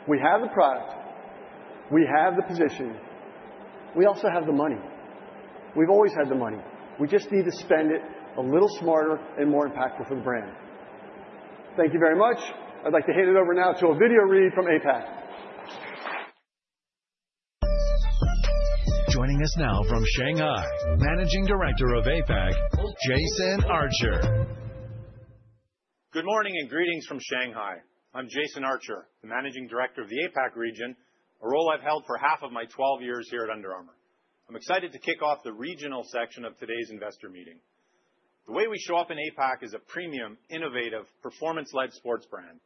We have the product. We have the positioning. We also have the money. We've always had the money. We just need to spend it a little smarter and more impactful for the brand. Thank you very much. I'd like to hand it over now to a video read from APAC. Joining us now from Shanghai, Managing Director of APAC, Jason Archer. Good morning and greetings from Shanghai. I'm Jason Archer, the Managing Director of the APAC region, a role I've held for half of my 12 years here at Under Armour. I'm excited to kick off the regional section of today's investor meeting. The way we show up in APAC is a premium, innovative, performance-lead sports brand,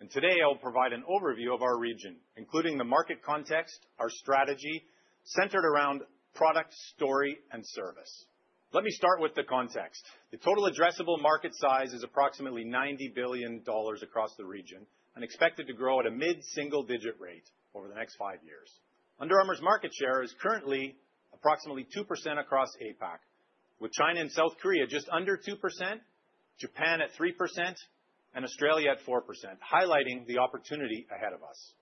and today, I will provide an overview of our region, including the market context, our strategy centered around product, story, and service. Let me start with the context. The total addressable market size is approximately $90 billion across the region and expected to grow at a mid-single-digit rate over the next five years. Under Armour's market share is currently approximately 2% across APAC, with China and South Korea just under 2%, Japan at 3%, and Australia at 4%, highlighting the opportunity ahead of us.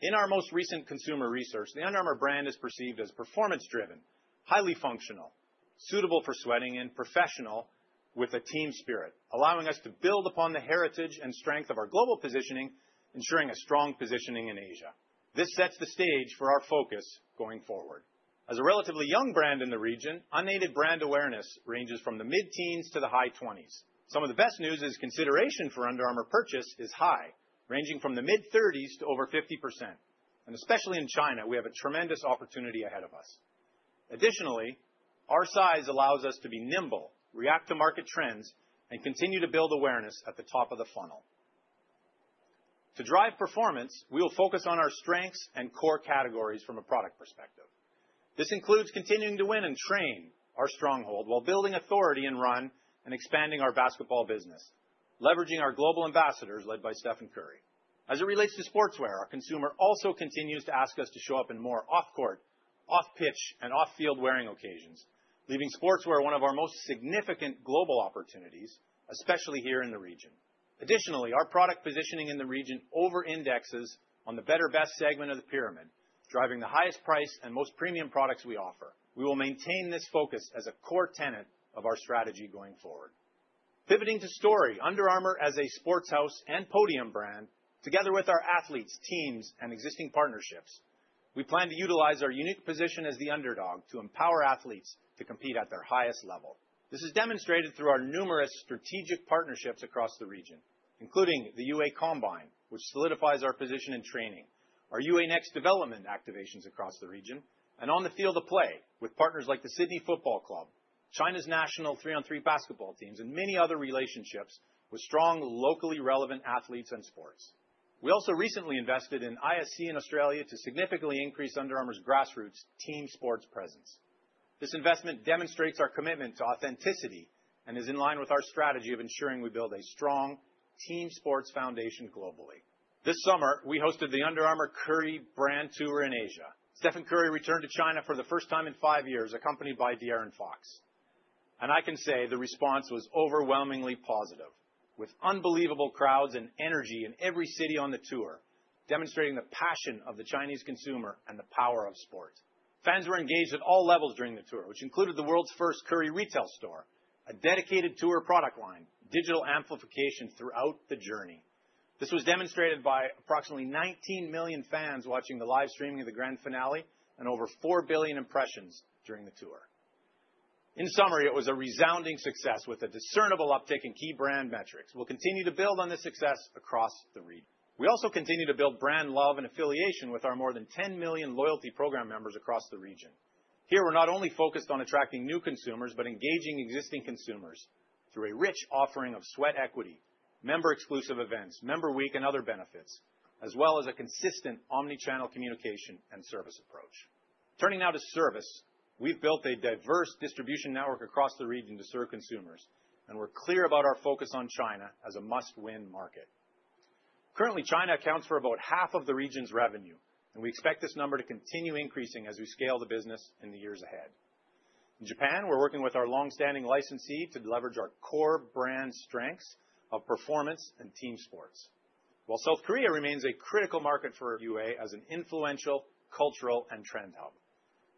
In our most recent consumer research, the Under Armour brand is perceived as performance-driven, highly functional, suitable for sweating, and professional with a team spirit, allowing us to build upon the heritage and strength of our global positioning, ensuring a strong positioning in Asia. This sets the stage for our focus going forward. As a relatively young brand in the region, unaided brand awareness ranges from the mid-teens to the high 20s. Some of the best news is consideration for Under Armour purchase is high, ranging from the mid-30s to over 50%. And especially in China, we have a tremendous opportunity ahead of us. Additionally, our size allows us to be nimble, react to market trends, and continue to build awareness at the top of the funnel. To drive performance, we will focus on our strengths and core categories from a product perspective. This includes continuing to win in training, our stronghold while building authority in run and expanding our basketball business, leveraging our global ambassadors led by Stephen Curry. As it relates to sportswear, our consumer also continues to ask us to show up in more off-court, off-pitch, and off-field wearing occasions, leaving sportswear one of our most significant global opportunities, especially here in the region. Additionally, our product positioning in the region over-indexes on the better-best segment of the pyramid, driving the highest price and most premium products we offer. We will maintain this focus as a core tenet of our strategy going forward. Pivoting to story, Under Armour as a Sports House and podium brand, together with our athletes, teams, and existing partnerships, we plan to utilize our unique position as the underdog to empower athletes to compete at their highest level. This is demonstrated through our numerous strategic partnerships across the region, including the UA Combine, which solidifies our position in training, our UA Next development activations across the region, and on the field of play with partners like the Sydney Football Club, China's national three-on-three basketball teams, and many other relationships with strong, locally relevant athletes and sports. We also recently invested in ISC in Australia to significantly increase Under Armour's grassroots team sports presence. This investment demonstrates our commitment to authenticity and is in line with our strategy of ensuring we build a strong team sports foundation globally. This summer, we hosted the Under Armour Curry Brand tour in Asia. Stephen Curry returned to China for the first time in five years, accompanied by De'Aaron Fox, and I can say the response was overwhelmingly positive, with unbelievable crowds and energy in every city on the tour, demonstrating the passion of the Chinese consumer and the power of sport. Fans were engaged at all levels during the tour, which included the world's first Curry retail store, a dedicated tour product line, digital amplification throughout the journey. This was demonstrated by approximately 19 million fans watching the live streaming of the grand finale and over four billion impressions during the tour. In summary, it was a resounding success with a discernible uptick in key brand metrics. We'll continue to build on this success across the region. We also continue to build brand love and affiliation with our more than 10 million loyalty program members across the region. Here, we're not only focused on attracting new consumers, but engaging existing consumers through a rich offering of sweat equity, member-exclusive events, Member Week, and other benefits, as well as a consistent omnichannel communication and service approach. Turning now to service, we've built a diverse distribution network across the region to serve consumers, and we're clear about our focus on China as a must-win market. Currently, China accounts for about half of the region's revenue, and we expect this number to continue increasing as we scale the business in the years ahead. In Japan, we're working with our long-standing licensee to leverage our core brand strengths of performance and team sports, while South Korea remains a critical market for UA as an influential cultural and trend hub,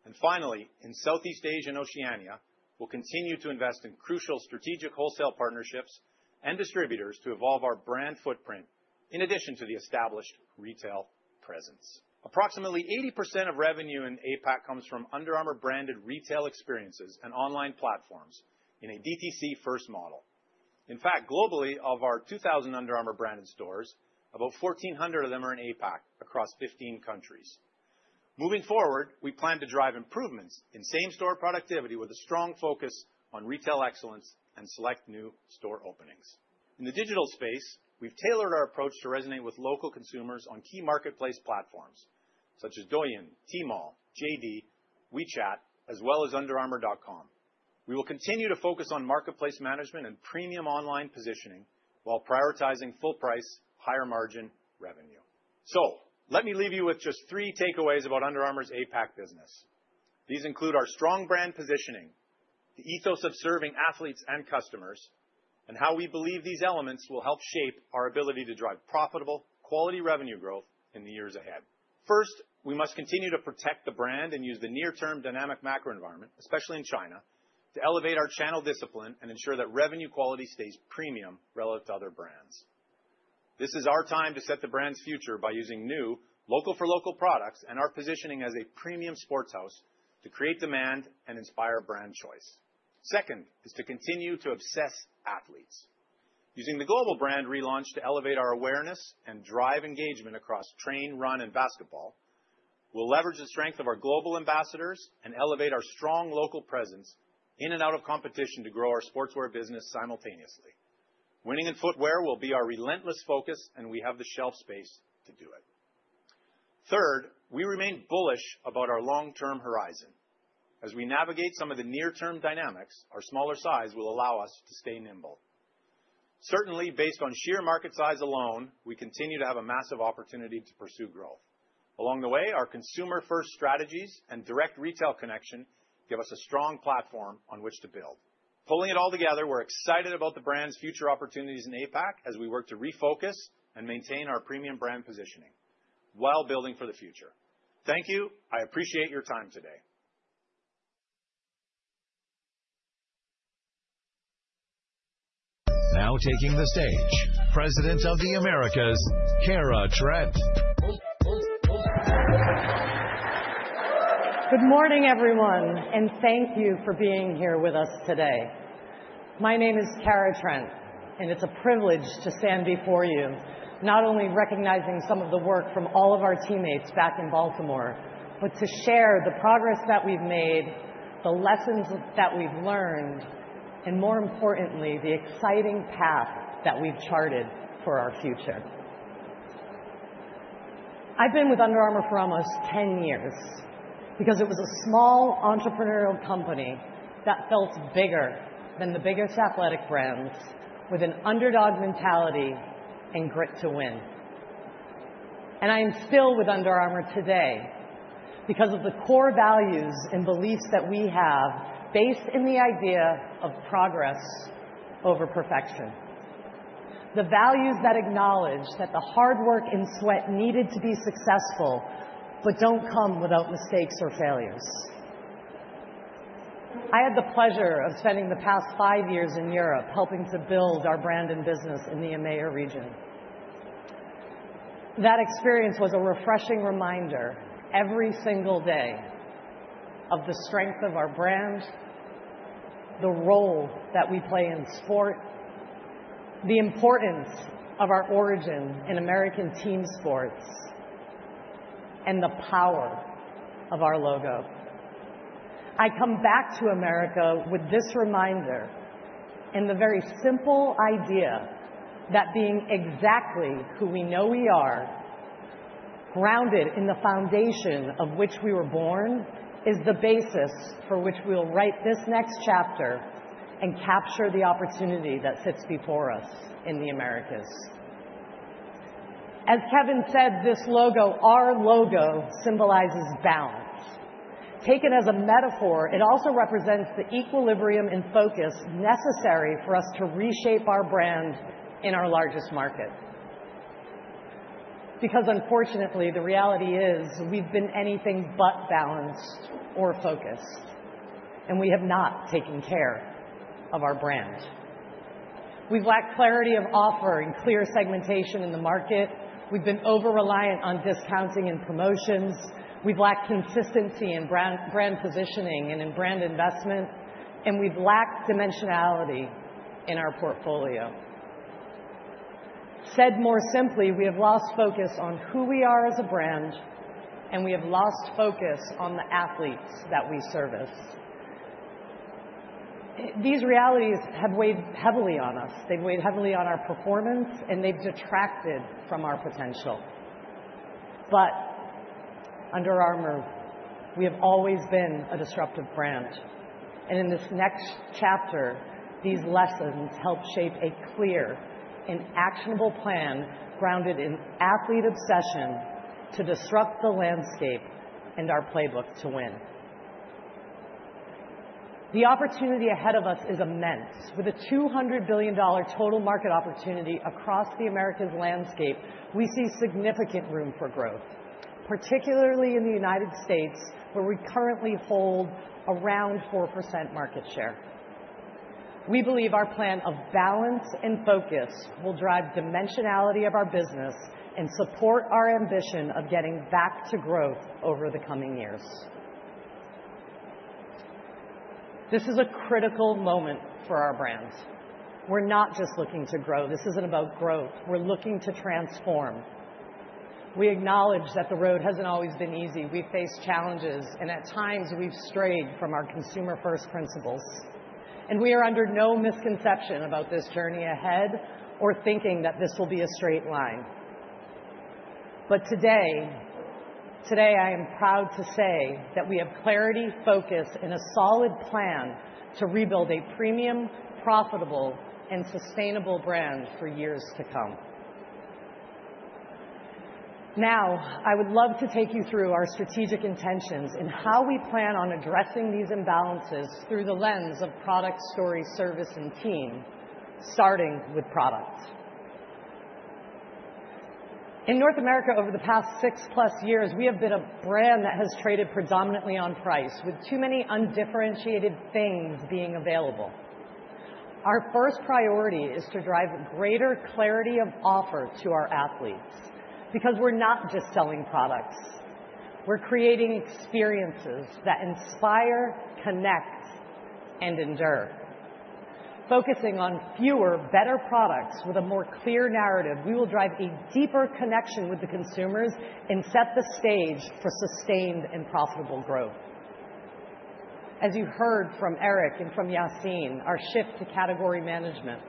and finally, in Southeast Asia and Oceania, we'll continue to invest in crucial strategic wholesale partnerships and distributors to evolve our brand footprint in addition to the established retail presence. Approximately 80% of revenue in APAC comes from Under Armour-branded retail experiences and online platforms in a DTC-first model. In fact, globally, of our 2,000 Under Armour-branded stores, about 1,400 of them are in APAC across 15 countries. Moving forward, we plan to drive improvements in same-store productivity with a strong focus on retail excellence and select new store openings. In the digital space, we've tailored our approach to resonate with local consumers on key marketplace platforms such as Douyin, Tmall, JD, WeChat, as well as underarmour.com. We will continue to focus on marketplace management and premium online positioning while prioritizing full price, higher margin revenue. So let me leave you with just three takeaways about Under Armour's APAC business. These include our strong brand positioning, the ethos of serving athletes and customers, and how we believe these elements will help shape our ability to drive profitable, quality revenue growth in the years ahead. First, we must continue to protect the brand and use the near-term dynamic macro environment, especially in China, to elevate our channel discipline and ensure that revenue quality stays premium relative to other brands. This is our time to set the brand's future by using new local-for-local products and our positioning as a premium Sports House to create demand and inspire brand choice. Second is to continue to obsess athletes. Using the global brand relaunch to elevate our awareness and drive engagement across train, run, and basketball, we'll leverage the strength of our global ambassadors and elevate our strong local presence in and out of competition to grow our sportswear business simultaneously. Winning in footwear will be our relentless focus, and we have the shelf space to do it. Third, we remain bullish about our long-term horizon. As we navigate some of the near-term dynamics, our smaller size will allow us to stay nimble. Certainly, based on sheer market size alone, we continue to have a massive opportunity to pursue growth. Along the way, our consumer-first strategies and direct retail connection give us a strong platform on which to build. Pulling it all together, we're excited about the brand's future opportunities in APAC as we work to refocus and maintain our premium brand positioning while building for the future. Thank you. I appreciate your time today. Now taking the stage, President of the Americas, Kara Trent. Good morning, everyone, and thank you for being here with us today. My name is Kara Trent, and it's a privilege to stand before you, not only recognizing some of the work from all of our teammates back in Baltimore, but to share the progress that we've made, the lessons that we've learned, and more importantly, the exciting path that we've charted for our future. I've been with Under Armour for almost 10 years because it was a small entrepreneurial company that felt bigger than the biggest athletic brands, with an underdog mentality and grit to win, and I am still with Under Armour today because of the core values and beliefs that we have based in the idea of progress over perfection. The values that acknowledge that the hard work and sweat needed to be successful, but don't come without mistakes or failures. I had the pleasure of spending the past five years in Europe helping to build our brand and business in the EMEA region. That experience was a refreshing reminder every single day of the strength of our brand, the role that we play in sport, the importance of our origin in American team sports, and the power of our logo. I come back to America with this reminder and the very simple idea that being exactly who we know we are, grounded in the foundation of which we were born, is the basis for which we'll write this next chapter and capture the opportunity that sits before us in the Americas. As Kevin said, this logo, our logo, symbolizes balance. Taken as a metaphor, it also represents the equilibrium and focus necessary for us to reshape our brand in our largest market. Because unfortunately, the reality is we've been anything but balanced or focused, and we have not taken care of our brand. We've lacked clarity of offer and clear segmentation in the market. We've been over-reliant on discounting and promotions. We've lacked consistency in brand positioning and in brand investment, and we've lacked dimensionality in our portfolio. Said more simply, we have lost focus on who we are as a brand, and we have lost focus on the athletes that we service. These realities have weighed heavily on us. They've weighed heavily on our performance, and they've detracted from our potential. But Under Armour, we have always been a disruptive brand. And in this next chapter, these lessons help shape a clear and actionable plan grounded in athlete obsession to disrupt the landscape and our playbook to win. The opportunity ahead of us is immense. With a $200 billion total market opportunity across the Americas landscape, we see significant room for growth, particularly in the United States, where we currently hold around 4% market share. We believe our plan of balance and focus will drive dimensionality of our business and support our ambition of getting back to growth over the coming years. This is a critical moment for our brand. We're not just looking to grow. This isn't about growth. We're looking to transform. We acknowledge that the road hasn't always been easy. We've faced challenges, and at times, we've strayed from our consumer-first principles, and we are under no misconception about this journey ahead or thinking that this will be a straight line, but today, today, I am proud to say that we have clarity, focus, and a solid plan to rebuild a premium, profitable, and sustainable brand for years to come. Now, I would love to take you through our strategic intentions and how we plan on addressing these imbalances through the lens of product, story, service, and team, starting with product. In North America, over the past six-plus years, we have been a brand that has traded predominantly on price, with too many undifferentiated things being available. Our first priority is to drive greater clarity of offer to our athletes because we're not just selling products. We're creating experiences that inspire, connect, and endure. Focusing on fewer, better products with a more clear narrative, we will drive a deeper connection with the consumers and set the stage for sustained and profitable growth. As you heard from Eric and from Yassine, our shift to category management.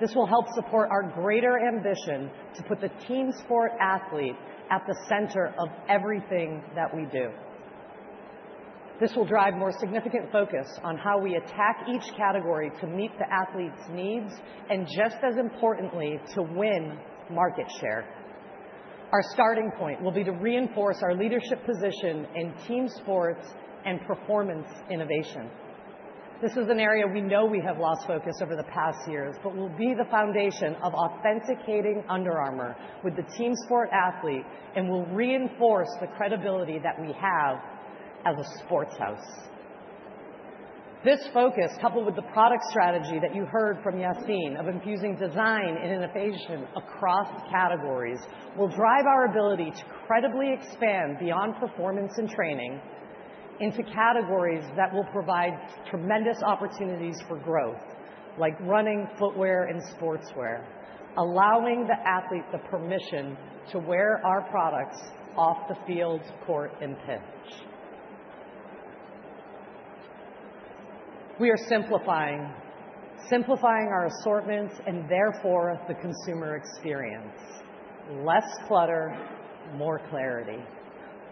This will help support our greater ambition to put the team sport athlete at the center of everything that we do. This will drive more significant focus on how we attack each category to meet the athlete's needs and, just as importantly, to win market share. Our starting point will be to reinforce our leadership position in team sports and performance innovation. This is an area we know we have lost focus over the past years, but will be the foundation of authenticating Under Armour with the team sport athlete and will reinforce the credibility that we have as a Sports House. This focus, coupled with the product strategy that you heard from Yassine of infusing design and innovation across categories, will drive our ability to credibly expand beyond performance and training into categories that will provide tremendous opportunities for growth, like running, footwear, and sportswear, allowing the athlete the permission to wear our products off the field, court, and pitch. We are simplifying, simplifying our assortments and therefore the consumer experience. Less clutter, more clarity.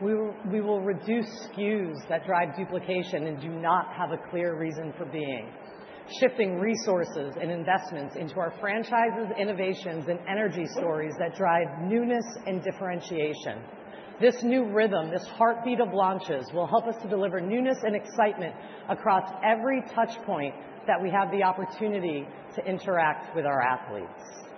We will reduce SKUs that drive duplication and do not have a clear reason for being, shifting resources and investments into our franchises, innovations, and energy stories that drive newness and differentiation. This new rhythm, this heartbeat of launches, will help us to deliver newness and excitement across every touchpoint that we have the opportunity to interact with our athletes.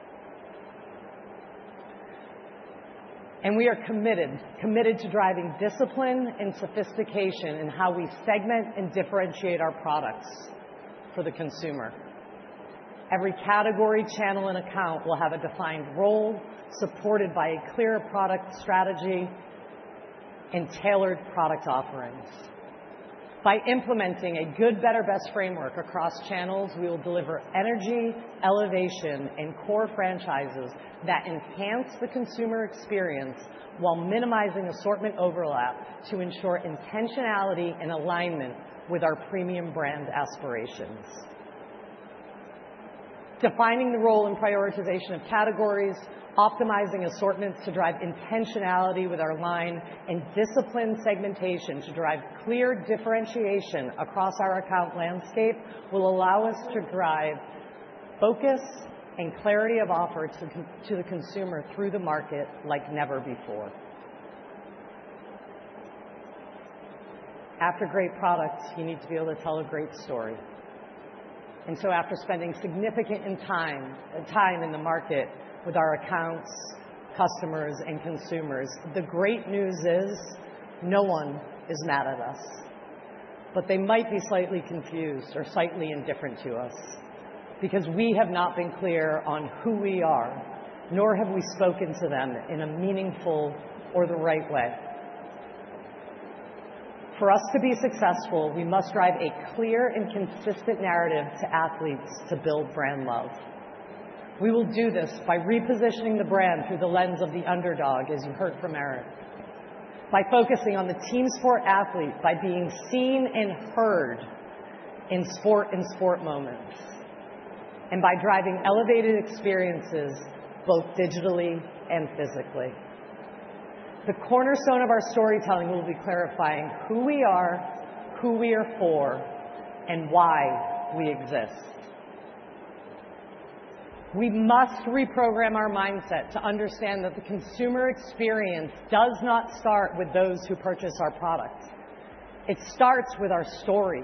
And we are committed, committed to driving discipline and sophistication in how we segment and differentiate our products for the consumer. Every category, channel, and account will have a defined role supported by a clear product strategy and tailored product offerings. By implementing a good, better, best framework across channels, we will deliver energy, elevation, and core franchises that enhance the consumer experience while minimizing assortment overlap to ensure intentionality and alignment with our premium brand aspirations. Defining the role and prioritization of categories, optimizing assortments to drive intentionality with our line, and disciplined segmentation to drive clear differentiation across our account landscape will allow us to drive focus and clarity of offer to the consumer through the market like never before. After great products, you need to be able to tell a great story. And so after spending significant time in the market with our accounts, customers, and consumers, the great news is no one is mad at us, but they might be slightly confused or slightly indifferent to us because we have not been clear on who we are, nor have we spoken to them in a meaningful or the right way. For us to be successful, we must drive a clear and consistent narrative to athletes to build brand love. We will do this by repositioning the brand through the lens of the underdog, as you heard from Eric, by focusing on the team sport athlete, by being seen and heard in sport and sport moments, and by driving elevated experiences both digitally and physically. The cornerstone of our storytelling will be clarifying who we are, who we are for, and why we exist. We must reprogram our mindset to understand that the consumer experience does not start with those who purchase our products. It starts with our story.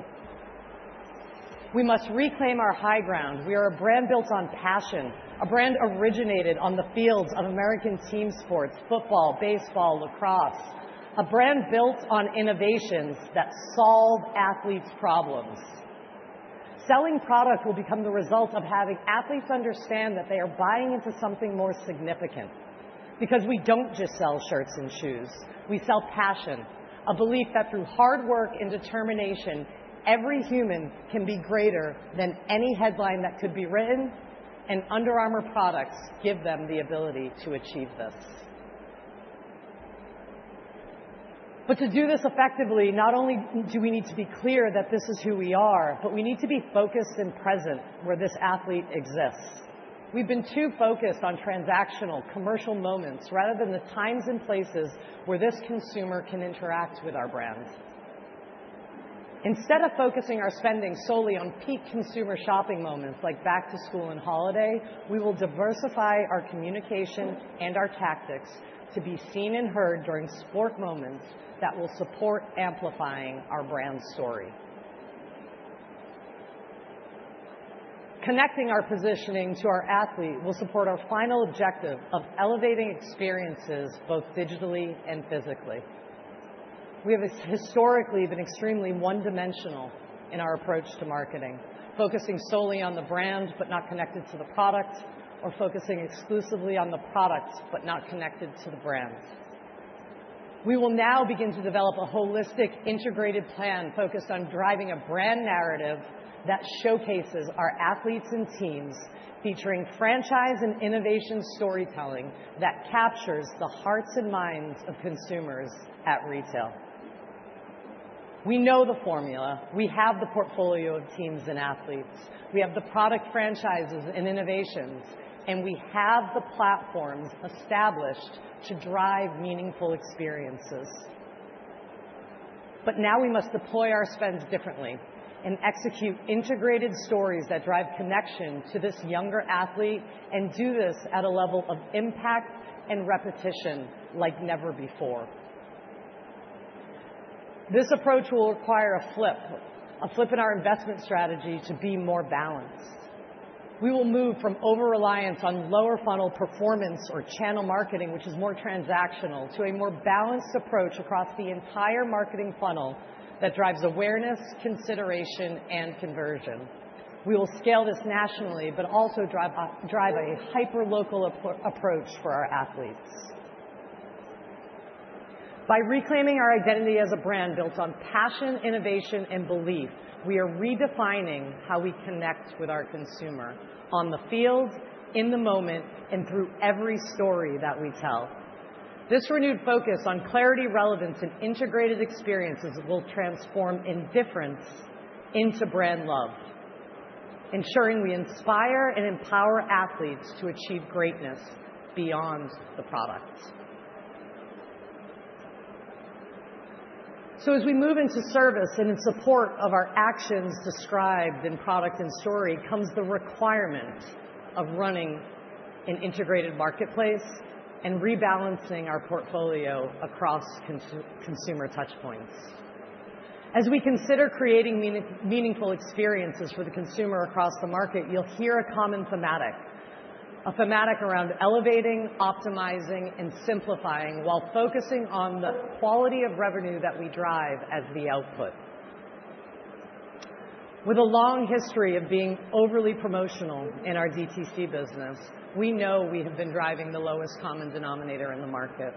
We must reclaim our high ground. We are a brand built on passion, a brand originated on the fields of American team sports, football, baseball, lacrosse, a brand built on innovations that solve athletes' problems. Selling product will become the result of having athletes understand that they are buying into something more significant because we don't just sell shirts and shoes. We sell passion, a belief that through hard work and determination, every human can be greater than any headline that could be written, and Under Armour products give them the ability to achieve this. But to do this effectively, not only do we need to be clear that this is who we are, but we need to be focused and present where this athlete exists. We've been too focused on transactional, commercial moments rather than the times and places where this consumer can interact with our brand. Instead of focusing our spending solely on peak consumer shopping moments like back to school and holiday, we will diversify our communication and our tactics to be seen and heard during sport moments that will support amplifying our brand story. Connecting our positioning to our athlete will support our final objective of elevating experiences both digitally and physically. We have historically been extremely one-dimensional in our approach to marketing, focusing solely on the brand but not connected to the product, or focusing exclusively on the product but not connected to the brand. We will now begin to develop a holistic, integrated plan focused on driving a brand narrative that showcases our athletes and teams, featuring franchise and innovation storytelling that captures the hearts and minds of consumers at retail. We know the formula. We have the portfolio of teams and athletes. We have the product franchises and innovations, and we have the platforms established to drive meaningful experiences. But now we must deploy our spends differently and execute integrated stories that drive connection to this younger athlete and do this at a level of impact and repetition like never before. This approach will require a flip, a flip in our investment strategy to be more balanced. We will move from over-reliance on lower-funnel performance or channel marketing, which is more transactional, to a more balanced approach across the entire marketing funnel that drives awareness, consideration, and conversion. We will scale this nationally, but also drive a hyper-local approach for our athletes. By reclaiming our identity as a brand built on passion, innovation, and belief, we are redefining how we connect with our consumer on the field, in the moment, and through every story that we tell. This renewed focus on clarity, relevance, and integrated experiences will transform indifference into brand love, ensuring we inspire and empower athletes to achieve greatness beyond the products. So as we move into service and in support of our actions described in product and story, comes the requirement of running an integrated marketplace and rebalancing our portfolio across consumer touchpoints. As we consider creating meaningful experiences for the consumer across the market, you'll hear a common thematic, a thematic around elevating, optimizing, and simplifying while focusing on the quality of revenue that we drive as the output. With a long history of being overly promotional in our DTC business, we know we have been driving the lowest common denominator in the market.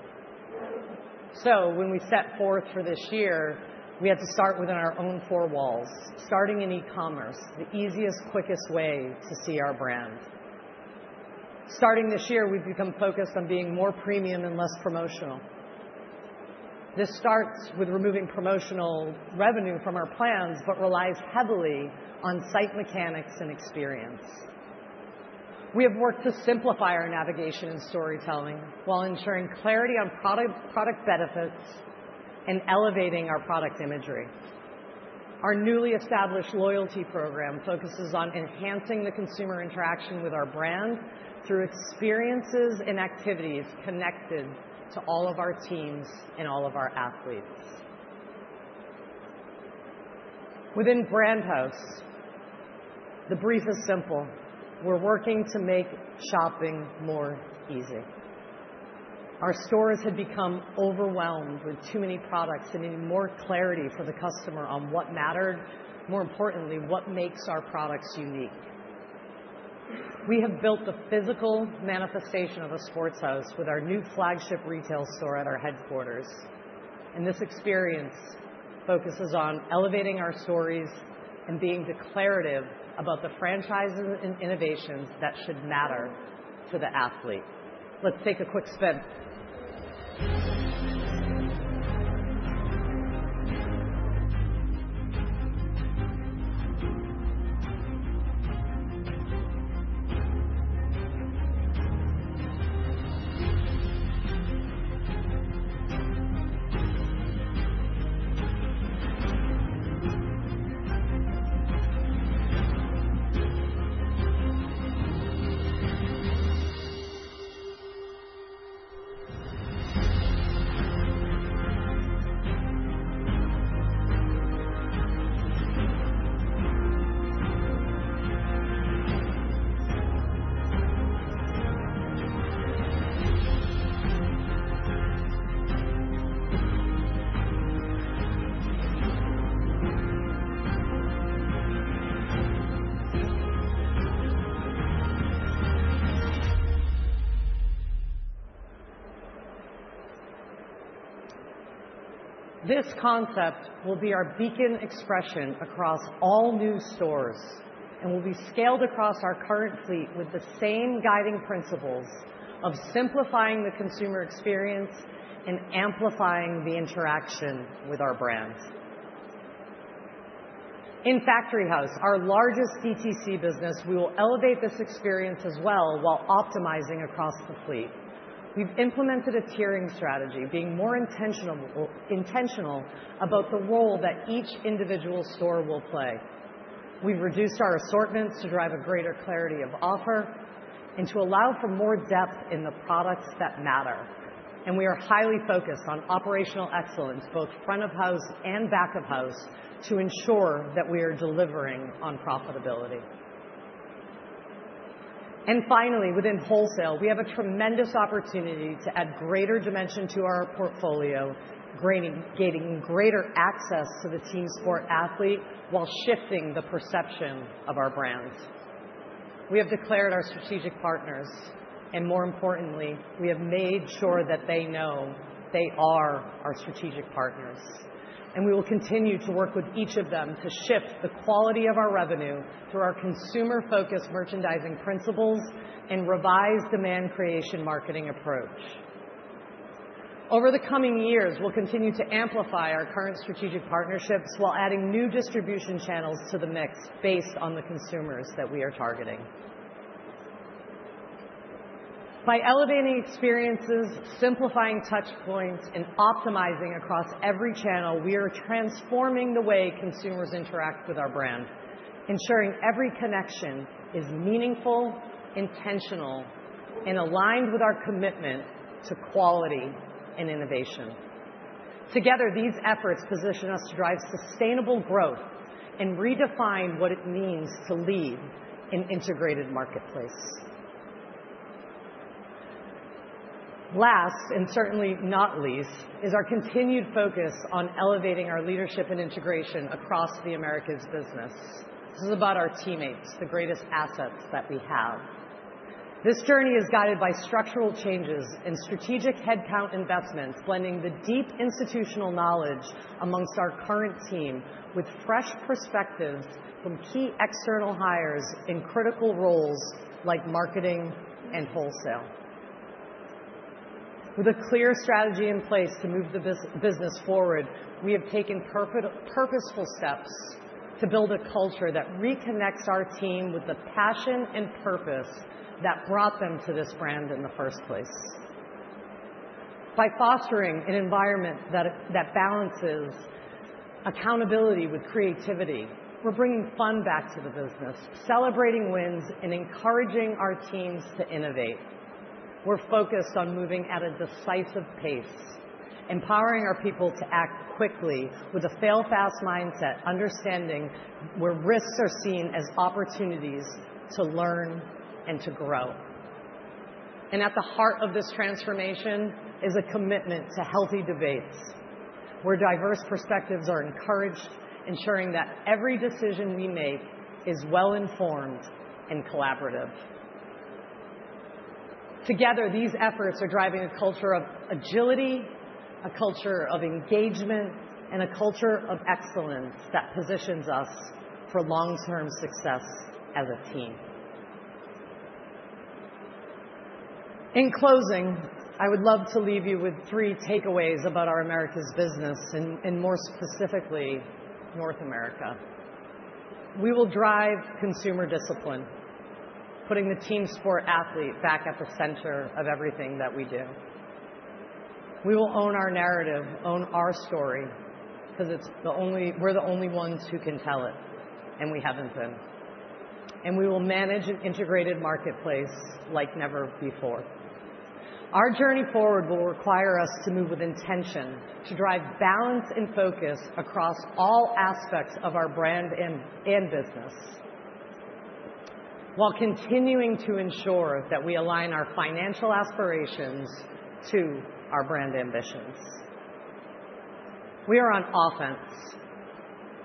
So when we set forth for this year, we had to start within our own four walls, starting in e-commerce, the easiest, quickest way to see our brand. Starting this year, we've become focused on being more premium and less promotional. This starts with removing promotional revenue from our plans but relies heavily on site mechanics and experience. We have worked to simplify our navigation and storytelling while ensuring clarity on product benefits and elevating our product imagery. Our newly established loyalty program focuses on enhancing the consumer interaction with our brand through experiences and activities connected to all of our teams and all of our athletes. Within Brand House, the brief is simple. We're working to make shopping more easy. Our stores had become overwhelmed with too many products and needed more clarity for the customer on what mattered, more importantly, what makes our products unique. We have built the physical manifestation of Sports House with our new flagship retail store at our headquarters, and this experience focuses on elevating our stories and being declarative about the franchises and innovations that should matter to the athlete. Let's take a quick spin. This concept will be our beacon expression across all new stores and will be scaled across our current fleet with the same guiding principles of simplifying the consumer experience and amplifying the interaction with our brand. In Factory House, our largest DTC business, we will elevate this experience as well while optimizing across the fleet. We've implemented a tiering strategy, being more intentional about the role that each individual store will play. We've reduced our assortments to drive a greater clarity of offer and to allow for more depth in the products that matter. And we are highly focused on operational excellence, both front of house and back of house, to ensure that we are delivering on profitability. And finally, within wholesale, we have a tremendous opportunity to add greater dimension to our portfolio, gaining greater access to the team sport athlete while shifting the perception of our brand. We have declared our strategic partners, and more importantly, we have made sure that they know they are our strategic partners. And we will continue to work with each of them to shift the quality of our revenue through our consumer-focused merchandising principles and revised demand creation marketing approach. Over the coming years, we'll continue to amplify our current strategic partnerships while adding new distribution channels to the mix based on the consumers that we are targeting. By elevating experiences, simplifying touchpoints, and optimizing across every channel, we are transforming the way consumers interact with our brand, ensuring every connection is meaningful, intentional, and aligned with our commitment to quality and innovation. Together, these efforts position us to drive sustainable growth and redefine what it means to lead an integrated marketplace. Last, and certainly not least, is our continued focus on elevating our leadership and integration across the Americas business. This is about our teammates, the greatest assets that we have. This journey is guided by structural changes and strategic headcount investments, blending the deep institutional knowledge among our current team with fresh perspectives from key external hires in critical roles like marketing and wholesale. With a clear strategy in place to move the business forward, we have taken purposeful steps to build a culture that reconnects our team with the passion and purpose that brought them to this brand in the first place. By fostering an environment that balances accountability with creativity, we're bringing fun back to the business, celebrating wins, and encouraging our teams to innovate. We're focused on moving at a decisive pace, empowering our people to act quickly with a fail-fast mindset, understanding where risks are seen as opportunities to learn and to grow. And at the heart of this transformation is a commitment to healthy debates where diverse perspectives are encouraged, ensuring that every decision we make is well-informed and collaborative. Together, these efforts are driving a culture of agility, a culture of engagement, and a culture of excellence that positions us for long-term success as a team. In closing, I would love to leave you with three takeaways about our Americas business, and more specifically, North America. We will drive consumer discipline, putting the team sport athlete back at the center of everything that we do. We will own our narrative, own our story, because we're the only ones who can tell it, and we haven't been, and we will manage an integrated marketplace like never before. Our journey forward will require us to move with intention to drive balance and focus across all aspects of our brand and business, while continuing to ensure that we align our financial aspirations to our brand ambitions. We are on offense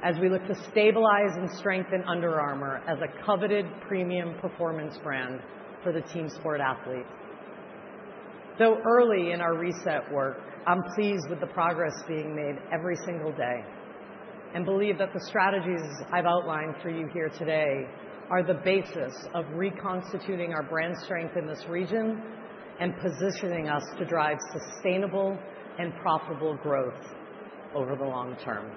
as we look to stabilize and strengthen Under Armour as a coveted premium performance brand for the team sport athlete. Though early in our reset work, I'm pleased with the progress being made every single day and believe that the strategies I've outlined for you here today are the basis of reconstituting our brand strength in this region and positioning us to drive sustainable and profitable growth over the long term.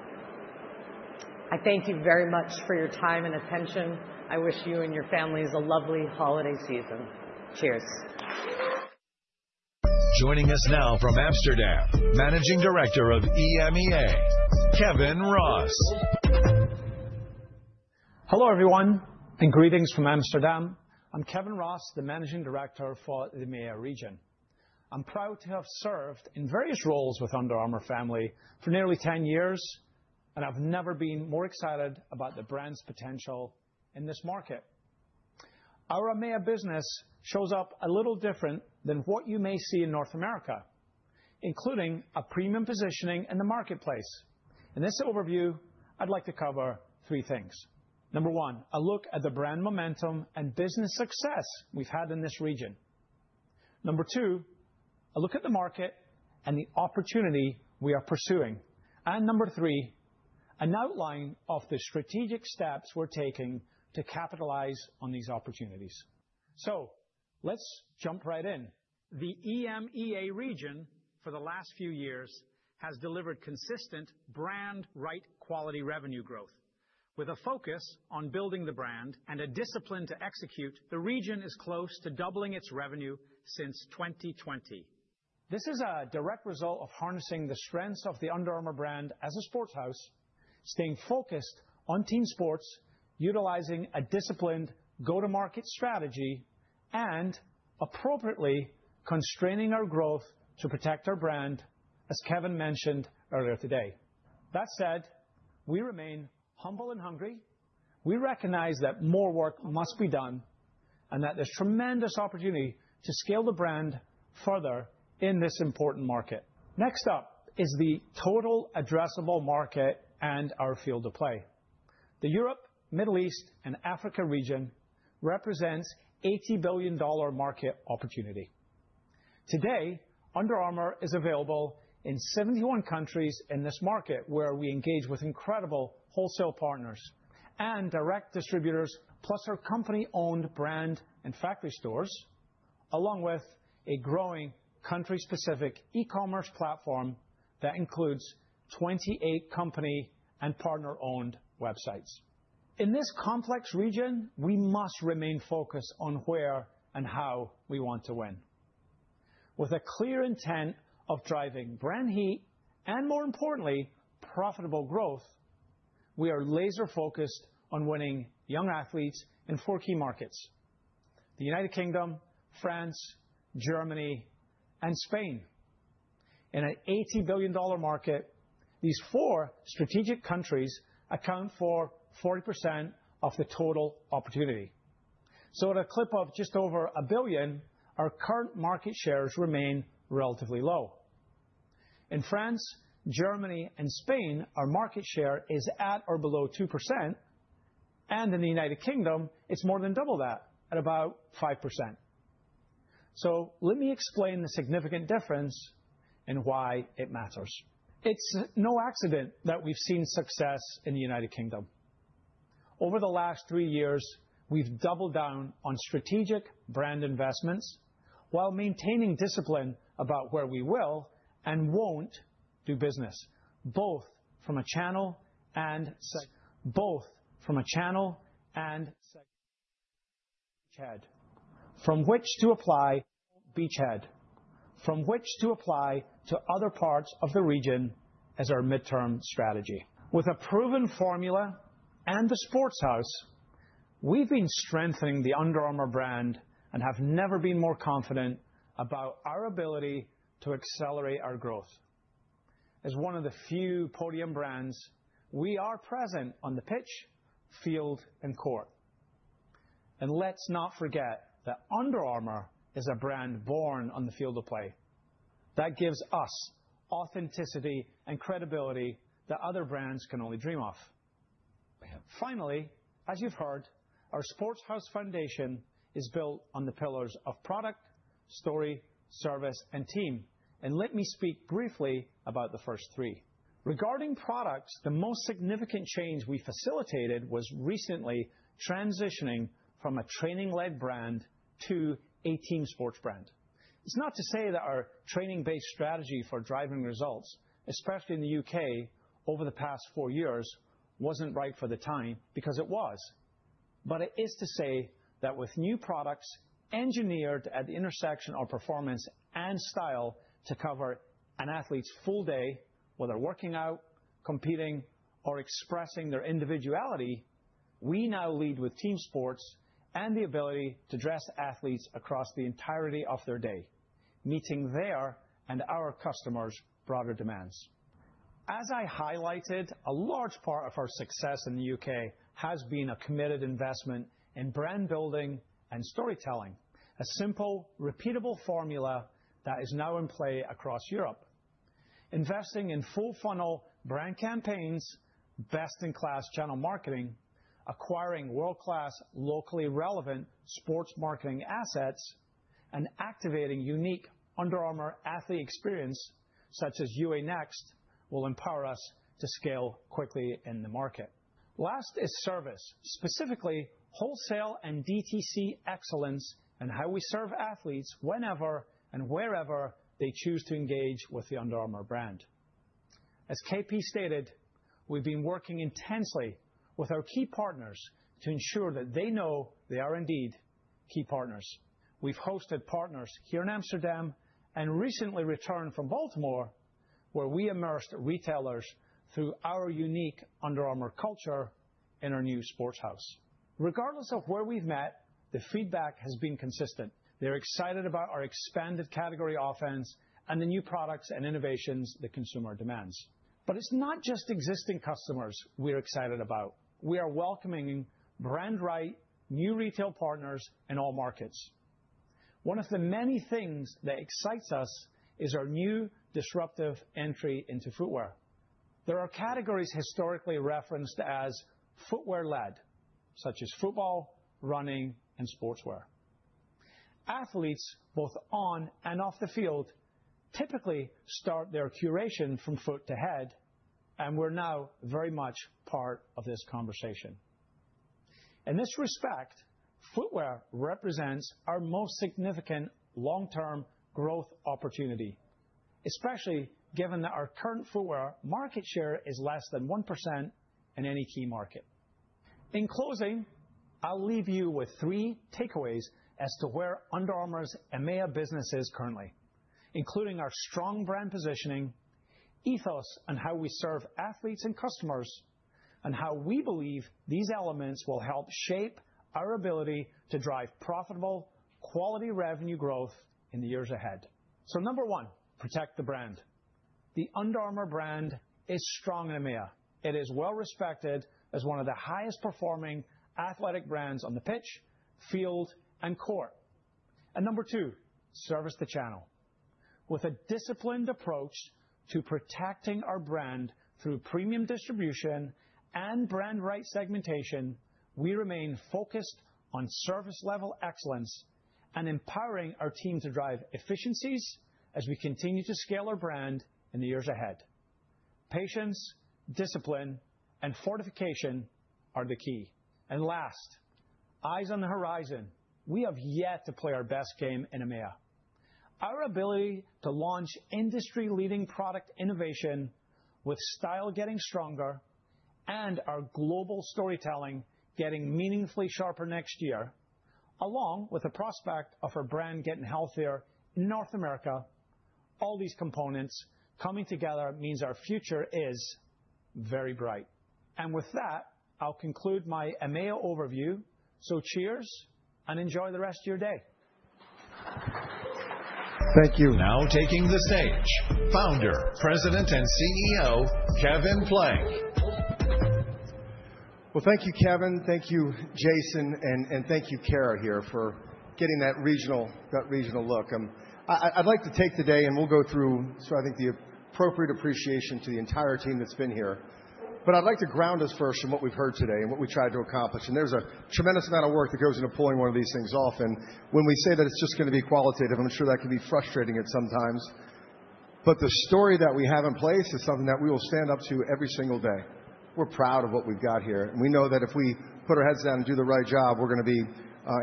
I thank you very much for your time and attention. I wish you and your families a lovely holiday season. Cheers. Joining us now from Amsterdam, Managing Director of EMEA, Kevin Ross. Hello everyone and greetings from Amsterdam. I'm Kevin Ross, the Managing Director for EMEA Region. I'm proud to have served in various roles with the Under Armour family for nearly 10 years, and I've never been more excited about the brand's potential in this market. Our EMEA business shows up a little different than what you may see in North America, including a premium positioning in the marketplace. In this overview, I'd like to cover three things. Number one, a look at the brand momentum and business success we've had in this region. Number two, a look at the market and the opportunity we are pursuing. And number three, an outline of the strategic steps we're taking to capitalize on these opportunities. So let's jump right in. The EMEA region for the last few years has delivered consistent brand-right quality revenue growth. With a focus on building the brand and a discipline to execute, the region is close to doubling its revenue since 2020. This is a direct result of harnessing the strengths of the Under Armour brand as a Sports House, staying focused on team sports, utilizing a disciplined go-to-market strategy, and appropriately constraining our growth to protect our brand, as Kevin mentioned earlier today. That said, we remain humble and hungry. We recognize that more work must be done and that there's tremendous opportunity to scale the brand further in this important market. Next up is the total addressable market and our field to play. The Europe, Middle East, and Africa region represents an $80 billion market opportunity. Today, Under Armour is available in 71 countries in this market where we engage with incredible wholesale partners and direct distributors, plus our company-owned brand and factory stores, along with a growing country-specific e-commerce platform that includes 28 company and partner-owned websites. In this complex region, we must remain focused on where and how we want to win. With a clear intent of driving brand heat and, more importantly, profitable growth, we are laser-focused on winning young athletes in four key markets: the United Kingdom, France, Germany, and Spain. In an $80 billion market, these four strategic countries account for 40% of the total opportunity, so at a clip of just over $1 billion, our current market shares remain relatively low. In France, Germany, and Spain, our market share is at or below 2%, and in the United Kingdom, it's more than double that at about 5%, so let me explain the significant difference and why it matters. It's no accident that we've seen success in the United Kingdom. Over the last three years, we've doubled down on strategic brand investments while maintaining discipline about where we will and won't do business, both from a channel and from which to apply to other parts of the region as our midterm strategy. With a proven formula and the Sports House, we've been strengthening the Under Armour brand and have never been more confident about our ability to accelerate our growth. As one of the few podium brands, we are present on the pitch, field, and court. Let's not forget that Under Armour is a brand born on the field to play. That gives us authenticity and credibility that other brands can only dream of. Finally, as you've heard, our Sports House foundation is built on the pillars of product, story, service, and team. Let me speak briefly about the first three. Regarding products, the most significant change we facilitated was recently transitioning from a training-led brand to a team sports brand. It's not to say that our training-based strategy for driving results, especially in the U.K. over the past four years, wasn't right for the time because it was. But it is to say that with new products engineered at the intersection of performance and style to cover an athlete's full day, whether working out, competing, or expressing their individuality, we now lead with team sports and the ability to dress athletes across the entirety of their day, meeting their and our customers' broader demands. As I highlighted, a large part of our success in the U.K. has been a committed investment in brand building and storytelling, a simple, repeatable formula that is now in play across Europe. Investing in full-funnel brand campaigns, best-in-class channel marketing, acquiring world-class, locally relevant sports marketing assets, and activating unique Under Armour athlete experience, such as UA Next, will empower us to scale quickly in the market. Last is service, specifically wholesale and DTC excellence and how we serve athletes whenever and wherever they choose to engage with the Under Armour brand. As KP stated, we've been working intensely with our key partners to ensure that they know they are indeed key partners. We've hosted partners here in Amsterdam and recently returned from Baltimore, where we immersed retailers through our unique Under Armour culture in our new Sports House. Regardless of where we've met, the feedback has been consistent. They're excited about our expanded category offense and the new products and innovations the consumer demands. But it's not just existing customers we're excited about. We are welcoming brand-right, new retail partners in all markets. One of the many things that excites us is our new disruptive entry into footwear. There are categories historically referenced as footwear-led, such as football, running, and sportswear. Athletes, both on and off the field, typically start their curation from foot to head, and we're now very much part of this conversation. In this respect, footwear represents our most significant long-term growth opportunity, especially given that our current footwear market share is less than 1% in any key market. In closing, I'll leave you with three takeaways as to where Under Armour's EMEA business is currently, including our strong brand positioning, ethos on how we serve athletes and customers, and how we believe these elements will help shape our ability to drive profitable, quality revenue growth in the years ahead. So number one, protect the brand. The Under Armour brand is strong in EMEA. It is well-respected as one of the highest-performing athletic brands on the pitch, field, and court. And number two, service the channel. With a disciplined approach to protecting our brand through premium distribution and brand-right segmentation, we remain focused on service-level excellence and empowering our team to drive efficiencies as we continue to scale our brand in the years ahead. Patience, discipline, and fortification are the key. And last, eyes on the horizon. We have yet to play our best game in EMEA. Our ability to launch industry-leading product innovation with style getting stronger and our global storytelling getting meaningfully sharper next year, along with the prospect of our brand getting healthier in North America, all these components coming together means our future is very bright. And with that, I'll conclude my EMEA overview. So cheers and enjoy the rest of your day. Thank you. Now taking the stage, Founder, President, and CEO Kevin Plank. Well, thank you, Kevin. Thank you, Jason, and thank you, Kara here for getting that regional look. I'd like to take the day, and we'll go through, so I think, the appropriate appreciation to the entire team that's been here. But I'd like to ground us first in what we've heard today and what we tried to accomplish. And there's a tremendous amount of work that goes into pulling one of these things off. And when we say that it's just going to be qualitative, I'm sure that can be frustrating at times. But the story that we have in place is something that we will stand up to every single day. We're proud of what we've got here. And we know that if we put our heads down and do the right job, we're going to be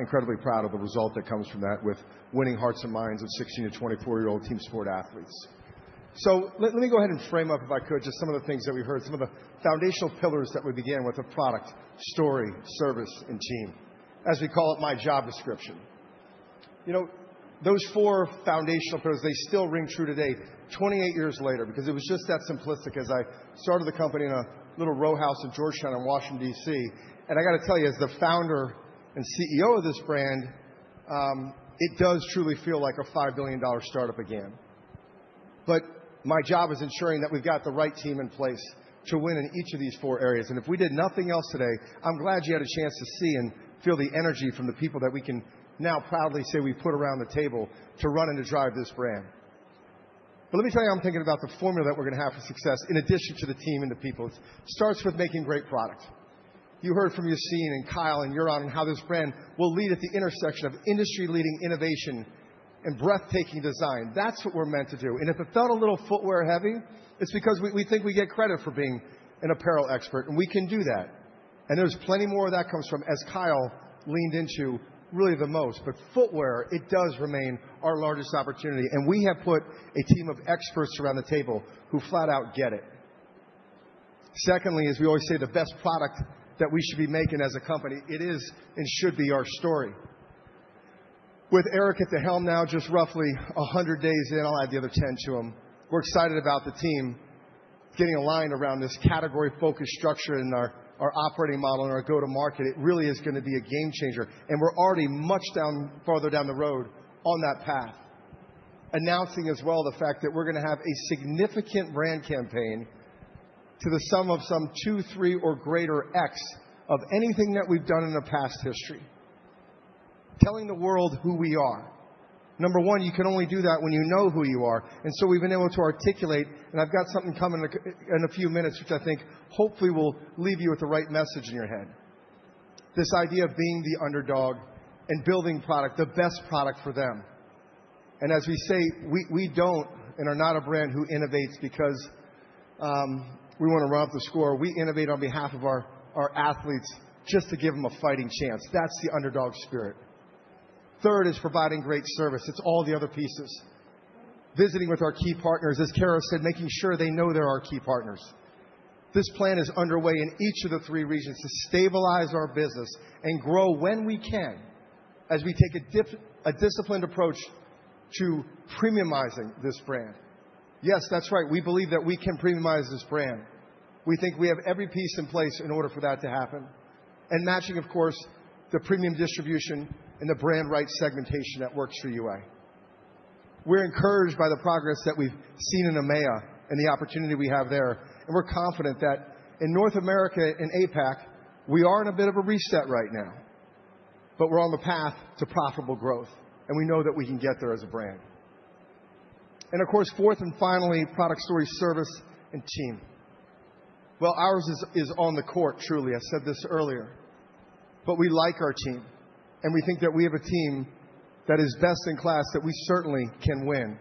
incredibly proud of the result that comes from that with winning hearts and minds of 16- to 24-year-old team sport athletes. So let me go ahead and frame up, if I could, just some of the things that we heard, some of the foundational pillars that we began with: a product, story, service, and team, as we call it my job description. Those four foundational pillars, they still ring true today, 28 years later, because it was just that simplistic as I started the company in a little rowhouse in Georgetown in Washington, D.C. And I got to tell you, as the Founder and CEO of this brand, it does truly feel like a $5 billion startup again. But my job is ensuring that we've got the right team in place to win in each of these four areas. And if we did nothing else today, I'm glad you had a chance to see and feel the energy from the people that we can now proudly say we put around the table to run and to drive this brand. But let me tell you how I'm thinking about the formula that we're going to have for success in addition to the team and the people. It starts with making great product. You heard from Yassine and Kyle and Yuron on how this brand will lead at the intersection of industry-leading innovation and breathtaking design. That's what we're meant to do. And if it felt a little footwear-heavy, it's because we think we get credit for being an apparel expert, and we can do that. And there's plenty more of that comes from, as Kyle leaned into, really the most. But footwear, it does remain our largest opportunity. And we have put a team of experts around the table who flat out get it. Secondly, as we always say, the best product that we should be making as a company, it is and should be our story. With Eric at the helm now, just roughly 100 days in, I'll add the other 10 to him. We're excited about the team getting aligned around this category-focused structure in our operating model and our go-to-market. It really is going to be a game changer. We're already much farther down the road on that path, announcing as well the fact that we're going to have a significant brand campaign to the sum of some two, three, or greater X of anything that we've done in our past history, telling the world who we are. Number one, you can only do that when you know who you are. So we've been able to articulate, and I've got something coming in a few minutes, which I think hopefully will leave you with the right message in your head, this idea of being the underdog and building product, the best product for them. As we say, we don't and are not a brand who innovates because we want to run up the score. We innovate on behalf of our athletes just to give them a fighting chance. That's the underdog spirit. Third is providing great service. It's all the other pieces. Visiting with our key partners, as Kara said, making sure they know they're our key partners. This plan is underway in each of the three regions to stabilize our business and grow when we can as we take a disciplined approach to premiumizing this brand. Yes, that's right. We believe that we can premiumize this brand. We think we have every piece in place in order for that to happen, and matching, of course, the premium distribution and the brand-right segmentation that works for UA. We're encouraged by the progress that we've seen in EMEA and the opportunity we have there, and we're confident that in North America and APAC, we are in a bit of a reset right now, but we're on the path to profitable growth, and we know that we can get there as a brand. Of course, fourth and finally, product story, service, and team. Well, ours is on the court, truly. I said this earlier. But we like our team, and we think that we have a team that is best in class that we certainly can win.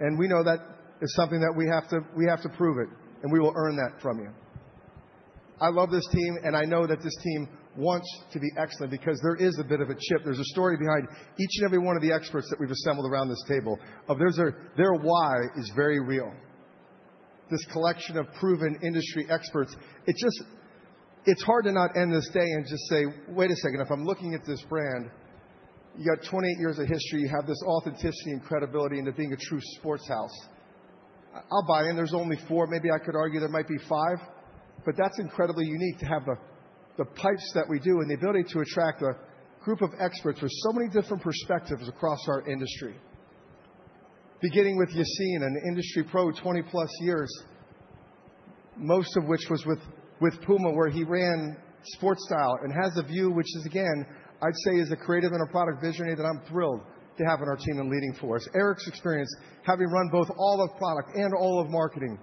And we know that is something that we have to prove it, and we will earn that from you. I love this team, and I know that this team wants to be excellent because there is a bit of a chip. There's a story behind each and every one of the experts that we've assembled around this table. Their why is very real. This collection of proven industry experts, it's hard to not end this day and just say, "Wait a second. If I'm looking at this brand, you got 28 years of history. You have this authenticity and credibility into being a true sports house. I'll buy in. "There's only four. Maybe I could argue there might be five," but that's incredibly unique to have the pipes that we do and the ability to attract a group of experts with so many different perspectives across our industry, beginning with Yassine, an industry pro, 20-plus years, most of which was with Puma, where he ran Sportstyle and has a view, which is, again, I'd say, is a creative and a product visionary that I'm thrilled to have on our team and leading for us. Eric's experience, having run both all of product and all of marketing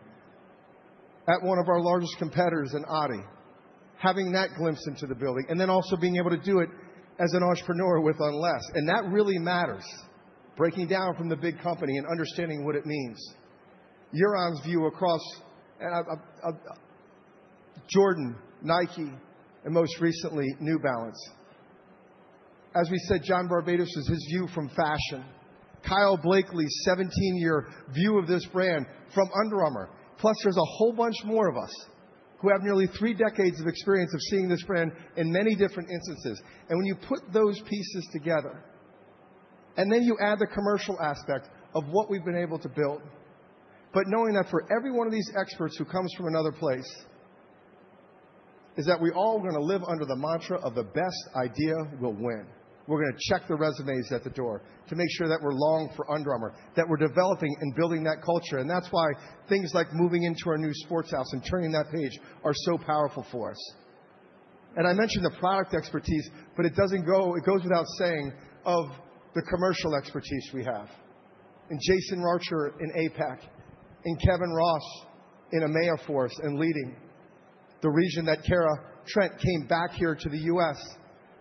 at one of our largest competitors, Adidas, having that glimpse into the building, and then also being able to do it as an entrepreneur with Unless. And that really matters, breaking down from the big company and understanding what it means. Yuron's view across Jordan, Nike, and most recently, New Balance. As we said, John Varvatos is his view from fashion. Kyle Blakely's 17-year view of this brand from Under Armour. Plus, there's a whole bunch more of us who have nearly three decades of experience of seeing this brand in many different instances. And when you put those pieces together, and then you add the commercial aspect of what we've been able to build, but knowing that for every one of these experts who comes from another place is that we all are going to live under the mantra of the best idea will win. We're going to check the resumes at the door to make sure that we're long for Under Armour, that we're developing and building that culture. And that's why things like moving into our new Sports House and turning that page are so powerful for us. And I mentioned the product expertise, but it goes without saying of the commercial expertise we have. And Jason Archer in APAC and Kevin Ross in EMEA for us and leading the region that Kara Trent came back here to the U.S.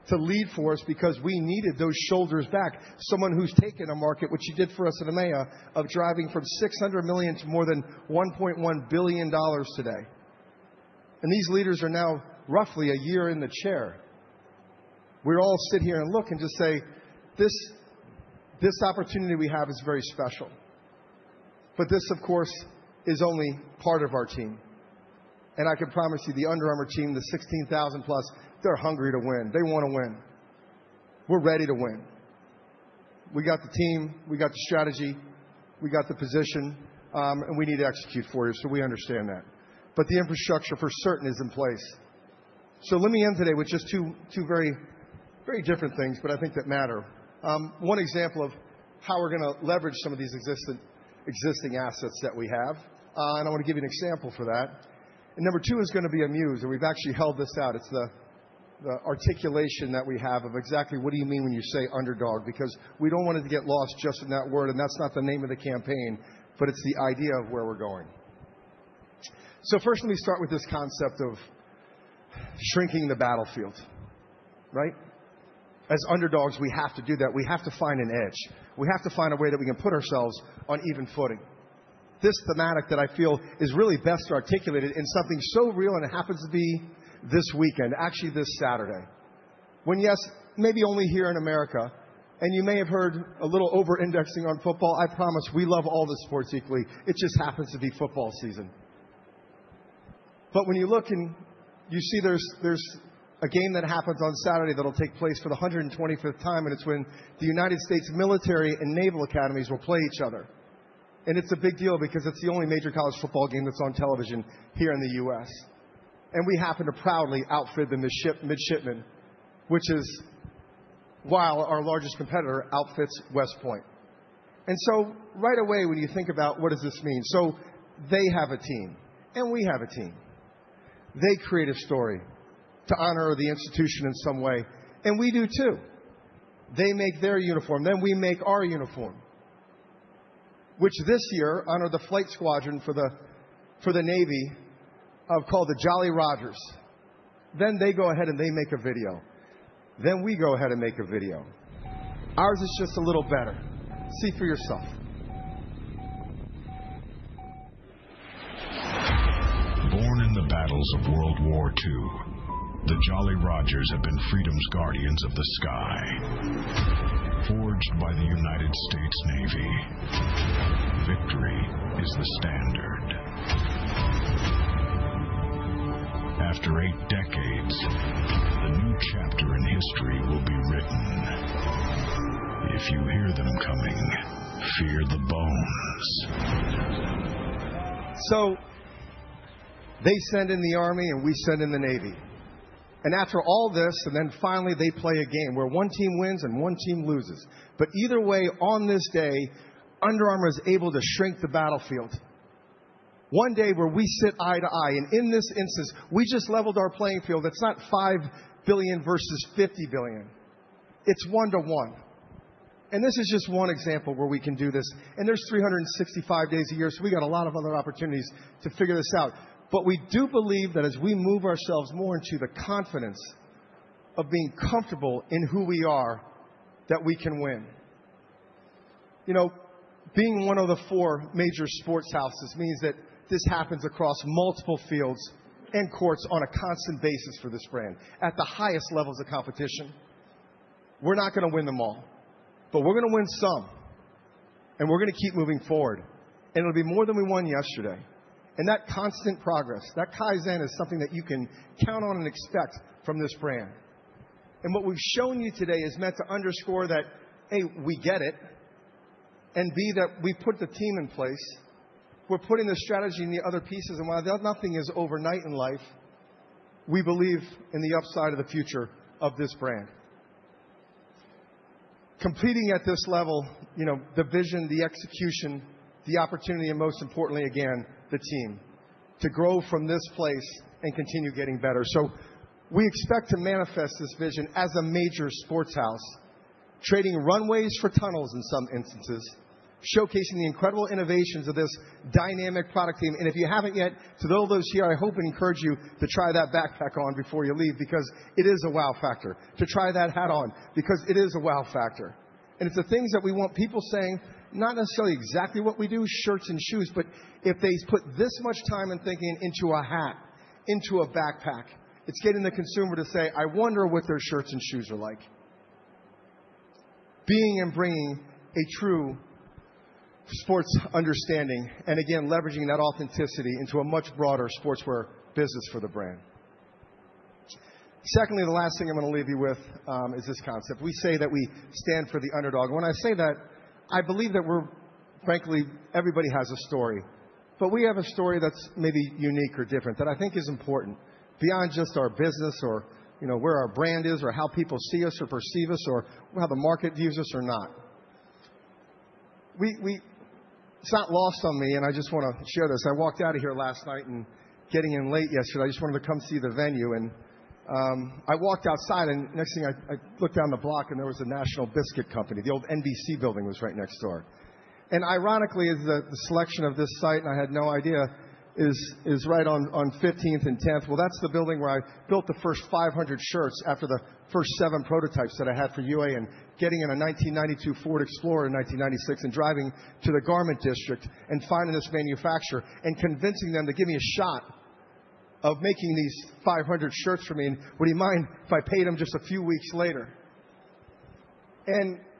to lead for us because we needed those shoulders back, someone who's taken a market, which she did for us in EMEA, of driving from $600 million to more than $1.1 billion today. And these leaders are now roughly a year in the chair. We all sit here and look and just say, "This opportunity we have is very special." But this, of course, is only part of our team. And I can promise you the Under Armour team, the 16,000+, they're hungry to win. They want to win. We're ready to win. We got the team. We got the strategy. We got the position. And we need to execute for you, so we understand that. But the infrastructure, for certain, is in place. So let me end today with just two very different things, but I think that matter. One example of how we're going to leverage some of these existing assets that we have, and I want to give you an example for that. And number two is going to be a muse. And we've actually held this out. It's the articulation that we have of exactly what do you mean when you say underdog, because we don't want it to get lost just in that word. And that's not the name of the campaign, but it's the idea of where we're going. First, let me start with this concept of shrinking the battlefield. As underdogs, we have to do that. We have to find an edge. We have to find a way that we can put ourselves on even footing. This theme that I feel is really best articulated in something so real, and it happens to be this weekend, actually this Saturday, when yes, maybe only here in America. You may have heard a little over-indexing on football. I promise we love all the sports equally. It just happens to be football season. But when you look and you see there's a game that happens on Saturday that'll take place for the 125th time, and it's when the United States Military Academy and Naval Academy will play each other. It's a big deal because it's the only major college football game that's on television here in the U.S. We happen to proudly outfit the Midshipmen, which is while our largest competitor outfits West Point. So right away, when you think about what does this mean, they have a team, and we have a team. They create a story to honor the institution in some way, and we do too. They make their uniform, then we make our uniform, which this year honor the flight squadron for the Navy called the Jolly Rogers. Then they go ahead and they make a video. Then we go ahead and make a video. Ours is just a little better. See for yourself. Born in the battles of World War II, the Jolly Rogers have been freedom's guardians of the sky. Forged by the United States Navy, victory is the standard. After eight decades, the new chapter in history will be written. If you hear them coming, fear the bones. So they send in the Army, and we send in the Navy. And after all this, and then finally they play a game where one team wins and one team loses. But either way, on this day, Under Armour is able to shrink the battlefield. One day where we sit eye to eye. And in this instance, we just leveled our playing field. It's not five billion versus 50 billion. It's one to one. And this is just one example where we can do this. And there's 365 days a year, so we got a lot of other opportunities to figure this out. But we do believe that as we move ourselves more into the confidence of being comfortable in who we are, that we can win. Being one of the four major sports houses means that this happens across multiple fields and courts on a constant basis for this brand. At the highest levels of competition, we're not going to win them all, but we're going to win some, and we're going to keep moving forward, and it'll be more than we won yesterday, and that constant progress, that kaizen is something that you can count on and expect from this brand, and what we've shown you today is meant to underscore that, A, we get it, and B, that we put the team in place. We're putting the strategy in the other pieces, and while nothing is overnight in life, we believe in the upside of the future of this brand. Completing at this level, the vision, the execution, the opportunity, and most importantly, again, the team to grow from this place and continue getting better. So we expect to manifest this vision as a major Sports House, trading runways for tunnels in some instances, showcasing the incredible innovations of this dynamic product team. And if you haven't yet, to those of us here, I hope and encourage you to try that backpack on before you leave because it is a wow factor. To try that hat on because it is a wow factor. And it's the things that we want people saying, not necessarily exactly what we do, shirts and shoes, but if they put this much time and thinking into a hat, into a backpack, it's getting the consumer to say, "I wonder what their shirts and shoes are like." Being and bringing a true sports understanding, and again, leveraging that authenticity into a much broader sportswear business for the brand. Secondly, the last thing I'm going to leave you with is this concept. We say that we stand for the underdog. And when I say that, I believe that we're, frankly, everybody has a story. But we have a story that's maybe unique or different that I think is important beyond just our business or where our brand is or how people see us or perceive us or how the market views us or not. It's not lost on me, and I just want to share this. I walked out of here last night and getting in late yesterday, I just wanted to come see the venue. And I walked outside, and next thing I looked down the block, and there was the National Biscuit Company. The old NBC building was right next door. And ironically, the selection of this site, and I had no idea, is right on 15th and 10th. Well, that's the building where I built the first 500 shirts after the first seven prototypes that I had for UA and getting in a 1992 Ford Explorer in 1996 and driving to the Garment District and finding this manufacturer and convincing them to give me a shot of making these 500 shirts for me. And would he mind if I paid him just a few weeks later?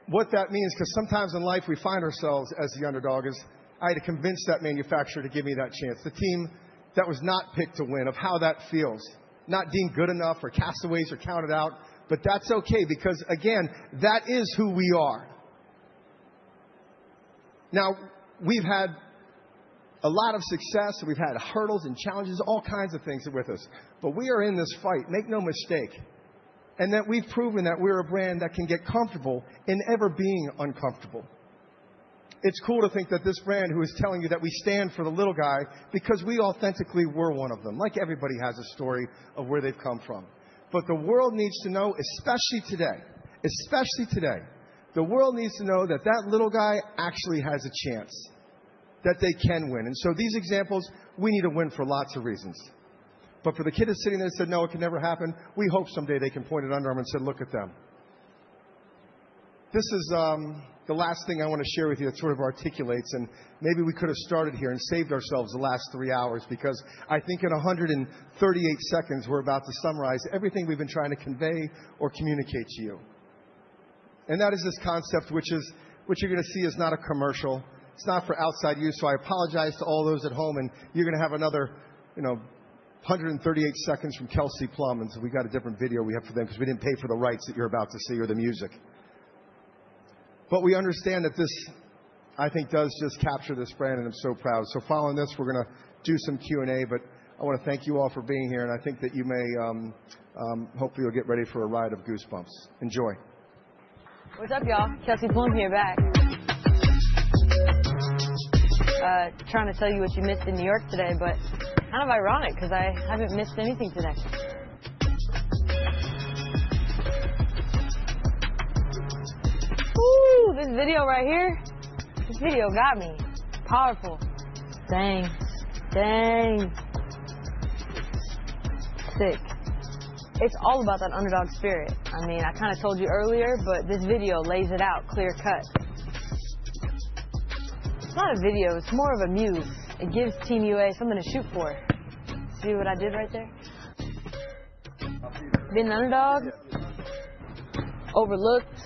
What that means, because sometimes in life we find ourselves as the underdog, is I had to convince that manufacturer to give me that chance. The team that was not picked to win of how that feels, not deemed good enough or cast away or counted out, but that's okay because, again, that is who we are. Now, we've had a lot of success. We've had hurdles and challenges, all kinds of things with us, but we are in this fight, make no mistake, and that we've proven that we're a brand that can get comfortable in ever being uncomfortable. It's cool to think that this brand who is telling you that we stand for the little guy because we authentically were one of them, like everybody has a story of where they've come from. But the world needs to know, especially today, especially today, the world needs to know that that little guy actually has a chance that they can win. And so these examples, we need to win for lots of reasons. But for the kid that's sitting there and said, "No, it can never happen," we hope someday they can point at Under Armour and say, "Look at them." This is the last thing I want to share with you that sort of articulates, and maybe we could have started here and saved ourselves the last three hours because I think in 138 seconds, we're about to summarize everything we've been trying to convey or communicate to you. And that is this concept, which you're going to see is not a commercial. It's not for outside use. So I apologize to all those at home, and you're going to have another 138 seconds from Kelsey Plum, and we got a different video we have for them because we didn't pay for the rights that you're about to see or the music. But we understand that this, I think, does just capture this brand, and I'm so proud. So following this, we're going to do some Q&A, but I want to thank you all for being here, and I think that you may hopefully get ready for a ride of goosebumps. Enjoy. What's up, y'all? Kelsey Plum here back. Trying to tell you what you missed in New York today, but kind of ironic because I haven't missed anything today. Ooh, this video right here, this video got me. Powerful. Dang. Dang. Sick. It's all about that underdog spirit. I mean, I kind of told you earlier, but this video lays it out clear cut. It's not a video. It's more of a muse. It gives Team UA something to shoot for. See what I did right there? Been an underdog? Overlooked?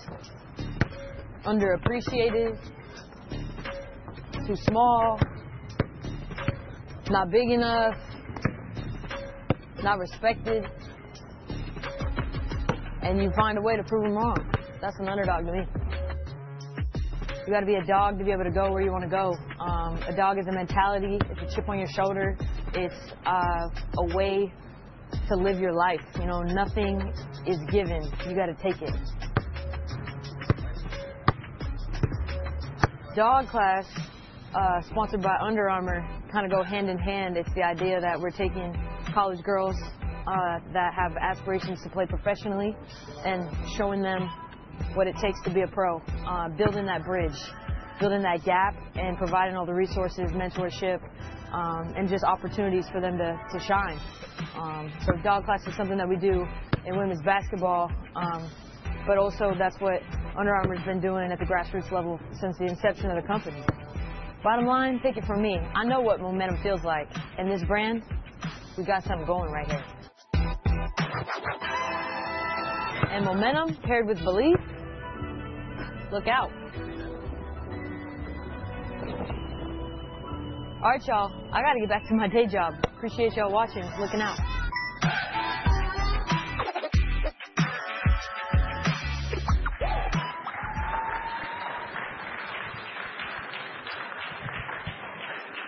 Underappreciated? Too small? Not big enough? Not respected? And you find a way to prove them wrong. That's an underdog to me. You got to be a dog to be able to go where you want to go. A dog is a mentality. It's a chip on your shoulder. It's a way to live your life. Nothing is given. You got to take it. Dawg Class, sponsored by Under Armour, kind of go hand-in-hand. It's the idea that we're taking college girls that have aspirations to play professionally and showing them what it takes to be a pro, building that bridge, building that gap, and providing all the resources, mentorship, and just opportunities for them to shine. So Dawg Class is something that we do in women's basketball, but also that's what Under Armour has been doing at the grassroots level since the inception of the company. Bottom line, take it from me. I know what momentum feels like. And this brand, we got something going right here. And momentum paired with belief, look out. All right, y'all. I got to get back to my day job. Appreciate y'all watching. Looking out.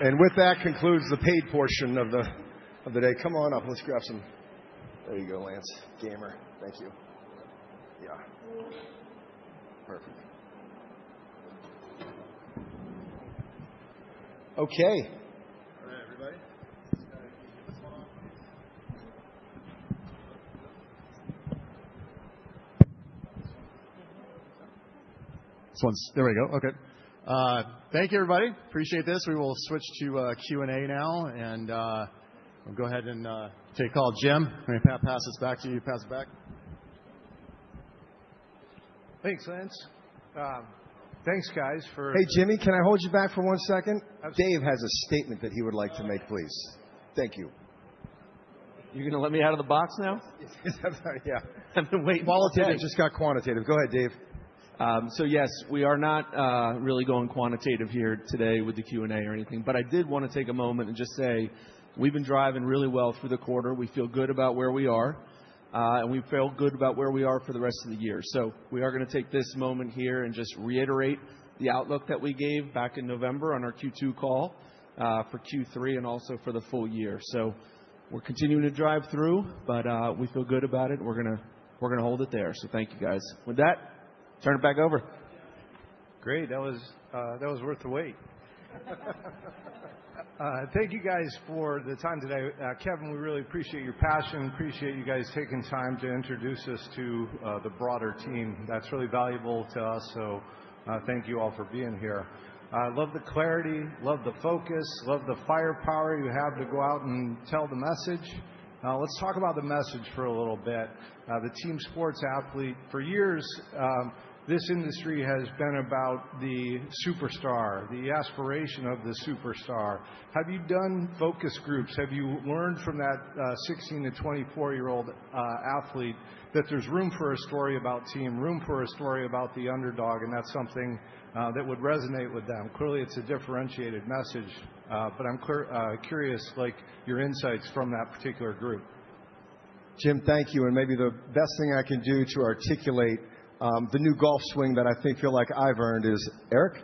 And with that concludes the paid portion of the day. Come on up. Let's grab some. There you go, Lance. Gamer. Thank you. Yeah. Perfect. Okay. All right, everybody. This one's. There we go. Okay. Thank you, everybody. Appreciate this. We will switch to Q&A now, and we'll go ahead and take call. Jim, I'm going to pass this back to you. Pass it back. Thanks, Lance. Thanks, guys, for. Hey, Jimmy, can I hold you back for one second? Dave has a statement that he would like to make, please. Thank you. You're going to let me out of the box now? Yeah. I've been waiting for. Qualitative. Just got quantitative. Go ahead, Dave. So yes, we are not really going quantitative here today with the Q&A or anything, but I did want to take a moment and just say we've been driving really well through the quarter. We feel good about where we are, and we feel good about where we are for the rest of the year. So we are going to take this moment here and just reiterate the outlook that we gave back in November on our Q2 call for Q3 and also for the full year. So we're continuing to drive through, but we feel good about it. We're going to hold it there. So thank you, guys. With that, turn it back over. Great. That was worth the wait. Thank you, guys, for the time today. Kevin, we really appreciate your passion. Appreciate you guys taking time to introduce us to the broader team. That's really valuable to us, so thank you all for being here. I love the clarity, love the focus, love the firepower you have to go out and tell the message. Let's talk about the message for a little bit. The team sports athlete, for years, this industry has been about the superstar, the aspiration of the superstar. Have you done focus groups? Have you learned from that 16- to 24-year-old athlete that there's room for a story about team, room for a story about the underdog, and that's something that would resonate with them? Clearly, it's a differentiated message, but I'm curious your insights from that particular group. Jim, thank you. And maybe the best thing I can do to articulate the new golf swing that I feel like I've earned is, Eric?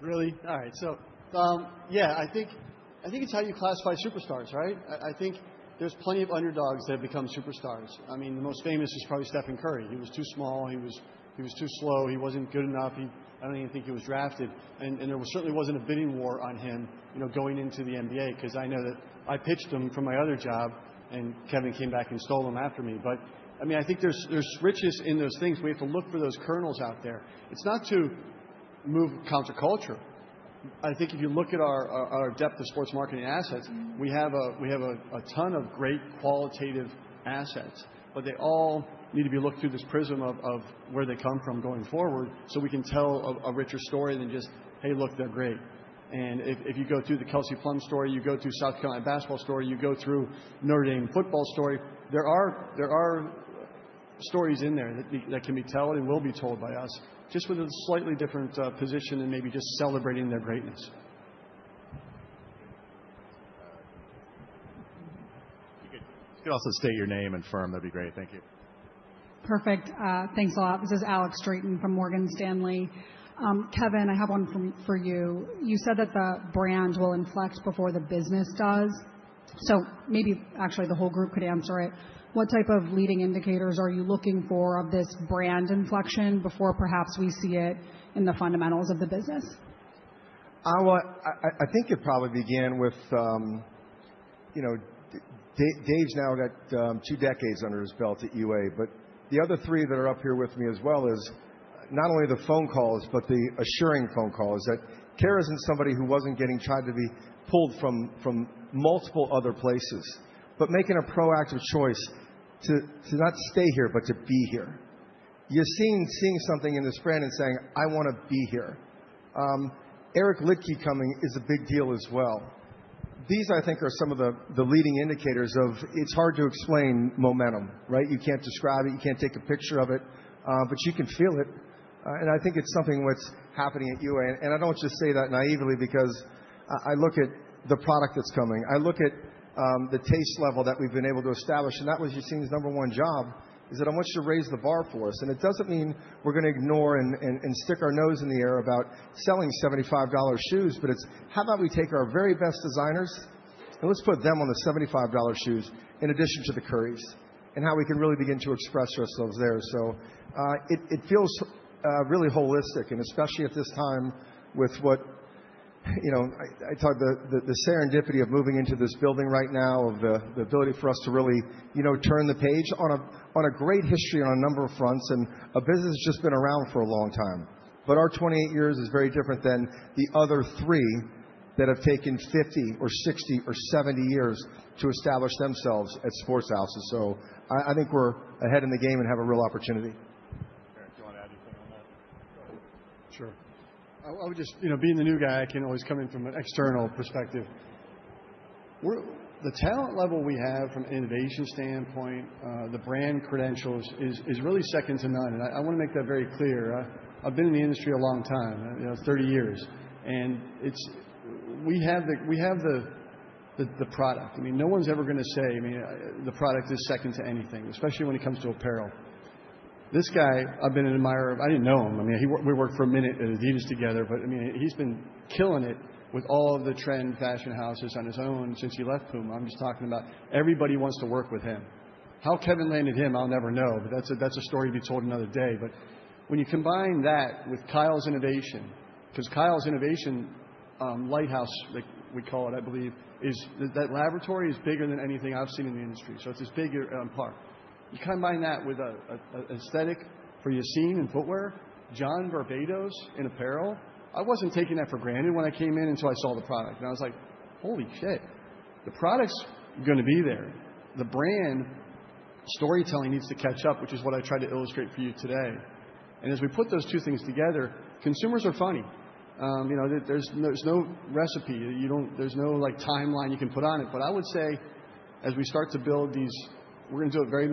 Really? All right. So yeah, I think it's how you classify superstars, right? I think there's plenty of underdogs that have become superstars. I mean, the most famous is probably Stephen Curry. He was too small. He was too slow. He wasn't good enough. I don't even think he was drafted. There certainly wasn't a bidding war on him going into the NBA because I know that I pitched him from my other job, and Kevin came back and stole him after me. But I mean, I think there's riches in those things. We have to look for those kernels out there. It's not to move counterculture. I think if you look at our depth of sports marketing assets, we have a ton of great qualitative assets, but they all need to be looked through this prism of where they come from going forward so we can tell a richer story than just, "Hey, look, they're great." And if you go through the Kelsey Plum story, you go through South Carolina basketball story, you go through Notre Dame football story, there are stories in there that can be told and will be told by us just with a slightly different position and maybe just celebrating their greatness. You could also state your name and firm. That'd be great. Thank you. Perfect. Thanks a lot. This is Alex Straton from Morgan Stanley. Kevin, I have one for you. You said that the brand will inflect before the business does. So maybe actually the whole group could answer it. What type of leading indicators are you looking for of this brand inflection before perhaps we see it in the fundamentals of the business? I think it probably began with Dave's now got two decades under his belt at UA, but the other three that are up here with me as well is not only the phone calls, but the assuring phone calls that Kara isn't somebody who wasn't getting tried to be pulled from multiple other places, but making a proactive choice to not stay here, but to be here. You're seeing something in this brand and saying, "I want to be here." Eric Liedtke coming is a big deal as well. These, I think, are some of the leading indicators of it's hard to explain momentum, right? You can't describe it. You can't take a picture of it, but you can feel it. I think it's something. What's happening at UA. I don't just say that naively because I look at the product that's coming. I look at the taste level that we've been able to establish. That was your team's number one job, is that I want you to raise the bar for us. It doesn't mean we're going to ignore and stick our nose in the air about selling $75 shoes, but it's, how about we take our very best designers and let's put them on the $75 shoes in addition to the Curry's and how we can really begin to express ourselves there. It feels really holistic, and especially at this time with what I talked about, the serendipity of moving into this building right now, of the ability for us to really turn the page on a great history on a number of fronts. And a business has just been around for a long time, but our 28 years is very different than the other three that have taken 50 or 60 or 70 years to establish themselves at Sports House. And so I think we're ahead in the game and have a real opportunity. Eric, do you want to add anything on that? Sure. I would just, being the new guy, I can always come in from an external perspective. The talent level we have from an innovation standpoint, the brand credentials is really second to none. And I want to make that very clear. I've been in the industry a long time, 30 years. And we have the product. I mean, no one's ever going to say, "I mean, the product is second to anything," especially when it comes to apparel. This guy, I've been an admirer of. I didn't know him. I mean, we worked for a minute at Adidas together, but I mean, he's been killing it with all of the trend fashion houses on his own since he left Puma. I'm just talking about everybody wants to work with him. How Kevin landed him, I'll never know, but that's a story to be told another day, but when you combine that with Kyle's innovation, because Kyle's innovation Lighthouse, like we call it, I believe, is that laboratory is bigger than anything I've seen in the industry. So it's as big as a park. You combine that with aesthetic foresight in footwear, John Varvatos in apparel. I wasn't taking that for granted when I came in until I saw the product, and I was like, "Holy shit. The product's going to be there." The brand storytelling needs to catch up, which is what I tried to illustrate for you today. And as we put those two things together, consumers are funny. There's no recipe. There's no timeline you can put on it. But I would say as we start to build these, we're going to do it very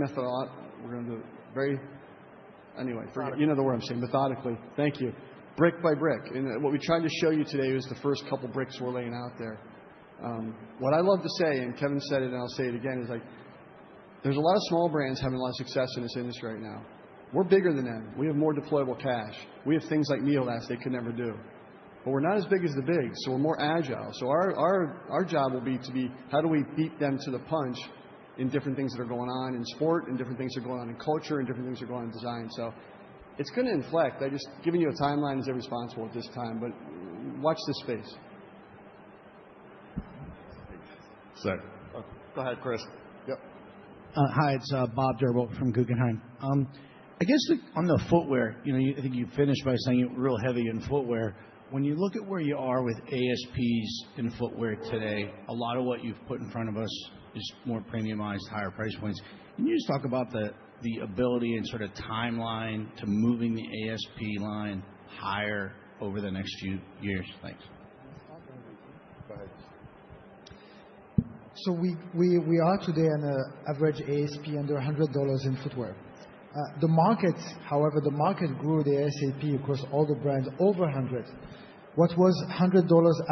methodically. Thank you. Brick-by-brick. And what we tried to show you today was the first couple of bricks we're laying out there. What I love to say, and Kevin said it, and I'll say it again, is there's a lot of small brands having a lot of success in this industry right now. We're bigger than them. We have more deployable cash. We have things like Miele that they could never do. But we're not as big as the big, so we're more agile. Our job will be to be, how do we beat them to the punch in different things that are going on in sport and different things that are going on in culture and different things that are going on in design? It's going to inflect. Giving you a timeline is irresponsible at this time, but watch this space. Sick. Go ahead, Chris. Yep. Hi, it's Bob Drbul from Guggenheim. I guess on the footwear, I think you finished by saying it real heavy in footwear. When you look at where you are with ASPs in footwear today, a lot of what you've put in front of us is more premiumized, higher price points. Can you just talk about the ability and sort of timeline to moving the ASP line higher over the next few years? Thanks. So we are today on an average ASP under $100 in footwear. However, the market grew the ASP across all the brands over $100. What was $100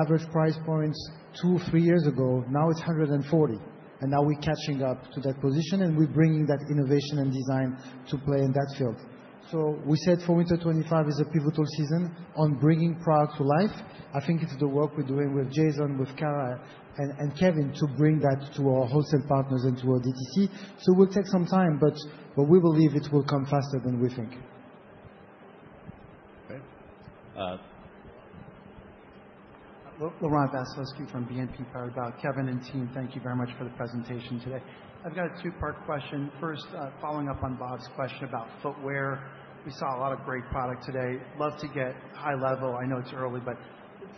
average price points two, three years ago, now it's $140. And now we're catching up to that position, and we're bringing that innovation and design to play in that field. So we said for Winter 2025 is a pivotal season on bringing product to life. I think it's the work we're doing with Jason, with Kara and Kevin to bring that to our wholesale partners and to our DTC. So it will take some time, but we believe it will come faster than we think. Okay. Laurent Vasilescu from BNP Paribas, Kevin and team, thank you very much for the presentation today. I've got a two-part question. First, following up on Bob's question about footwear, we saw a lot of great product today. Love to get high level. I know it's early, but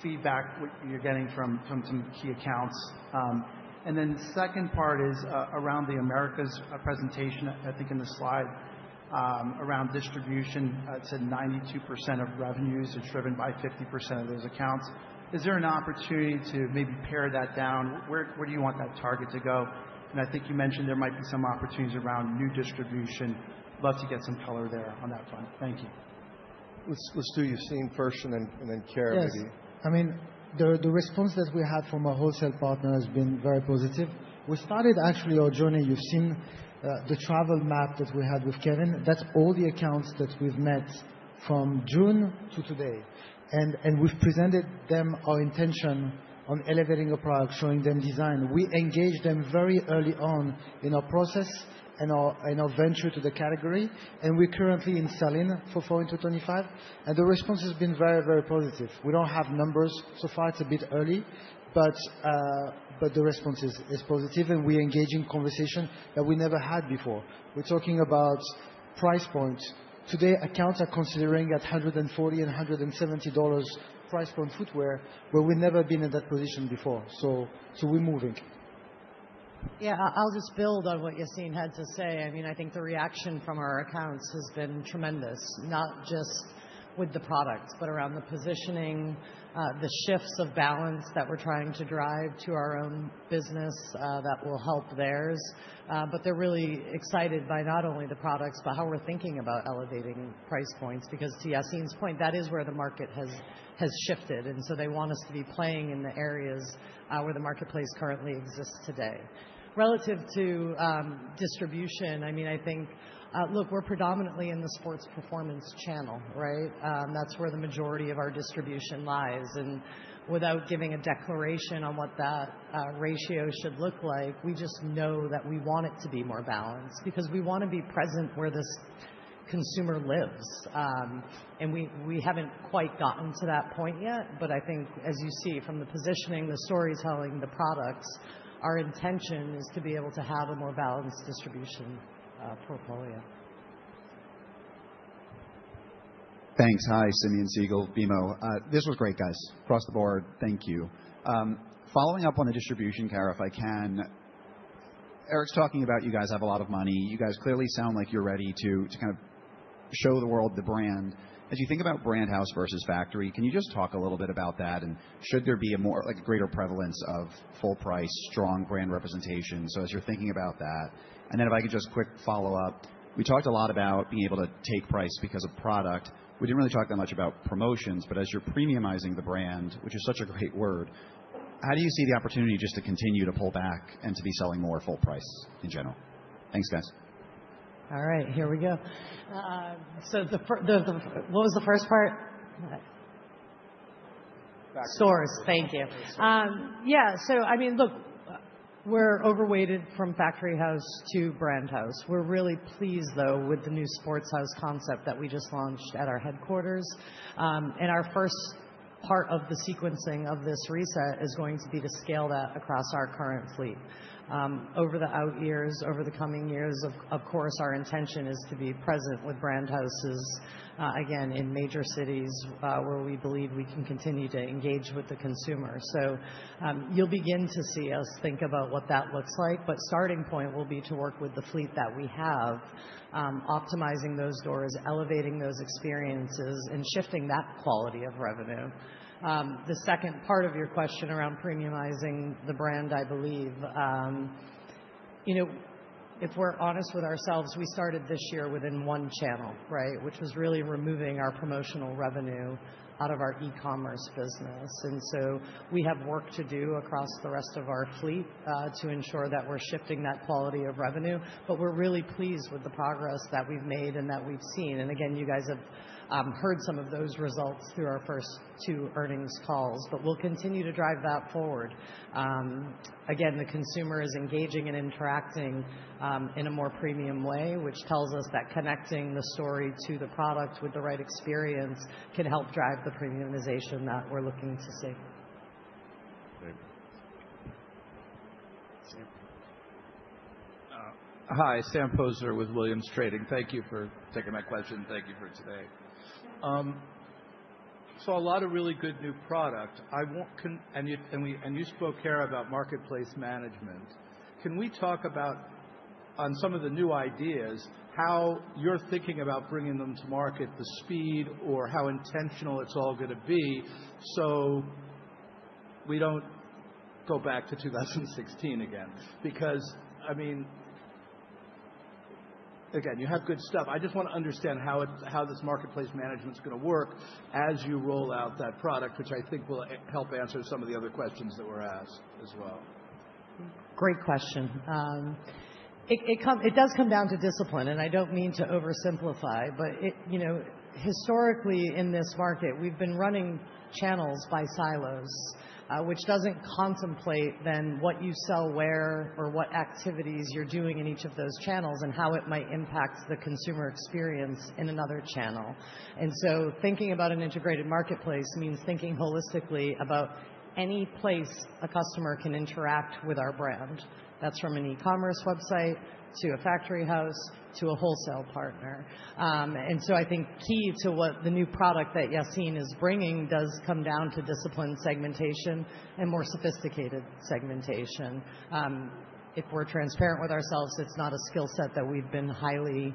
feedback you're getting from some key accounts. And then second part is around the Americas presentation, I think in the slide, around distribution. It said 92% of revenues is driven by 50% of those accounts. Is there an opportunity to maybe pare that down? Where do you want that target to go? And I think you mentioned there might be some opportunities around new distribution. Love to get some color there on that front. Thank you. Let's do Yassine first and then Kara maybe. Yes. I mean, the response that we had from our wholesale partner has been very positive. We started actually our journey. You've seen the travel map that we had with Kevin. That's all the accounts that we've met from June to today, and we've presented them our intention on elevating a product, showing them design. We engaged them very early on in our process and our venture to the category, and we're currently in selling for Fall into 2025. And the response has been very, very positive. We don't have numbers so far. It's a bit early, but the response is positive, and we're engaging conversation that we never had before. We're talking about price points. Today, accounts are considering at $140 and $170 price point footwear where we've never been in that position before, so we're moving. Yeah, I'll just build on what Yassine had to say. I mean, I think the reaction from our accounts has been tremendous, not just with the products, but around the positioning, the shifts of balance that we're trying to drive to our own business that will help theirs. But they're really excited by not only the products, but how we're thinking about elevating price points because to Yassine's point, that is where the market has shifted. And so they want us to be playing in the areas where the marketplace currently exists today. Relative to distribution, I mean, I think, look, we're predominantly in the sports performance channel, right? That's where the majority of our distribution lies. And without giving a declaration on what that ratio should look like, we just know that we want it to be more balanced because we want to be present where this consumer lives. We haven't quite gotten to that point yet, but I think, as you see from the positioning, the storytelling, the products, our intention is to be able to have a more balanced distribution portfolio. Thanks. Hi, Simeon Siegel, BMO. This was great, guys. Across the board, thank you. Following up on the distribution, Kara if I can, Eric's talking about you guys have a lot of money. You guys clearly sound like you're ready to kind of show the world the brand. As you think about brand house versus factory, can you just talk a little bit about that? And should there be a greater prevalence of full price, strong brand representation? So as you're thinking about that. And then if I could just quick follow up, we talked a lot about being able to take price because of product. We didn't really talk that much about promotions, but as you're premiumizing the brand, which is such a great word, how do you see the opportunity just to continue to pull back and to be selling more full price in general? Thanks, guys. All right, here we go. So what was the first part? Stores. Thank you. Yeah. So I mean, look, we're overweighted from Factory House to Brand House. We're really pleased, though, with the new Sports House concept that we just launched at our headquarters. And our first part of the sequencing of this reset is going to be to scale that across our current fleet. Over the out years, over the coming years, of course, our intention is to be present with Brand Houses, again, in major cities where we believe we can continue to engage with the consumer. So you'll begin to see us think about what that looks like. But starting point will be to work with the fleet that we have, optimizing those doors, elevating those experiences, and shifting that quality of revenue. The second part of your question around premiumizing the brand, I believe, if we're honest with ourselves, we started this year within one channel, right, which was really removing our promotional revenue out of our e-commerce business. And so we have work to do across the rest of our fleet to ensure that we're shifting that quality of revenue. But we're really pleased with the progress that we've made and that we've seen. And again, you guys have heard some of those results through our first two earnings calls, but we'll continue to drive that forward. Again, the consumer is engaging and interacting in a more premium way, which tells us that connecting the story to the product with the right experience can help drive the premiumization that we're looking to see. Hi, Sam Poser with Williams Trading. Thank you for taking my question. Thank you for today. So a lot of really good new product. And you spoke, Kara, about marketplace management. Can we talk about, on some of the new ideas, how you're thinking about bringing them to market, the speed, or how intentional it's all going to be so we don't go back to 2016 again? Because, I mean, again, you have good stuff. I just want to understand how this marketplace management is going to work as you roll out that product, which I think will help answer some of the other questions that were asked as well. Great question. It does come down to discipline, and I don't mean to oversimplify, but historically, in this market, we've been running channels by silos, which doesn't contemplate then what you sell where or what activities you're doing in each of those channels and how it might impact the consumer experience in another channel. And so thinking about an integrated marketplace means thinking holistically about any place a customer can interact with our brand. That's from an e-commerce website to a factory house to a wholesale partner. And so I think key to what the new product that Yassine is bringing does come down to discipline segmentation and more sophisticated segmentation. If we're transparent with ourselves, it's not a skill set that we've been highly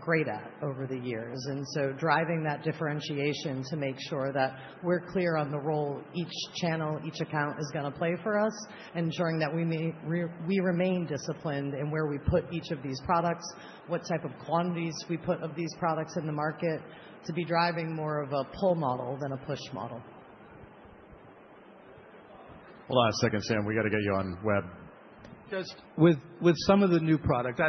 great at over the years. And so driving that differentiation to make sure that we're clear on the role each channel, each account is going to play for us, ensuring that we remain disciplined in where we put each of these products, what type of quantities we put of these products in the market to be driving more of a pull model than a push model. Hold on a second, Sam. We got to get you on web. Just with some of the new products,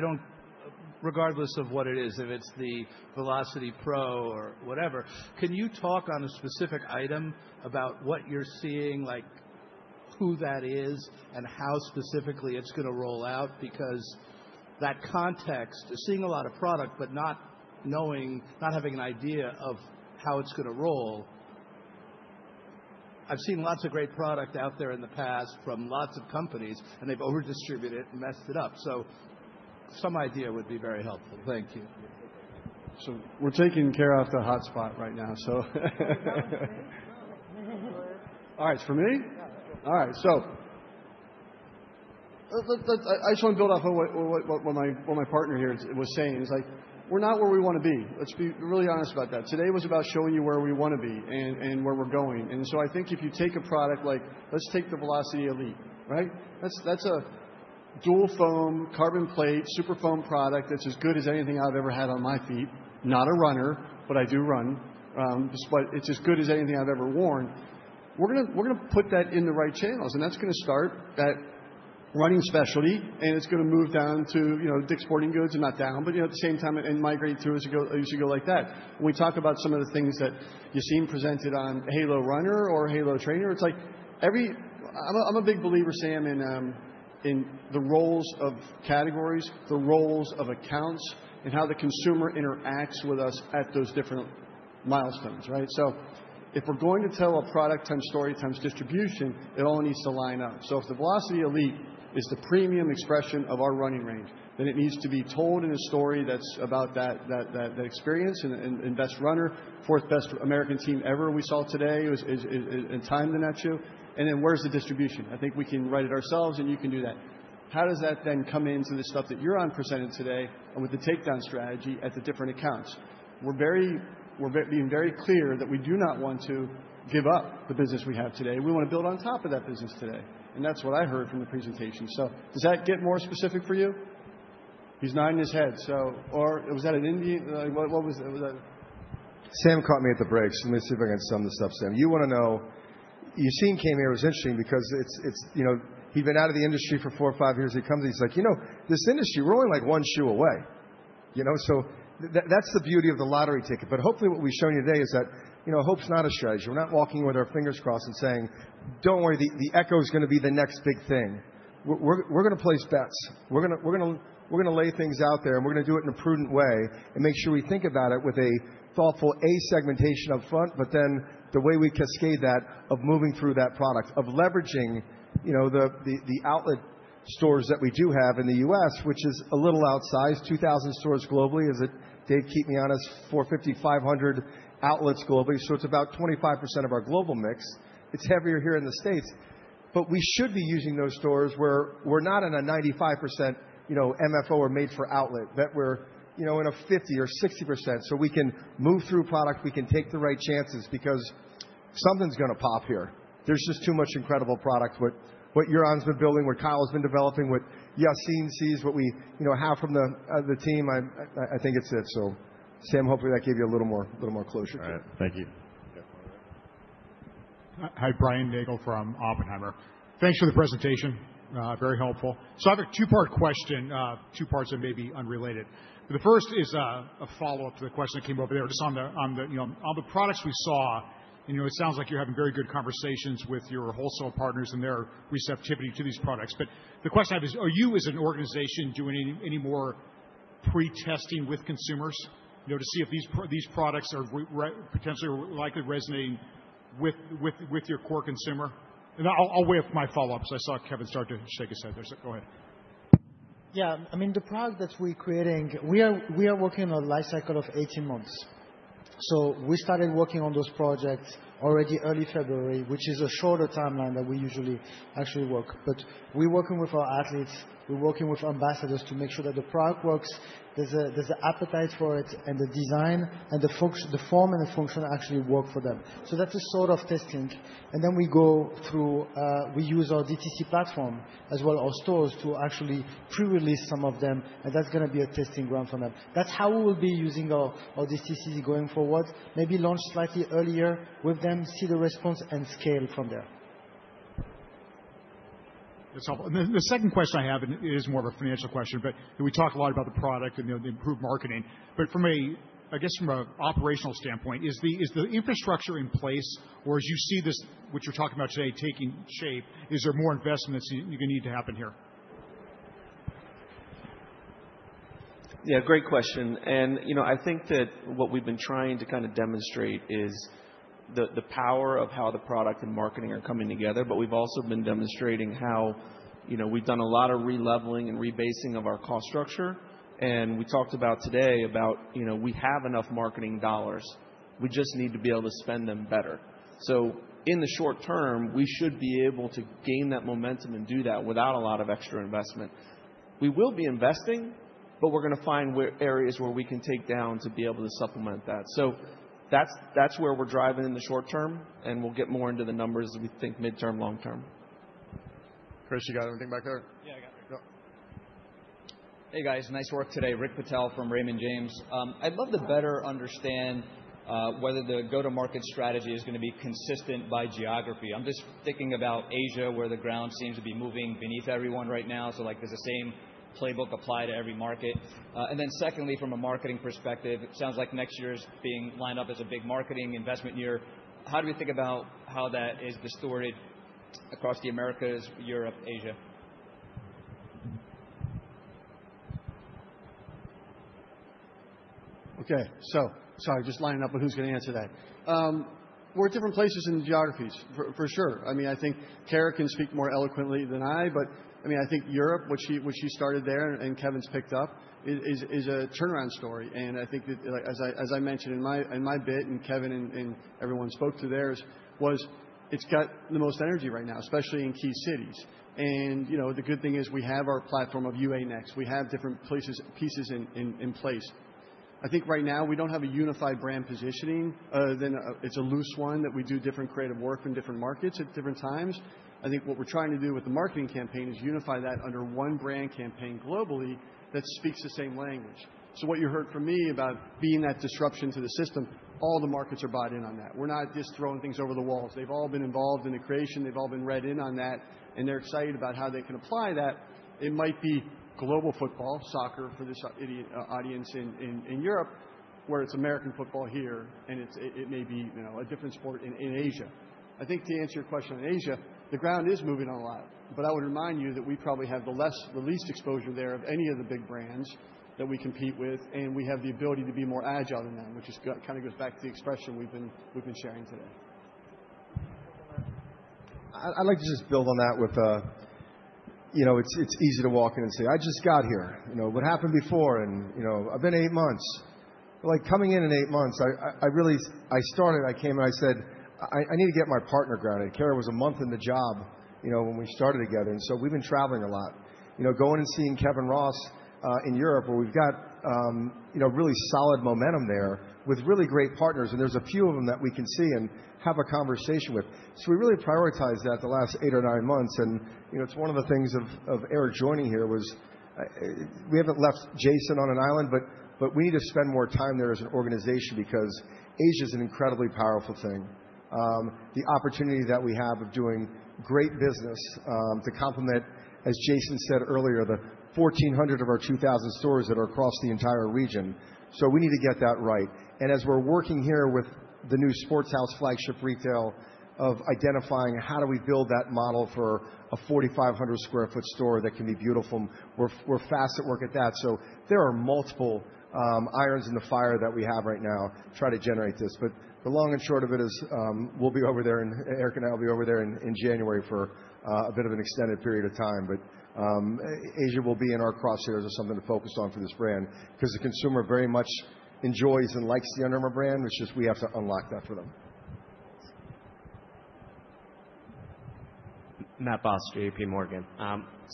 regardless of what it is, if it's the Velociti Pro or whatever, can you talk on a specific item about what you're seeing, who that is, and how specifically it's going to roll out? Because that context, seeing a lot of product but not having an idea of how it's going to roll, I've seen lots of great product out there in the past from lots of companies, and they've overdistributed it and messed it up. So some idea would be very helpful. Thank you. So we're taking Kara off the hotspot right now, so. All right, for me? All right. So I just want to build off of what my partner here was saying. It's like, we're not where we want to be. Let's be really honest about that. Today was about showing you where we want to be and where we're going, and so I think if you take a product like let's take the Velociti Elite, right? That's a dual foam, carbon plate, super foam product that's as good as anything I've ever had on my feet. Not a runner, but I do run. It's as good as anything I've ever worn. We're going to put that in the right channels, and that's going to start at running specialty, and it's going to move down to Dick's Sporting Goods and not down, but at the same time, it migrates through as you go like that. When we talk about some of the things that Yassine presented on Halo Runner or Halo Trainer, it's like I'm a big believer, Sam, in the roles of categories, the roles of accounts, and how the consumer interacts with us at those different milestones, right? So if we're going to tell a product times story times distribution, it all needs to line up. So if the Velociti Elite is the premium expression of our running range, then it needs to be told in a story that's about that experience and best runner, fourth best American team ever we saw today in the nation. And then where's the distribution? I think we can write it ourselves, and you can do that. How does that then come into the stuff that you presented today with the takedown strategy at the different accounts? We're being very clear that we do not want to give up the business we have today. We want to build on top of that business today. And that's what I heard from the presentation. So does that get more specific for you? He's nodding his head. Or was that an Indian? What was that? Sam caught me at the break. Let me see if I can sum this up, Sam. You want to know Yassine came here. It was interesting because he'd been out of the industry for four or five years. He comes, and he's like, "This industry, we're only like one shoe away." So that's the beauty of the lottery ticket. But hopefully, what we've shown you today is that hope's not a strategy. We're not walking with our fingers crossed and saying, "Don't worry, the Echo is going to be the next big thing." We're going to place bets. We're going to lay things out there, and we're going to do it in a prudent way and make sure we think about it with a thoughtful A segmentation up front, but then the way we cascade that of moving through that product, of leveraging the outlet stores that we do have in the U.S., which is a little outsized, 2,000 stores globally. Is it, Dave, keep me honest, 450-500 outlets globally? So it's about 25% of our global mix. It's heavier here in the States. But we should be using those stores where we're not in a 95% MFO or made for outlet, but we're in a 50% or 60% so we can move through product. We can take the right chances because something's going to pop here. There's just too much incredible product. What Yassine's been building, what Kyle's been developing, what Yassine sees, what we have from the team, I think it's it. So Sam, hopefully, that gave you a little more closure. All right. Thank you. Hi, Brian Nagel from Oppenheimer. Thanks for the presentation. Very helpful. So I have a two-part question, two parts that may be unrelated. The first is a follow-up to the question that came over there, just on the products we saw. It sounds like you're having very good conversations with your wholesale partners and their receptivity to these products. But the question I have is, are you, as an organization, doing any more pre-testing with consumers to see if these products are potentially likely resonating with your core consumer? And I'll waive my follow-up because I saw Kevin start to shake his head there. So go ahead. Yeah. I mean, the product that we're creating, we are working on a life cycle of 18 months. So we started working on those projects already early February, which is a shorter timeline than we usually actually work. But we're working with our athletes. We're working with ambassadors to make sure that the product works, there's an appetite for it, and the design and the form and the function actually work for them. So that's a sort of testing. And then we go through. We use our DTC platform as well as our stores to actually pre-release some of them. And that's going to be a testing run for them. That's how we will be using our DTC going forward, maybe launch slightly earlier with them, see the response, and scale from there. That's helpful. And the second question I have is more of a financial question, but we talk a lot about the product and the improved marketing. But I guess from an operational standpoint, is the infrastructure in place or as you see this, what you're talking about today, taking shape, is there more investment that's going to need to happen here? Yeah, great question. And I think that what we've been trying to kind of demonstrate is the power of how the product and marketing are coming together, but we've also been demonstrating how we've done a lot of releveling and rebasing of our cost structure. And we talked about today about we have enough marketing dollars. We just need to be able to spend them better. So in the short term, we should be able to gain that momentum and do that without a lot of extra investment. We will be investing, but we're going to find areas where we can take down to be able to supplement that. So that's where we're driving in the short term, and we'll get more into the numbers as we think midterm, long term. Chris, you got anything back there? Yeah, I got it. Hey, guys. Nice work today. Rick Patel from Raymond James. I'd love to better understand whether the go-to-market strategy is going to be consistent by geography. I'm just thinking about Asia, where the ground seems to be moving beneath everyone right now. So does the same playbook apply to every market? And then secondly, from a marketing perspective, it sounds like next year is being lined up as a big marketing investment year. How do we think about how that is distorted across the Americas, Europe, Asia? Okay. So sorry, just lining up with who's going to answer that. We're at different places in the geographies, for sure. I mean, I think Kara can speak more eloquently than I, but I mean, I think Europe, which she started there and Kevin's picked up, is a turnaround story. And I think, as I mentioned in my bit and Kevin and everyone spoke through theirs, was it's got the most energy right now, especially in key cities. And the good thing is we have our platform of UA Next. We have different pieces in place. I think right now we don't have a unified brand positioning. Then it's a loose one that we do different creative work in different markets at different times. I think what we're trying to do with the marketing campaign is unify that under one brand campaign globally that speaks the same language. So what you heard from me about being that disruption to the system, all the markets are bought in on that. We're not just throwing things over the walls. They've all been involved in the creation. They've all been read in on that, and they're excited about how they can apply that. It might be global football, soccer for this idiot audience in Europe, where it's American football here, and it may be a different sport in Asia. I think to answer your question on Asia, the ground is moving a lot. But I would remind you that we probably have the least exposure there of any of the big brands that we compete with, and we have the ability to be more agile than them, which kind of goes back to the expression we've been sharing today. I'd like to just build on that with it's easy to walk in and say, "I just got here. What happened before?" And I've been eight months. Coming in in eight months, I started, I came, and I said, "I need to get my partner grounded." Kara was a month in the job when we started together. And so we've been traveling a lot, going and seeing Kevin Ross in Europe, where we've got really solid momentum there with really great partners. And there's a few of them that we can see and have a conversation with. So we really prioritized that the last eight or nine months. And it's one of the things of Eric joining here was we haven't left Jason on an island, but we need to spend more time there as an organization because Asia is an incredibly powerful thing. The opportunity that we have of doing great business to complement, as Jason said earlier, the 1,400 of our 2,000 stores that are across the entire region. So we need to get that right. As we're working here with the new Sports House flagship retail of identifying how do we build that model for a 4,500sqft store that can be beautiful, we're fast at work at that. So there are multiple irons in the fire that we have right now to try to generate this. But the long and short of it is we'll be over there, and Eric and I will be over there in January for a bit of an extended period of time. But Asia will be in our crosshairs as something to focus on for this brand because the consumer very much enjoys and likes the Under Armour brand, which is we have to unlock that for them. Matt Boss, J.P. Morgan.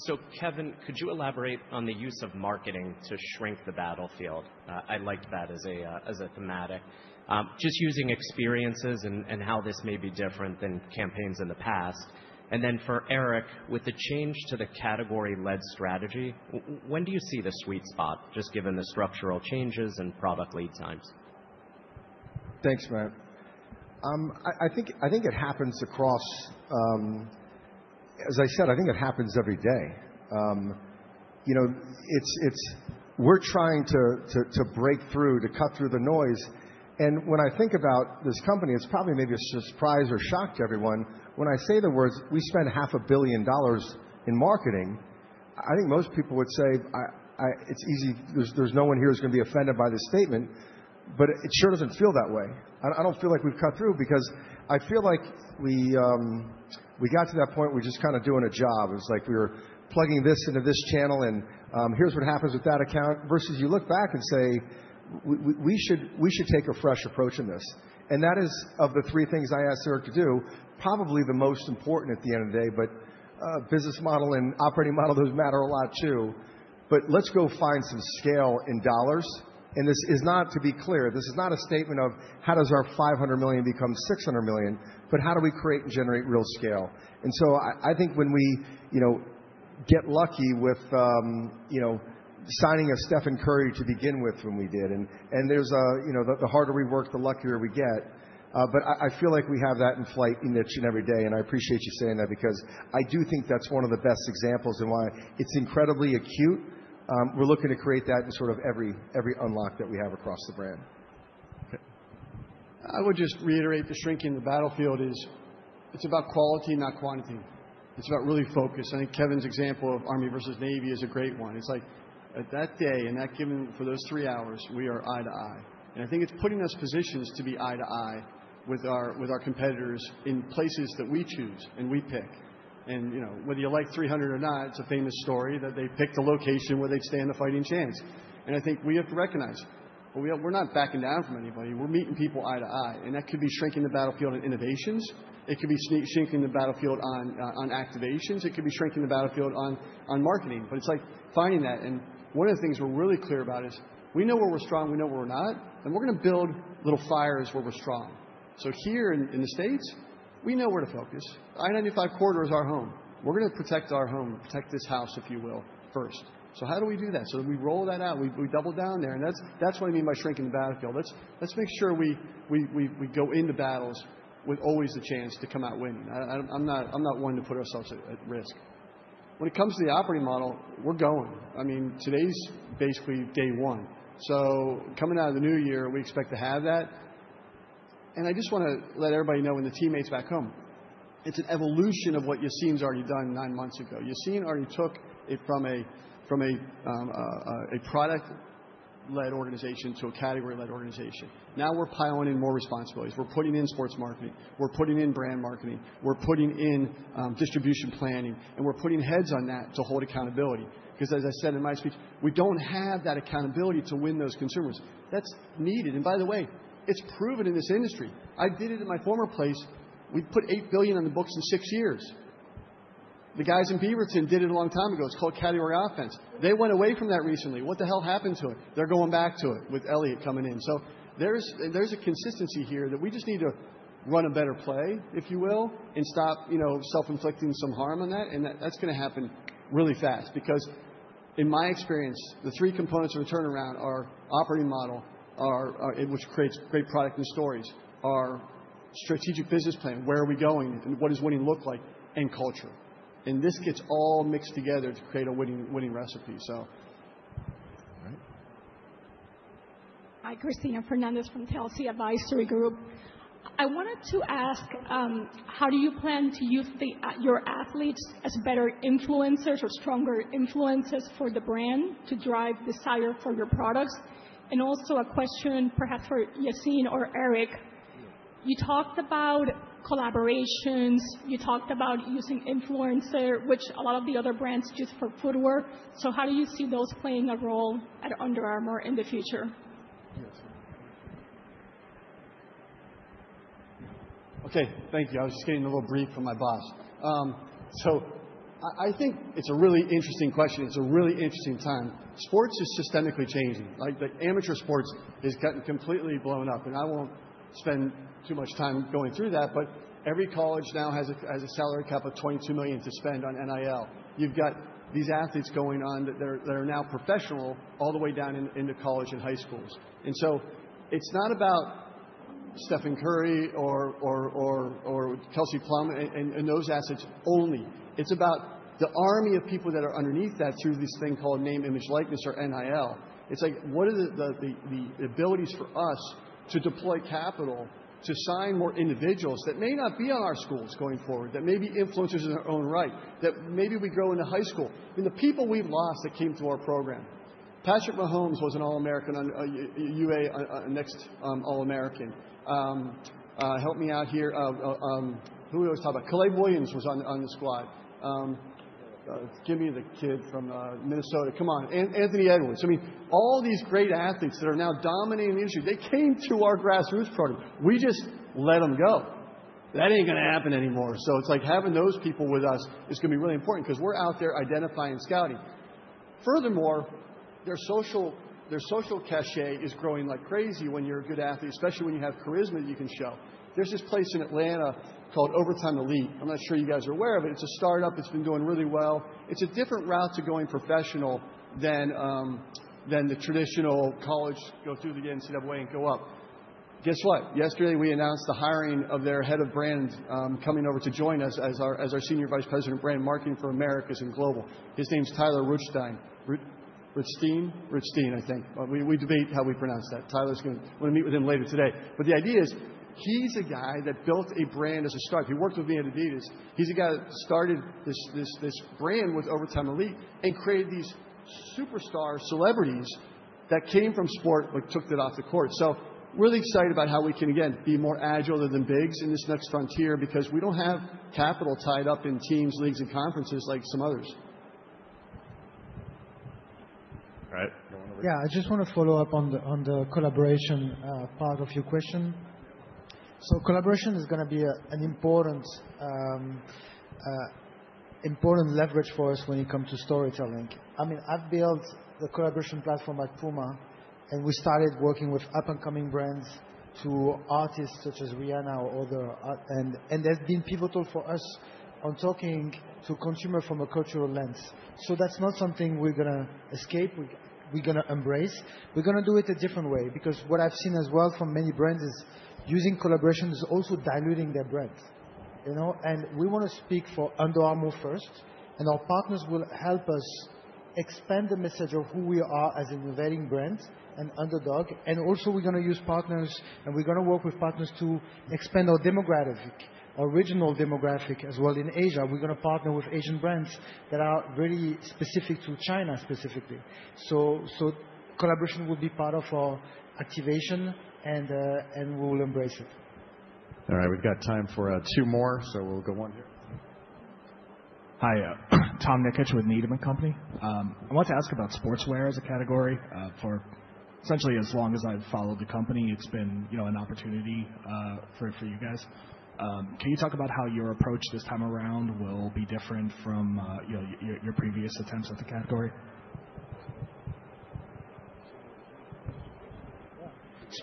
So Kevin, could you elaborate on the use of marketing to shrink the battlefield? I liked that as a thematic. Just using experiences and how this may be different than campaigns in the past. And then for Eric, with the change to the category-led strategy, when do you see the sweet spot, just given the structural changes and product lead times? Thanks, Matt. I think it happens across as I said. I think it happens every day. We're trying to break through, to cut through the noise. And when I think about this company, it's probably maybe a surprise or shock to everyone. When I say the words, "We spent $500 million in marketing," I think most people would say it's easy. There's no one here who's going to be offended by this statement, but it sure doesn't feel that way. I don't feel like we've cut through because I feel like we got to that point where we're just kind of doing a job. It was like we were plugging this into this channel, and here's what happens with that account versus you look back and say, "We should take a fresh approach in this." And that is, of the three things I asked Eric to do, probably the most important at the end of the day, but business model and operating model doesn't matter a lot too. But let's go find some scale in dollars. And this is not to be clear. This is not a statement of how does our $500 million become $600 million, but how do we create and generate real scale? And so I think when we get lucky with signing of Stephen Curry to begin with when we did, and the harder we work, the luckier we get. But I feel like we have that in flight in each and every day, and I appreciate you saying that because I do think that's one of the best examples and why it's incredibly acute. We're looking to create that in sort of every unlock that we have across the brand. I would just reiterate the shrinking the battlefield is it's about quality, not quantity. It's about really focus. I think Kevin's example of Army versus Navy is a great one. It's like that day and that given for those three hours, we are eye-to-eye. And I think it's putting us positions to be eye-to-eye with our competitors in places that we choose and we pick. And whether you like 300 or not, it's a famous story that they picked a location where they'd stand a fighting chance. I think we have to recognize we're not backing down from anybody. We're meeting people eye-to-eye. That could be shrinking the battlefield on innovations. It could be shrinking the battlefield on activations. It could be shrinking the battlefield on marketing. But it's like finding that. One of the things we're really clear about is we know where we're strong. We know where we're not. We're going to build little fires where we're strong. Here in the States, we know where to focus. I-95 corridor is our home. We're going to protect our home, protect this house, if you will, first. How do we do that? We roll that out. We double down there. That's what I mean by shrinking the battlefield. Let's make sure we go into battles with always the chance to come out winning. I'm not one to put ourselves at risk. When it comes to the operating model, we're going. I mean, today's basically day one. So coming out of the new year, we expect to have that, and I just want to let everybody know and the teammates back home, it's an evolution of what Yassine's already done nine months ago. Yassine already took it from a product-led organization to a category-led organization. Now we're piloting more responsibilities. We're putting in sports marketing. We're putting in brand marketing. We're putting in distribution planning. And we're putting heads on that to hold accountability. Because as I said in my speech, we don't have that accountability to win those consumers. That's needed, and by the way, it's proven in this industry. I did it in my former place. We put $8 billion on the books in six years. The guys in Beaverton did it a long time ago. It's called category offense. They went away from that recently. What the hell happened to it? They're going back to it with Elliott coming in. So there's a consistency here that we just need to run a better play, if you will, and stop self-inflicting some harm on that. And that's going to happen really fast because in my experience, the three components of a turnaround are operating model, which creates great product and stories, our strategic business plan, where are we going, and what does winning look like, and culture. And this gets all mixed together to create a winning recipe. So. Hi, Christina Fernandez from Telsey Advisory Group. I wanted to ask, how do you plan to use your athletes as better influencers or stronger influences for the brand to drive desire for your products? And also, a question perhaps for Yassine or Eric. You talked about collaborations. You talked about using influencers, which a lot of the other brands use for footwear. So how do you see those playing a role at Under Armour in the future? Okay. Thank you. I was just getting a little brief from my boss. So I think it's a really interesting question. It's a really interesting time. Sports is systemically changing. Amateur sports has gotten completely blown up. And I won't spend too much time going through that, but every college now has a salary cap of $22 million to spend on NIL. You've got these athletes going on that are now professional all the way down into college and high schools. And so it's not about Stephen Curry or Kelsey Plum and those assets only. It's about the Army of people that are underneath that through this thing called name, image, likeness, or NIL. It's like, what are the abilities for us to deploy capital to sign more individuals that may not be on our schools going forward, that may be influencers in their own right, that maybe we grow into high school, and the people we've lost that came to our program. Patrick Mahomes was an All-American on UA Next All-American. Help me out here. Who are we talking about? Caleb Williams was on the squad. Give me the kid from Minnesota. Come on. Anthony Edwards. I mean, all these great athletes that are now dominating the industry, they came to our grassroots program. We just let them go. That ain't going to happen anymore. It's like having those people with us is going to be really important because we're out there identifying and scouting. Furthermore, their social cachet is growing like crazy when you're a good athlete, especially when you have charisma that you can show. There's this place in Atlanta called Overtime Elite. I'm not sure you guys are aware of it. It's a startup that's been doing really well. It's a different route to going professional than the traditional college go through the NCAA and go up. Guess what? Yesterday, we announced the hiring of their head of brand coming over to join us as our Senior Vice President of Brand Marketing for Americas and Global. His name's Tyler Rutstein. Rutstein? Rutstein, I think. We debate how we pronounce that. Tyler's going to. I'm going to meet with him later today. But the idea is he's a guy that built a brand as a startup. He worked with me at Adidas. He's a guy that started this brand with Overtime Elite and created these superstar celebrities that came from sport but took that off the court. So really excited about how we can, again, be more agile than the bigs in this next frontier because we don't have capital tied up in teams, leagues, and conferences like some others. All right. Yeah. I just want to follow up on the collaboration part of your question. So collaboration is going to be an important leverage for us when it comes to storytelling. I mean, I've built the collaboration platform at Puma, and we started working with up-and-coming brands to artists such as Rihanna or other. And there's been pivotal for us on talking to consumer from a cultural lens. So that's not something we're going to escape. We're going to embrace. We're going to do it a different way because what I've seen as well from many brands is using collaboration is also diluting their brand. And we want to speak for Under Armour first, and our partners will help us expand the message of who we are as an innovating brand and underdog. And also, we're going to use partners, and we're going to work with partners to expand our demographic, our regional demographic as well in Asia. We're going to partner with Asian brands that are really specific to China specifically. So collaboration will be part of our activation, and we will embrace it. All right. We've got time for two more, so we'll go one here. Hi. Tom Nikic with Needham & Company. I wanted to ask about sportswear as a category. For essentially as long as I've followed the company, it's been an opportunity for you guys. Can you talk about how your approach this time around will be different from your previous attempts at the category?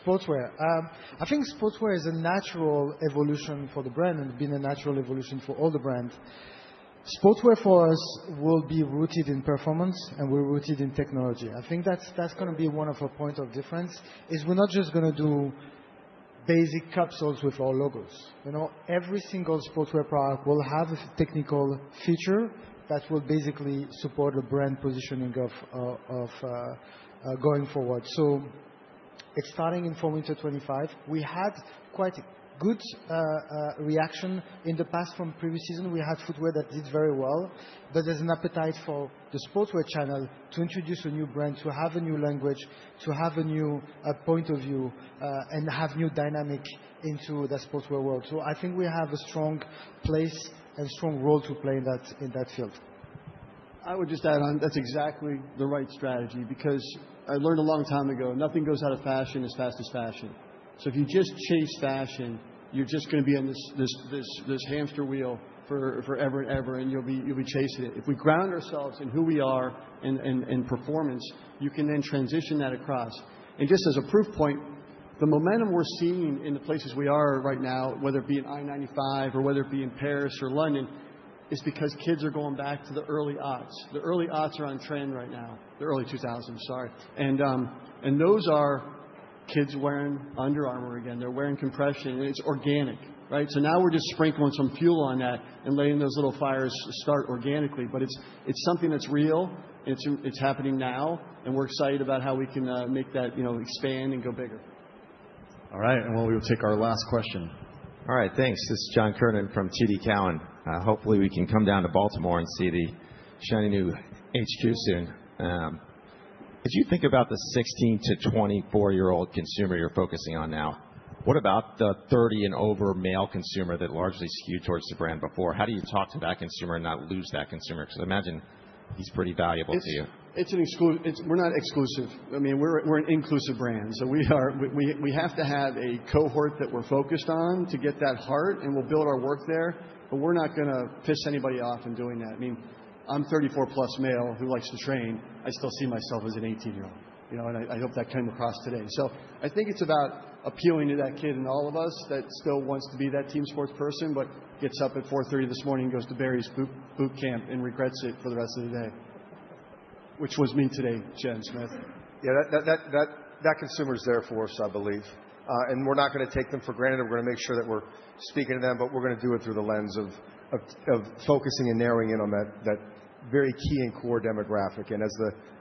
Sportswear. I think sportswear is a natural evolution for the brand and been a natural evolution for all the brands. Sportswear for us will be rooted in performance, and we're rooted in technology. I think that's going to be one of our points of difference is we're not just going to do basic capsules with our logos. Every single sportswear product will have a technical feature that will basically support the brand positioning going forward. So it's starting in Fall, Winter 2025. We had quite a good reaction in the past from previous seasons. We had footwear that did very well. But there's an appetite for the sportswear channel to introduce a new brand, to have a new language, to have a new point of view, and have new dynamic into the sportswear world. So I think we have a strong place and strong role to play in that field. I would just add on, that's exactly the right strategy because I learned a long time ago, nothing goes out of fashion as fast as fashion. So if you just chase fashion, you're just going to be on this hamster wheel forever and ever, and you'll be chasing it. If we ground ourselves in who we are and performance, you can then transition that across. And just as a proof point, the momentum we're seeing in the places we are right now, whether it be in I-95 or whether it be in Paris or London, is because kids are going back to the early aughts. The early aughts are on trend right now. The early 2000s, sorry. And those are kids wearing Under Armour again. They're wearing compression, and it's organic, right? So now we're just sprinkling some fuel on that and letting those little fires start organically. But it's something that's real, and it's happening now, and we're excited about how we can make that expand and go bigger. All right. And while we take our last question. All right. Thanks. This is John Kernan from TD Cowen. Hopefully, we can come down to Baltimore and see the shiny new HQ soon. As you think about the 16- to 24-year-old consumer you're focusing on now, what about the 30 and over male consumer that largely skewed towards the brand before? How do you talk to that consumer and not lose that consumer? Because I imagine he's pretty valuable to you. It's an exclusive. We're not exclusive. I mean, we're an inclusive brand. So we have to have a cohort that we're focused on to get that heart, and we'll build our work there. But we're not going to piss anybody off in doing that. I mean, I'm 34-plus male who likes to train. I still see myself as an 18-year-old. And I hope that came across today. I think it's about appealing to that kid in all of us that still wants to be that team sports person but gets up at 4:30 A.M. this morning, goes to Barry's Bootcamp, and regrets it for the rest of the day, which was me today, Chad Smith. Yeah. That consumer is there for us, I believe. We're not going to take them for granted. We're going to make sure that we're speaking to them, but we're going to do it through the lens of focusing and narrowing in on that very key and core demographic. As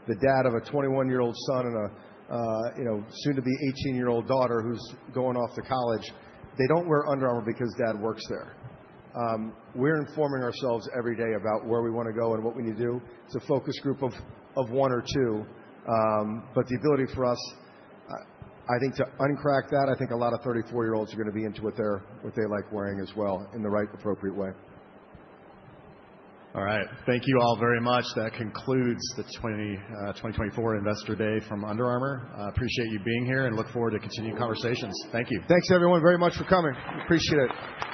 the dad of a 21-year-old son and a soon-to-be 18-year-old daughter who's going off to college, they don't wear Under Armour because dad works there. We're informing ourselves every day about where we want to go and what we need to do. It's a focus group of one or two. But the ability for us, I think, to uncrack that, I think a lot of 34-year-olds are going to be into what they like wearing as well in the right appropriate way. All right. Thank you all very much. That concludes the 2024 Investor Day from Under Armour. Appreciate you being here and look forward to continued conversations. Thank you. Thanks, everyone, very much for coming. Appreciate it.